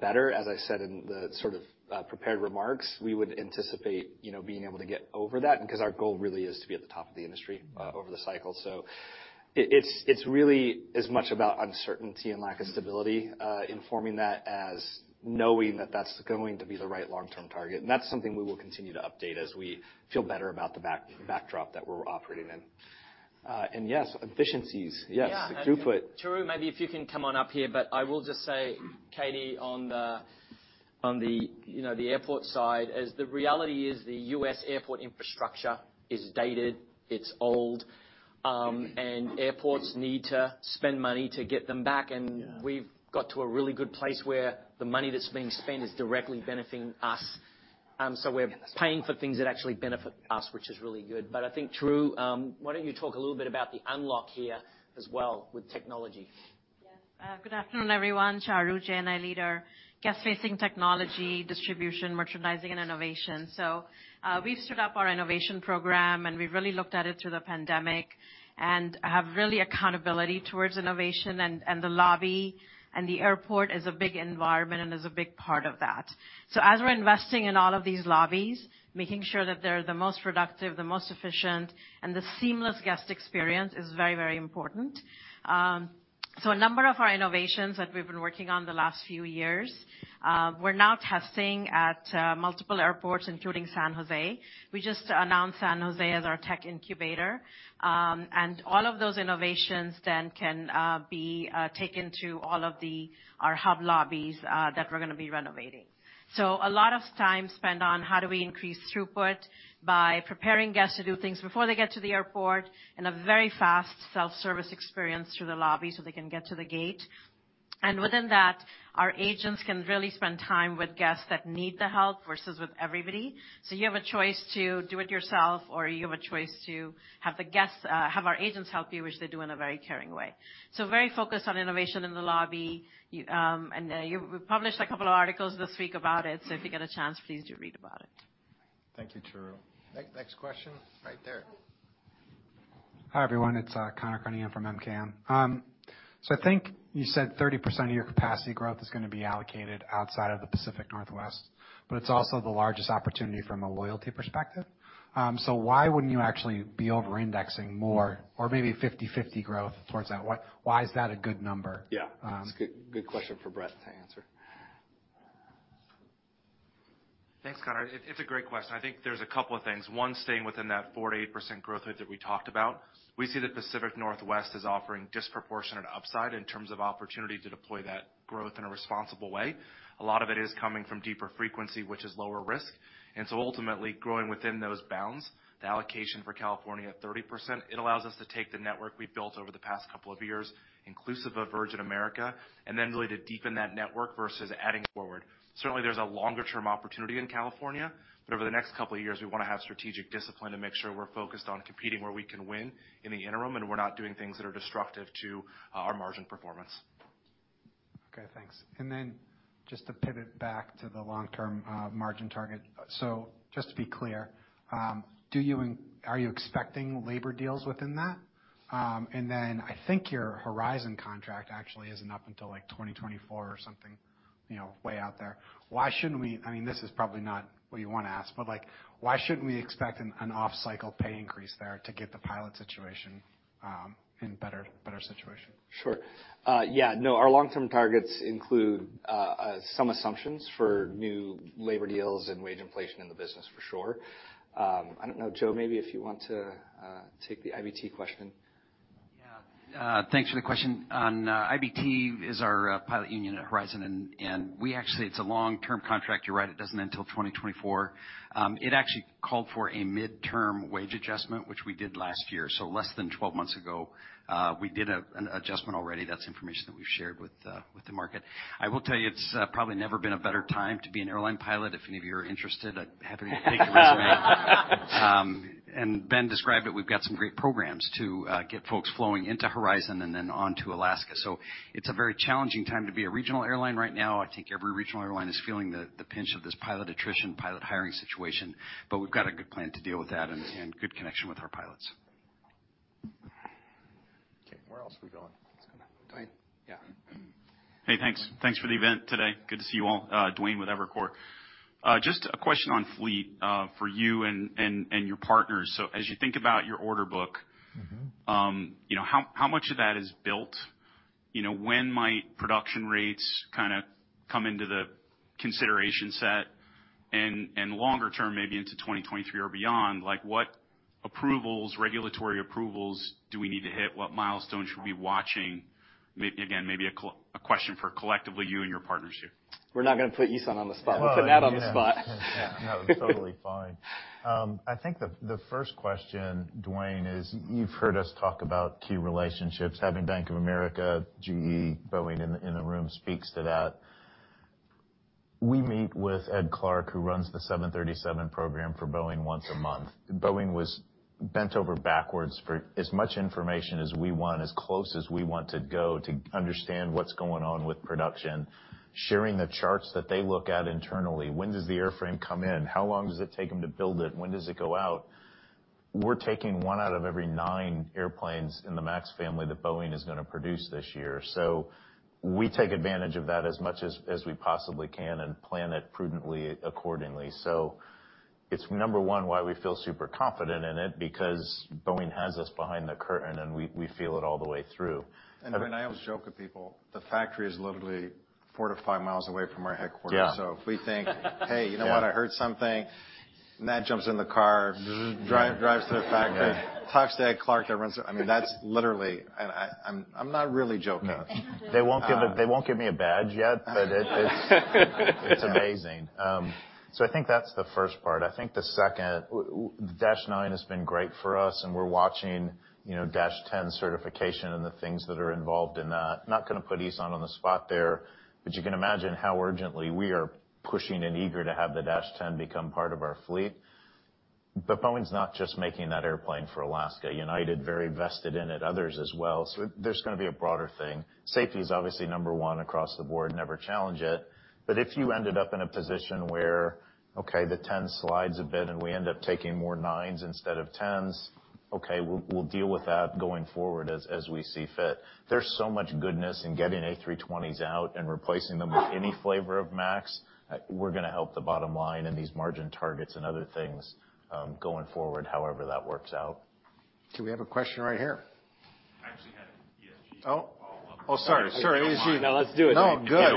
better, as I said in the sort of prepared remarks, we would anticipate, you know, being able to get over that and 'cause our goal really is to be at the top of the industry over the cycle. It's really as much about uncertainty and lack of stability informing that as knowing that that's going to be the right long-term target. That's something we will continue to update as we feel better about the backdrop that we're operating in. Yes, efficiencies. Yes. Throughput. Yeah. Charu, maybe if you can come on up here, but I will just say, Catie, on the, you know, the airport side, as the reality is the U.S. airport infrastructure is dated, it's old, and airports need to spend money to get them back. Yeah. We've got to a really good place where the money that's being spent is directly benefiting us. We're paying for things that actually benefit us, which is really good. I think, Charu, why don't you talk a little bit about the unlock here as well with technology? Yes. Good afternoon, everyone. I'm Charu Jain. I lead our guest-facing technology, distribution, merchandising, and innovation. We've stood up our innovation program, and we've really looked at it through the pandemic and have real accountability towards innovation and the lobby, and the airport is a big environment and is a big part of that. As we're investing in all of these lobbies, making sure that they're the most productive, the most efficient, and the seamless guest experience is very, very important. A number of our innovations that we've been working on the last few years, we're now testing at multiple airports, including San Jose. We just announced San Jose as our tech incubator. All of those innovations then can be taken to all of our hub lobbies that we're gonna be renovating. A lot of time spent on how do we increase throughput by preparing guests to do things before they get to the airport in a very fast self-service experience through the lobby, so they can get to the gate. Within that, our agents can really spend time with guests that need the help versus with everybody. You have a choice to do it yourself, or you have a choice to have the guests have our agents help you, which they do in a very caring way. Very focused on innovation in the lobby. We published a couple of articles this week about it, so if you get a chance, please do read about it. Thank you, Charu. Next question right there. Hi, everyone. It's Connor Cunningham from Melius. I think you said 30% of your capacity growth is gonna be allocated outside of the Pacific Northwest, but it's also the largest opportunity from a loyalty perspective. Why wouldn't you actually be over-indexing more or maybe 50/50 growth towards that? Why is that a good number? Yeah. It's a good question for Brett to answer. Thanks, Connor. It's a great question. I think there's a couple of things. One, staying within that 4%-8% growth rate that we talked about. We see the Pacific Northwest is offering disproportionate upside in terms of opportunity to deploy that growth in a responsible way. A lot of it is coming from deeper frequency, which is lower risk. Ultimately, growing within those bounds, the allocation for California at 30%, it allows us to take the network we've built over the past couple of years, inclusive of Virgin America, and then really to deepen that network versus adding forward. Certainly, there's a longer-term opportunity in California, but over the next couple of years, we wanna have strategic discipline to make sure we're focused on competing where we can win in the interim, and we're not doing things that are destructive to our margin performance. Okay, thanks. Just to pivot back to the long-term margin target. To be clear, are you expecting labor deals within that? I think your Horizon contract actually isn't up until, like, 2024 or something, you know, way out there. Why shouldn't we? I mean, this is probably not what you wanna ask, but, like, why shouldn't we expect an off-cycle pay increase there to get the pilot situation in better situation? Sure. Yeah, no, our long-term targets include some assumptions for new labor deals and wage inflation in the business for sure. I don't know, Joe, maybe if you want to take the IBT question. Yeah. Thanks for the question. On IBT, it's our pilot union at Horizon, and we actually it's a long-term contract. You're right, it doesn't end till 2024. It actually called for a midterm wage adjustment, which we did last year. Less than 12 months ago, we did an adjustment already. That's information that we've shared with the market. I will tell you, it's probably never been a better time to be an airline pilot, if any of you are interested. I'd be happy to take your resume. Ben described it. We've got some great programs to get folks flowing into Horizon and then on to Alaska. It's a very challenging time to be a regional airline right now. I think every regional airline is feeling the pinch of this pilot attrition, pilot hiring situation, but we've got a good plan to deal with that and good connection with our pilots. Where else are we going? [inaudible] Yeah. Hey, thanks. Thanks for the event today. Good to see you all. Duane with Evercore. Just a question on fleet, for you and your partners. As you think about your order book- Mm-hmm You know, how much of that is built? You know, when might production rates kinda come into the consideration set? Longer term, maybe into 2023 or beyond, like, what approvals, regulatory approvals do we need to hit? What milestones should we be watching? Again, maybe a question for collectively you and your partners here. We're not gonna put Ihssane on the spot. We'll put Nat on the spot. Yeah. No, totally fine. I think the first question, Duane, is you've heard us talk about key relationships, having Bank of America, GE, Boeing in the room speaks to that. We meet with Ed Clark, who runs the 737 program for Boeing, once a month. Boeing was bent over backwards for as much information as we want, as close as we want to go to understand what's going on with production, sharing the charts that they look at internally. When does the airframe come in? How long does it take them to build it? When does it go out? We're taking one out of every nine airplanes in the MAX family that Boeing is gonna produce this year. We take advantage of that as much as we possibly can and plan it prudently accordingly. It's number one, why we feel super confident in it, because Boeing has us behind the curtain, and we feel it all the way through. Duane, I always joke with people, the factory is literally 4 mi-5 mi away from our headquarters. Yeah. If we think- Yeah. Hey, you know what? I heard something," Nat jumps in the car, drives to the factory. Yeah. Talks to Ed Clark, everyone's. I mean, that's literally. I'm not really joking. No. They won't give me a badge yet, but it's amazing. I think that's the first part. I think the second, Dash 9 has been great for us, and we're watching, you know, Dash 10 certification and the things that are involved in that. Not gonna put Ihssane on the spot there, but you can imagine how urgently we are pushing and eager to have the Dash 10 become part of our fleet. Boeing's not just making that airplane for Alaska. United, very vested in it, others as well, so there's gonna be a broader thing. Safety is obviously number one across the board, never challenge it. If you ended up in a position where, okay, the 737-10 slides a bit and we end up taking more 737-9s instead of 737-10s, okay, we'll deal with that going forward as we see fit. There's so much goodness in getting A320s out and replacing them with any flavor of MAX. We're gonna help the bottom line and these margin targets and other things, going forward, however that works out. We have a question right here. I actually had an ESG follow-up. Oh, sorry. ESG. Now let's do it. No, good.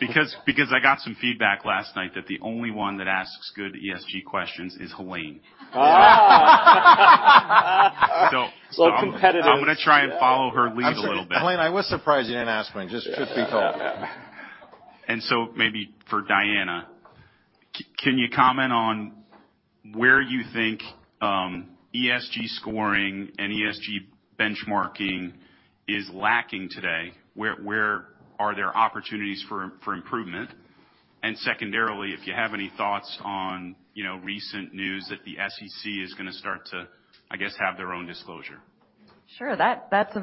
Because I got some feedback last night that the only one that asks good ESG questions is Helaine. Ah. So- Competitive. I'm gonna try and follow her lead a little bit. I'm sorry. Helaine, I was surprised you didn't ask me. Just be told. Maybe for Diana, can you comment on where you think ESG scoring and ESG benchmarking is lacking today? Where are there opportunities for improvement? Secondarily, if you have any thoughts on, you know, recent news that the SEC is gonna start to, I guess, have their own disclosure? Sure. That's a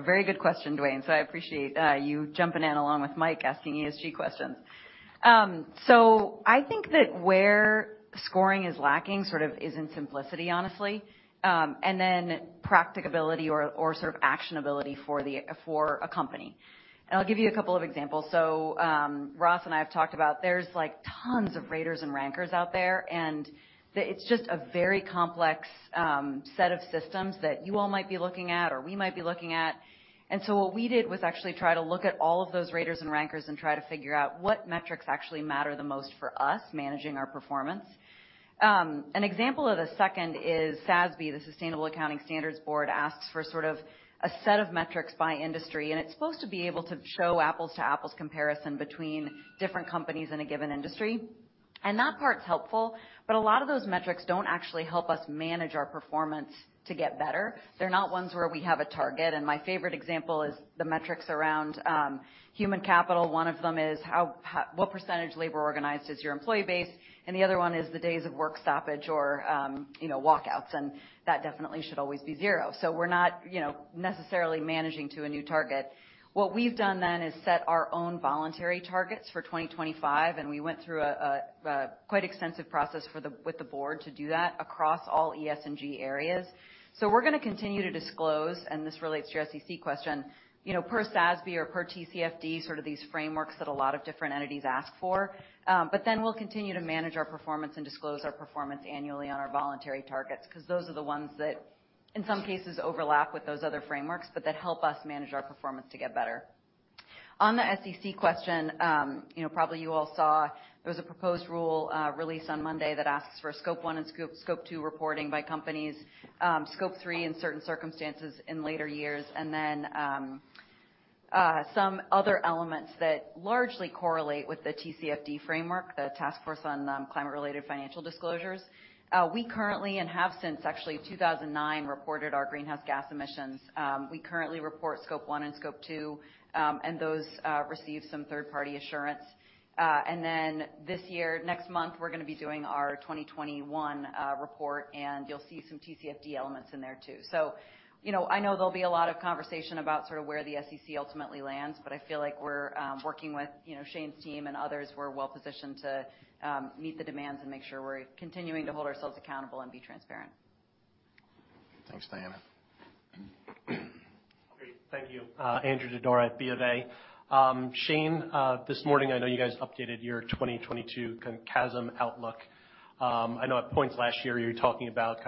very good question, Duane, so I appreciate you jumping in along with Mike asking ESG questions. I think that where scoring is lacking sort of is in simplicity, honestly, and then practicability or sort of actionability for a company. I'll give you a couple of examples. Ross and I have talked about there's like tons of raters and rankers out there, and it's just a very complex set of systems that you all might be looking at or we might be looking at. What we did was actually try to look at all of those raters and rankers and try to figure out what metrics actually matter the most for us managing our performance. An example of the second is SASB, the Sustainability Accounting Standards Board, asks for sort of a set of metrics by industry, and it's supposed to be able to show apples to apples comparison between different companies in a given industry. That part's helpful, but a lot of those metrics don't actually help us manage our performance to get better. They're not ones where we have a target, and my favorite example is the metrics around human capital. One of them is what percentage labor organized is your employee base, and the other one is the days of work stoppage or, you know, walkouts, and that definitely should always be zero. We're not, you know, necessarily managing to a new target. What we've done then is set our own voluntary targets for 2025, and we went through a quite extensive process with the board to do that across all ESG areas. We're gonna continue to disclose, and this relates to your SEC question, you know, per SASB or per TCFD, sort of these frameworks that a lot of different entities ask for. We'll continue to manage our performance and disclose our performance annually on our voluntary targets, 'cause those are the ones that in some cases overlap with those other frameworks, but that help us manage our performance to get better. On the SEC question, you know, probably you all saw there was a proposed rule released on Monday that asks for Scope 1 and Scope 2 reporting by companies, Scope 3 in certain circumstances in later years, and then some other elements that largely correlate with the TCFD framework, the Task Force on Climate-Related Financial Disclosures. We currently and have since actually 2009 reported our greenhouse gas emissions. We currently report Scope 1 and Scope 2, and those receive some third-party assurance. This year, next month, we're gonna be doing our 2021 report, and you'll see some TCFD elements in there too. You know, I know there'll be a lot of conversation about sort of where the SEC ultimately lands, but I feel like we're working with, you know, Shane's team and others who are well positioned to meet the demands and make sure we're continuing to hold ourselves accountable and be transparent. Thanks, Diana. Great. Thank you. Andrew Didora at Bank of America. Shane, this morning I know you guys updated your 2022 CASM outlook. I know at points last year you were talking about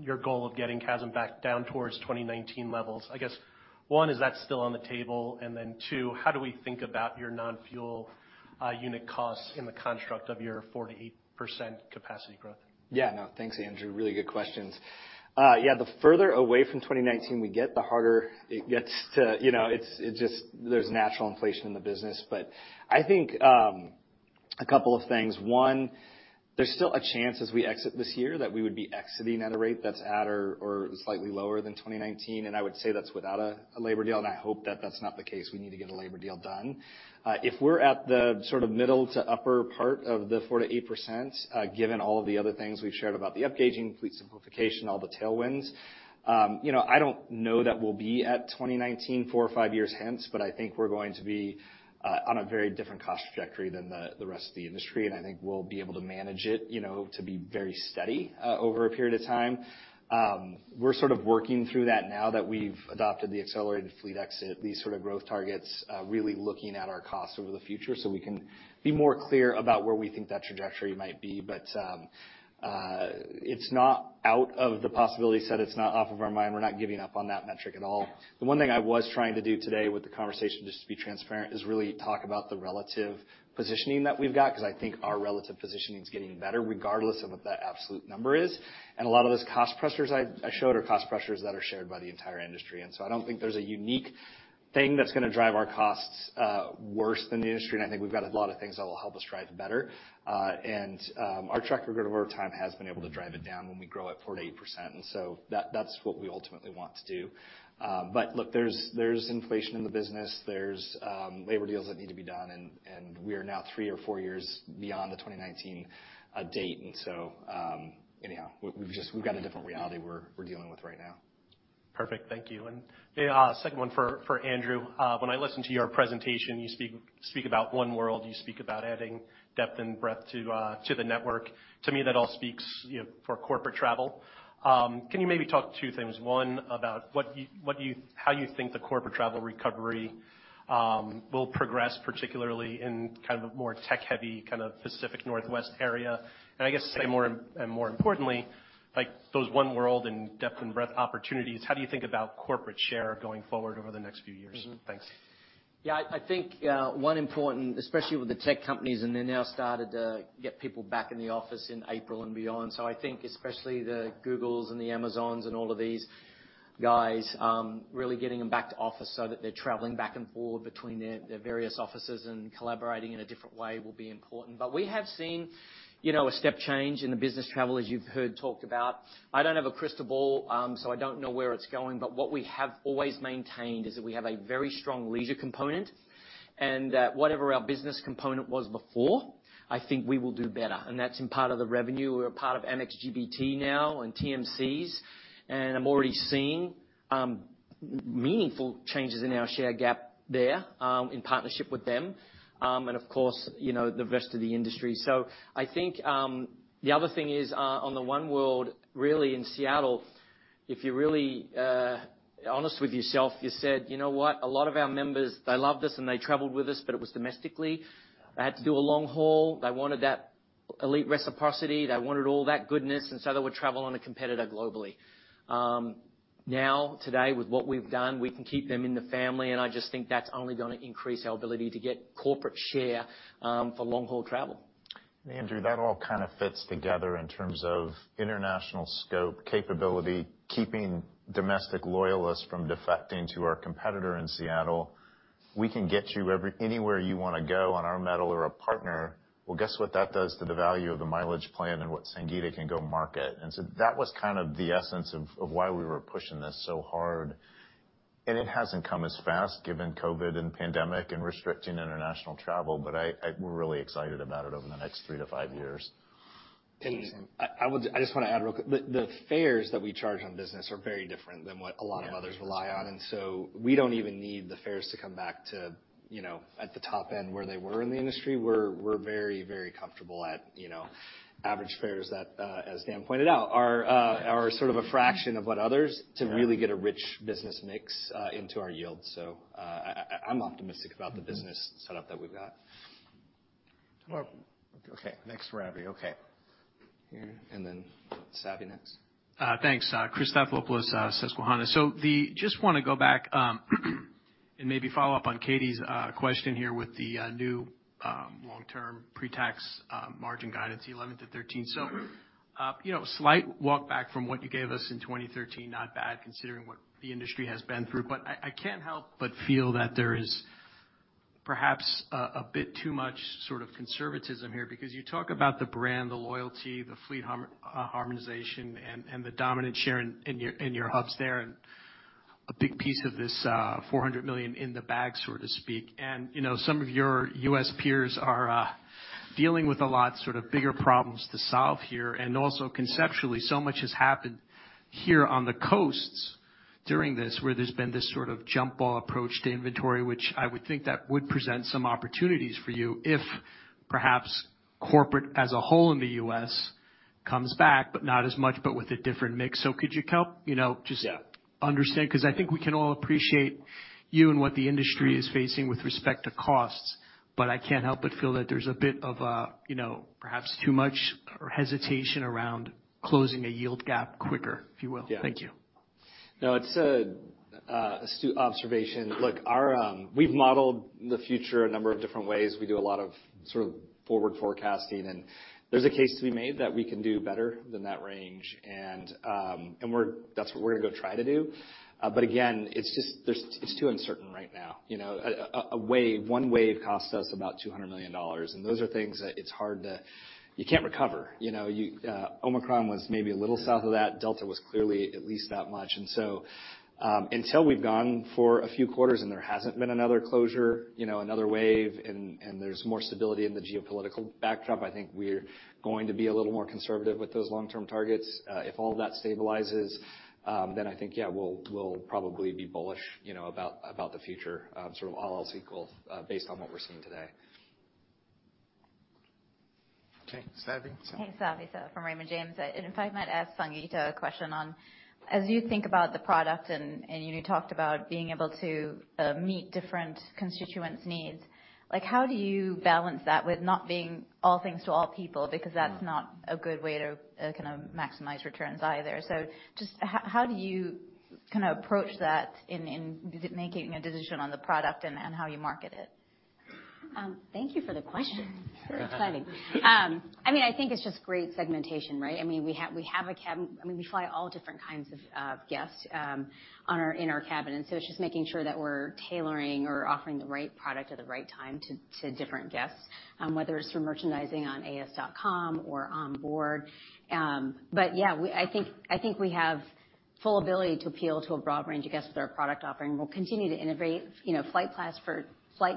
your goal of getting CASM back down towards 2019 levels. I guess, one, is that still on the table? Two, how do we think about your non-fuel unit costs in the construct of your 4%-8% capacity growth? Yeah, no, thanks, Andrew. Really good questions. Yeah, the further away from 2019 we get, the harder it gets to you know, it's just there's natural inflation in the business. But I think a couple of things. One, there's still a chance as we exit this year that we would be exiting at a rate that's at or slightly lower than 2019, and I would say that's without a labor deal, and I hope that that's not the case. We need to get a labor deal done. If we're at the sort of middle to upper part of the 4%-8%, given all of the other things we've shared about the upgauging, fleet simplification, all the tailwinds, you know, I don't know that we'll be at 2019 four or five years hence, but I think we're going to be on a very different cost trajectory than the rest of the industry. I think we'll be able to manage it, you know, to be very steady over a period of time. We're sort of working through that now that we've adopted the accelerated fleet exit, these sort of growth targets, really looking at our costs over the future so we can be more clear about where we think that trajectory might be. It's not out of the possibility set. It's not off of our mind. We're not giving up on that metric at all. The one thing I was trying to do today with the conversation, just to be transparent, is really talk about the relative positioning that we've got, 'cause I think our relative positioning is getting better regardless of what that absolute number is. A lot of those cost pressures I showed are cost pressures that are shared by the entire industry. I don't think there's a unique thing that's gonna drive our costs worse than the industry. I think we've got a lot of things that will help us drive better. Our track record over time has been able to drive it down when we grow at 4%-8%, and so that's what we ultimately want to do-- Look, there's inflation in the business. There's labor deals that need to be done and we are now three or four years beyond the 2019 date. Anyhow, we've got a different reality we're dealing with right now. Perfect. Thank you. A second one for Andrew. When I listen to your presentation, you speak about oneworld, you speak about adding depth and breadth to the network. To me, that all speaks, you know, for corporate travel. Can you maybe talk about two things? One, about how you think the corporate travel recovery will progress, particularly in kind of a more tech-heavy, kind of Pacific Northwest area. And I guess say more and more importantly, like those oneworld and depth and breadth opportunities, how do you think about corporate share going forward over the next few years? Mm-hmm. Thanks. Yeah, I think one important, especially with the tech companies, and they're now started to get people back in the office in April and beyond. I think especially the Googles and the Amazons and all of these guys, really getting them back to office so that they're traveling back and forth between their various offices and collaborating in a different way will be important. We have seen, you know, a step change in the business travel, as you've heard talked about. I don't have a crystal ball, so I don't know where it's going, but what we have always maintained is that we have a very strong leisure component and that whatever our business component was before, I think we will do better. That's in part of the revenue. We're a part of Amex GBT now and TMCs, and I'm already seeing meaningful changes in our share gap there, in partnership with them. Of course, you know, the rest of the industry. I think the other thing is on the oneworld, really in Seattle, if you're really honest with yourself, you said, "You know what? A lot of our members, they loved us and they traveled with us, but it was domestically. They had to do a long haul. They wanted that elite reciprocity. They wanted all that goodness, and so they would travel on a competitor globally." Now today with what we've done, we can keep them in the family, and I just think that's only gonna increase our ability to get corporate share, for long-haul travel. Andrew, that all kind of fits together in terms of international scope, capability, keeping domestic loyalists from defecting to our competitor in Seattle. We can get you anywhere you wanna go on our metal or a partner. Well, guess what that does to the value of the Mileage Plan and what Sangita can go market. That was kind of the essence of why we were pushing this so hard. It hasn't come as fast given COVID and pandemic and restricting international travel, but we're really excited about it over the nextthree to five years. I just wanna add real quick. The fares that we charge on business are very different than what a lot of others rely on. We don't even need the fares to come back to, you know, at the top end where they were in the industry. We're very, very comfortable at, you know, average fares that, as Dan pointed out, are sort of a fraction of what others do to really get a rich business mix into our yield. I'm optimistic about the business setup that we've got. Okay. Next for Abby. Okay. Here, and then Savi next. Thanks. Christopher Stathoulopoulos, Susquehanna. So just wanna go back and maybe follow up on Catie's question here with the new long-term pre-tax margin guidance, 11%-13%. You know, slight walk back from what you gave us in 2013, not bad considering what the industry has been through. But I can't help but feel that there is perhaps a bit too much sort of conservatism here because you talk about the brand, the loyalty, the fleet harmonization and the dominant share in your hubs there, and a big piece of this $400 million in the bag, so to speak. You know, some of your U.S. peers are dealing with a lot, sort of bigger problems to solve here. Also conceptually, so much has happened here on the coasts during this where there's been this sort of jump ball approach to inventory, which I would think that would present some opportunities for you if perhaps corporate as a whole in the U.S. comes back, but not as much, but with a different mix. Could you help, you know, just- Yeah I understand, because I think we can all appreciate you and what the industry is facing with respect to costs, but I can't help but feel that there's a bit of a, you know, perhaps too much hesitation around closing a yield gap quicker, if you will. Yeah. Thank you. No, it's a astute observation. Look, we've modeled the future a number of different ways. We do a lot of sort of forward forecasting, and there's a case to be made that we can do better than that range. That's what we're gonna go try to do. Again, it's just. It's too uncertain right now. You know, a wave. One wave cost us about $200 million, and those are things that it's hard to recover. You can't recover. You know, Omicron was maybe a little south of that. Delta was clearly at least that much. Until we've gone for a few quarters and there hasn't been another closure, you know, another wave and there's more stability in the geopolitical backdrop, I think we're going to be a little more conservative with those long-term targets. If all that stabilizes, then I think, yeah, we'll probably be bullish, you know, about the future, sort of all else equal, based on what we're seeing today. Okay. Savi? Hey, Savi, from Raymond James. If I might ask Sangita a question on, as you think about the product and you talked about being able to meet different constituents' needs, like, how do you balance that with not being all things to all people? Because that's not a good way to kind of maximize returns either. Just how do you kind of approach that in making a decision on the product and how you market it? Thank you for the question. Sure. Very exciting. I mean, I think it's just great segmentation, right? I mean, we fly all different kinds of guests in our cabin. It's just making sure that we're tailoring or offering the right product at the right time to different guests, whether it's through merchandising on alaskaair.com or on board. I think we have full ability to appeal to a broad range of guests with our product offering. We'll continue to innovate. You know, Flight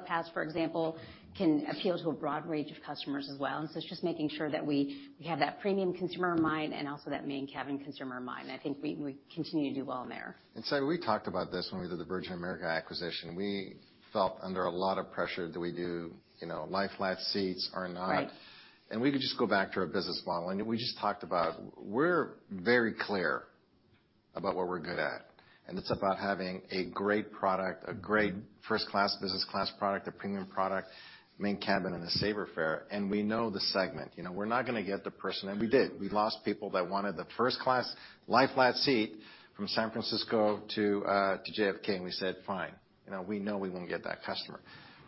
Pass, for example, can appeal to a broad range of customers as well. It's just making sure that we have that premium consumer in mind and also that main cabin consumer in mind. I think we continue to do well in there. Savi, we talked about this when we did the Virgin America acquisition. We felt under a lot of pressure. Do we do, you know, lie-flat seats or not? Right. We could just go back to our business model. We just talked about we're very clear about what we're good at, and it's about having a great product, a great first class, business class product, a premium product, main cabin, and a Saver fare. We know the segment. You know, we're not gonna get the person, and we did. We lost people that wanted the first class lie-flat seat from San Francisco to JFK, and we said, "Fine." You know, we know we won't get that customer.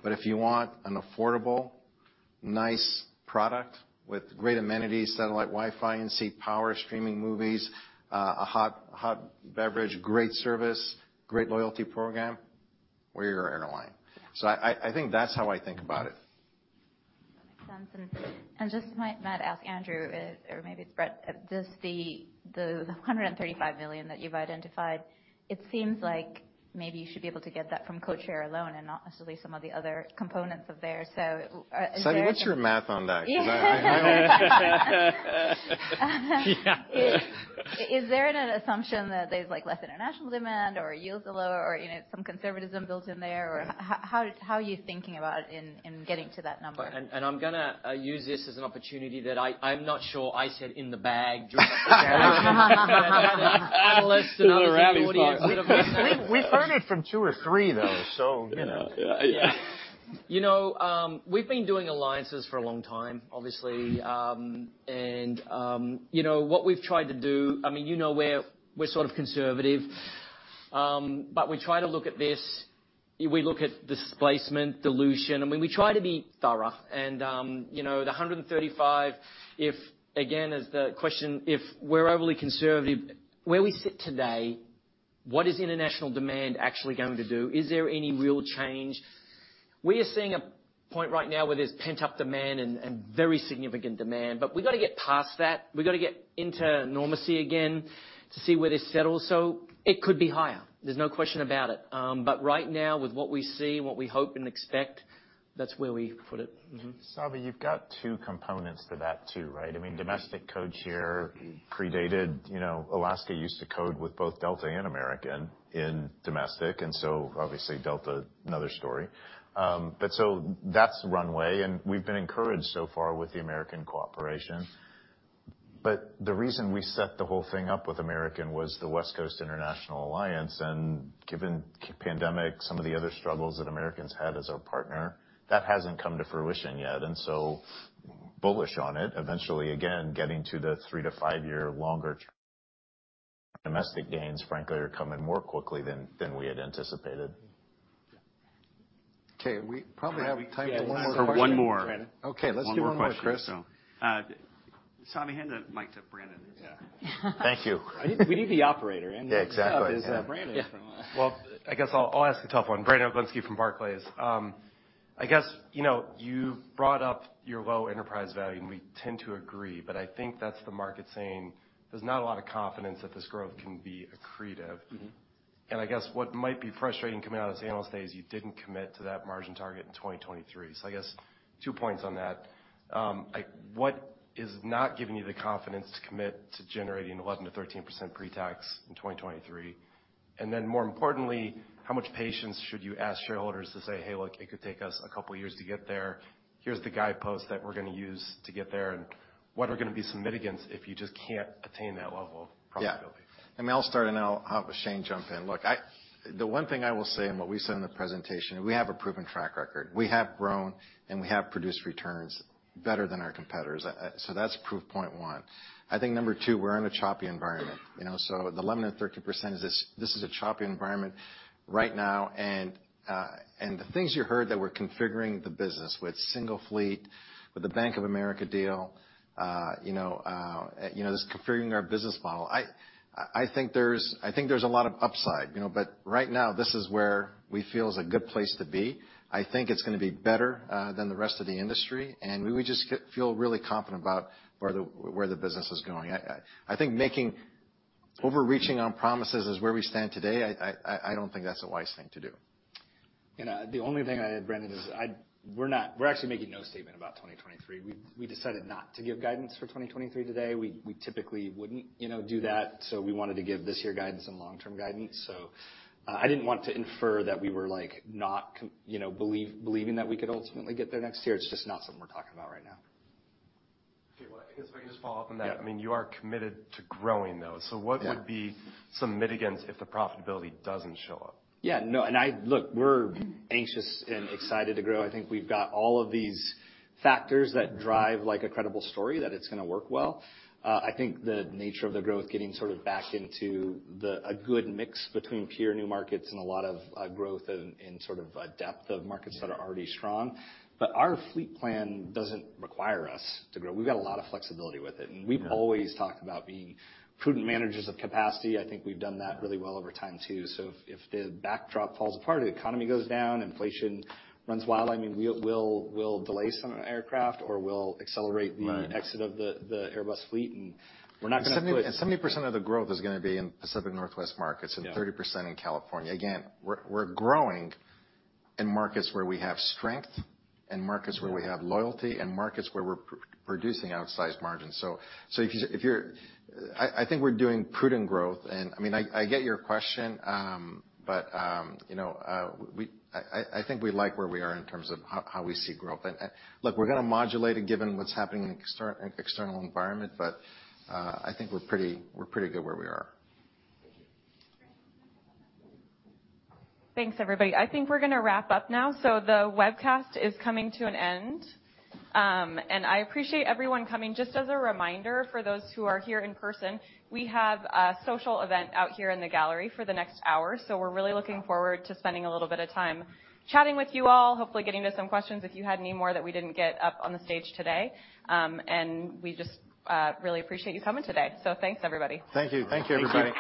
But if you want an affordable, nice product with great amenities, satellite Wi-Fi, in-seat power, streaming movies, a hot beverage, great service, great loyalty program, we're your airline. Yeah. I think that's how I think about it. That makes sense. I just might ask Andrew if, or maybe Brett, does the $135 million that you've identified, it seems like maybe you should be able to get that from codeshare alone and not necessarily some of the other components thereof. Is there- Savi, what's your math on that? Is there an assumption that there's like less international demand or yields are lower or, you know, some conservatism built in there? Or how are you thinking about in getting to that number? I'm gonna use this as an opportunity that I'm not sure I said in the back during the presentation. Analysts and audience- We heard it from two or three, though, so you know. You know, we've been doing alliances for a long time, obviously. You know, what we've tried to do, I mean, you know, we're sort of conservative. We try to look at this. We look at displacement, dilution. I mean, we try to be thorough and, you know, the 135, if again, as the question, if we're overly conservative where we sit today, what is international demand actually going to do? Is there any real change? We are seeing a point right now where there's pent-up demand and very significant demand, but we've got to get past that. We've got to get into normalcy again to see where this settles. It could be higher, there's no question about it. Right now, with what we see, what we hope and expect, that's where we put it. Mm-hmm. Savi, you've got two components for that too, right? I mean, domestic code share predated, you know, Alaska used to code with both Delta and American in domestic, and so obviously Delta, another story. That's runway, and we've been encouraged so far with the American cooperation. The reason we set the whole thing up with American was the West Coast International Alliance. Given pandemic, some of the other struggles that Americans had as our partner, that hasn't come to fruition yet, and so bullish on it. Eventually, again, getting to the three to five year longer term, domestic gains, frankly, are coming more quickly than we had anticipated. Okay, we probably have time for one more question. One more. Okay, let's do one more, Chris. One more question. Savi, hand the mic to Brandon. Yeah. Thank you. We need the operator. Yeah, exactly. Brandon is the one. Well, I guess I'll ask the tough one. Brandon Oglenski from Barclays. I guess, you know, you brought up your low enterprise value, and we tend to agree, but I think that's the market saying there's not a lot of confidence that this growth can be accretive. Mm-hmm. I guess what might be frustrating coming out of this analyst day is you didn't commit to that margin target in 2023. I guess two points on that. What is not giving you the confidence to commit to generating 11%-13% pre-tax in 2023? Then more importantly, how much patience should you ask shareholders to say, "Hey, look, it could take us a couple of years to get there. Here's the guidepost that we're gonna use to get there." What are gonna be some mitigants if you just can't attain that level of profitability? Yeah. I'll start, and I'll have Shane jump in. Look, the one thing I will say and what we said in the presentation, we have a proven track record. We have grown, and we have produced returns better than our competitors. So that's proof point one. I think number two, we're in a choppy environment, you know, so the load factor at 30% is this is a choppy environment right now. The things you heard that we're configuring the business with single fleet, with the Bank of America deal, you know, just configuring our business model, I think there's a lot of upside, you know. But right now, this is where we feel is a good place to be. I think it's gonna be better than the rest of the industry, and we just feel really confident about where the business is going. I think making overreaching on promises is where we stand today. I don't think that's a wise thing to do. You know, the only thing I add, Brandon, is we're actually making no statement about 2023. We decided not to give guidance for 2023 today. We typically wouldn't, you know, do that. So we wanted to give this year guidance and long-term guidance. I didn't want to infer that we were, like, not believing that we could ultimately get there next year. It's just not something we're talking about right now. Okay. Well, I guess if I can just follow up on that. Yeah. I mean, you are committed to growing, though. Yeah. What would be some mitigants if the profitability doesn't show up? Look, we're anxious and excited to grow. I think we've got all of these factors that drive like a credible story that it's gonna work well. I think the nature of the growth getting sort of back into a good mix between pure new markets and a lot of growth and sort of depth of markets that are already strong. Our fleet plan doesn't require us to grow. We've got a lot of flexibility with it. Yeah. We've always talked about being prudent managers of capacity. I think we've done that really well over time, too. If the backdrop falls apart or the economy goes down, inflation runs wild, I mean, we'll delay some aircraft, or we'll accelerate- Right... the exit of the Airbus fleet, and we're not gonna put- 70% of the growth is gonna be in Pacific Northwest markets. Yeah. 30% in California. Again, we're growing in markets where we have strength and markets where we have loyalty and markets where we're producing outsized margins. I think we're doing prudent growth. I mean, I get your question. But you know, I think we like where we are in terms of how we see growth. Look, we're gonna modulate it given what's happening in external environment, but I think we're pretty good where we are. Thank you. Thanks, everybody. I think we're gonna wrap up now. The webcast is coming to an end. I appreciate everyone coming. Just as a reminder for those who are here in person, we have a social event out here in the gallery for the next hour. We're really looking forward to spending a little bit of time chatting with you all, hopefully getting to some questions if you had any more that we didn't get up on the stage today. We just really appreciate you coming today. Thanks, everybody. Thank you. Thank you, everybody.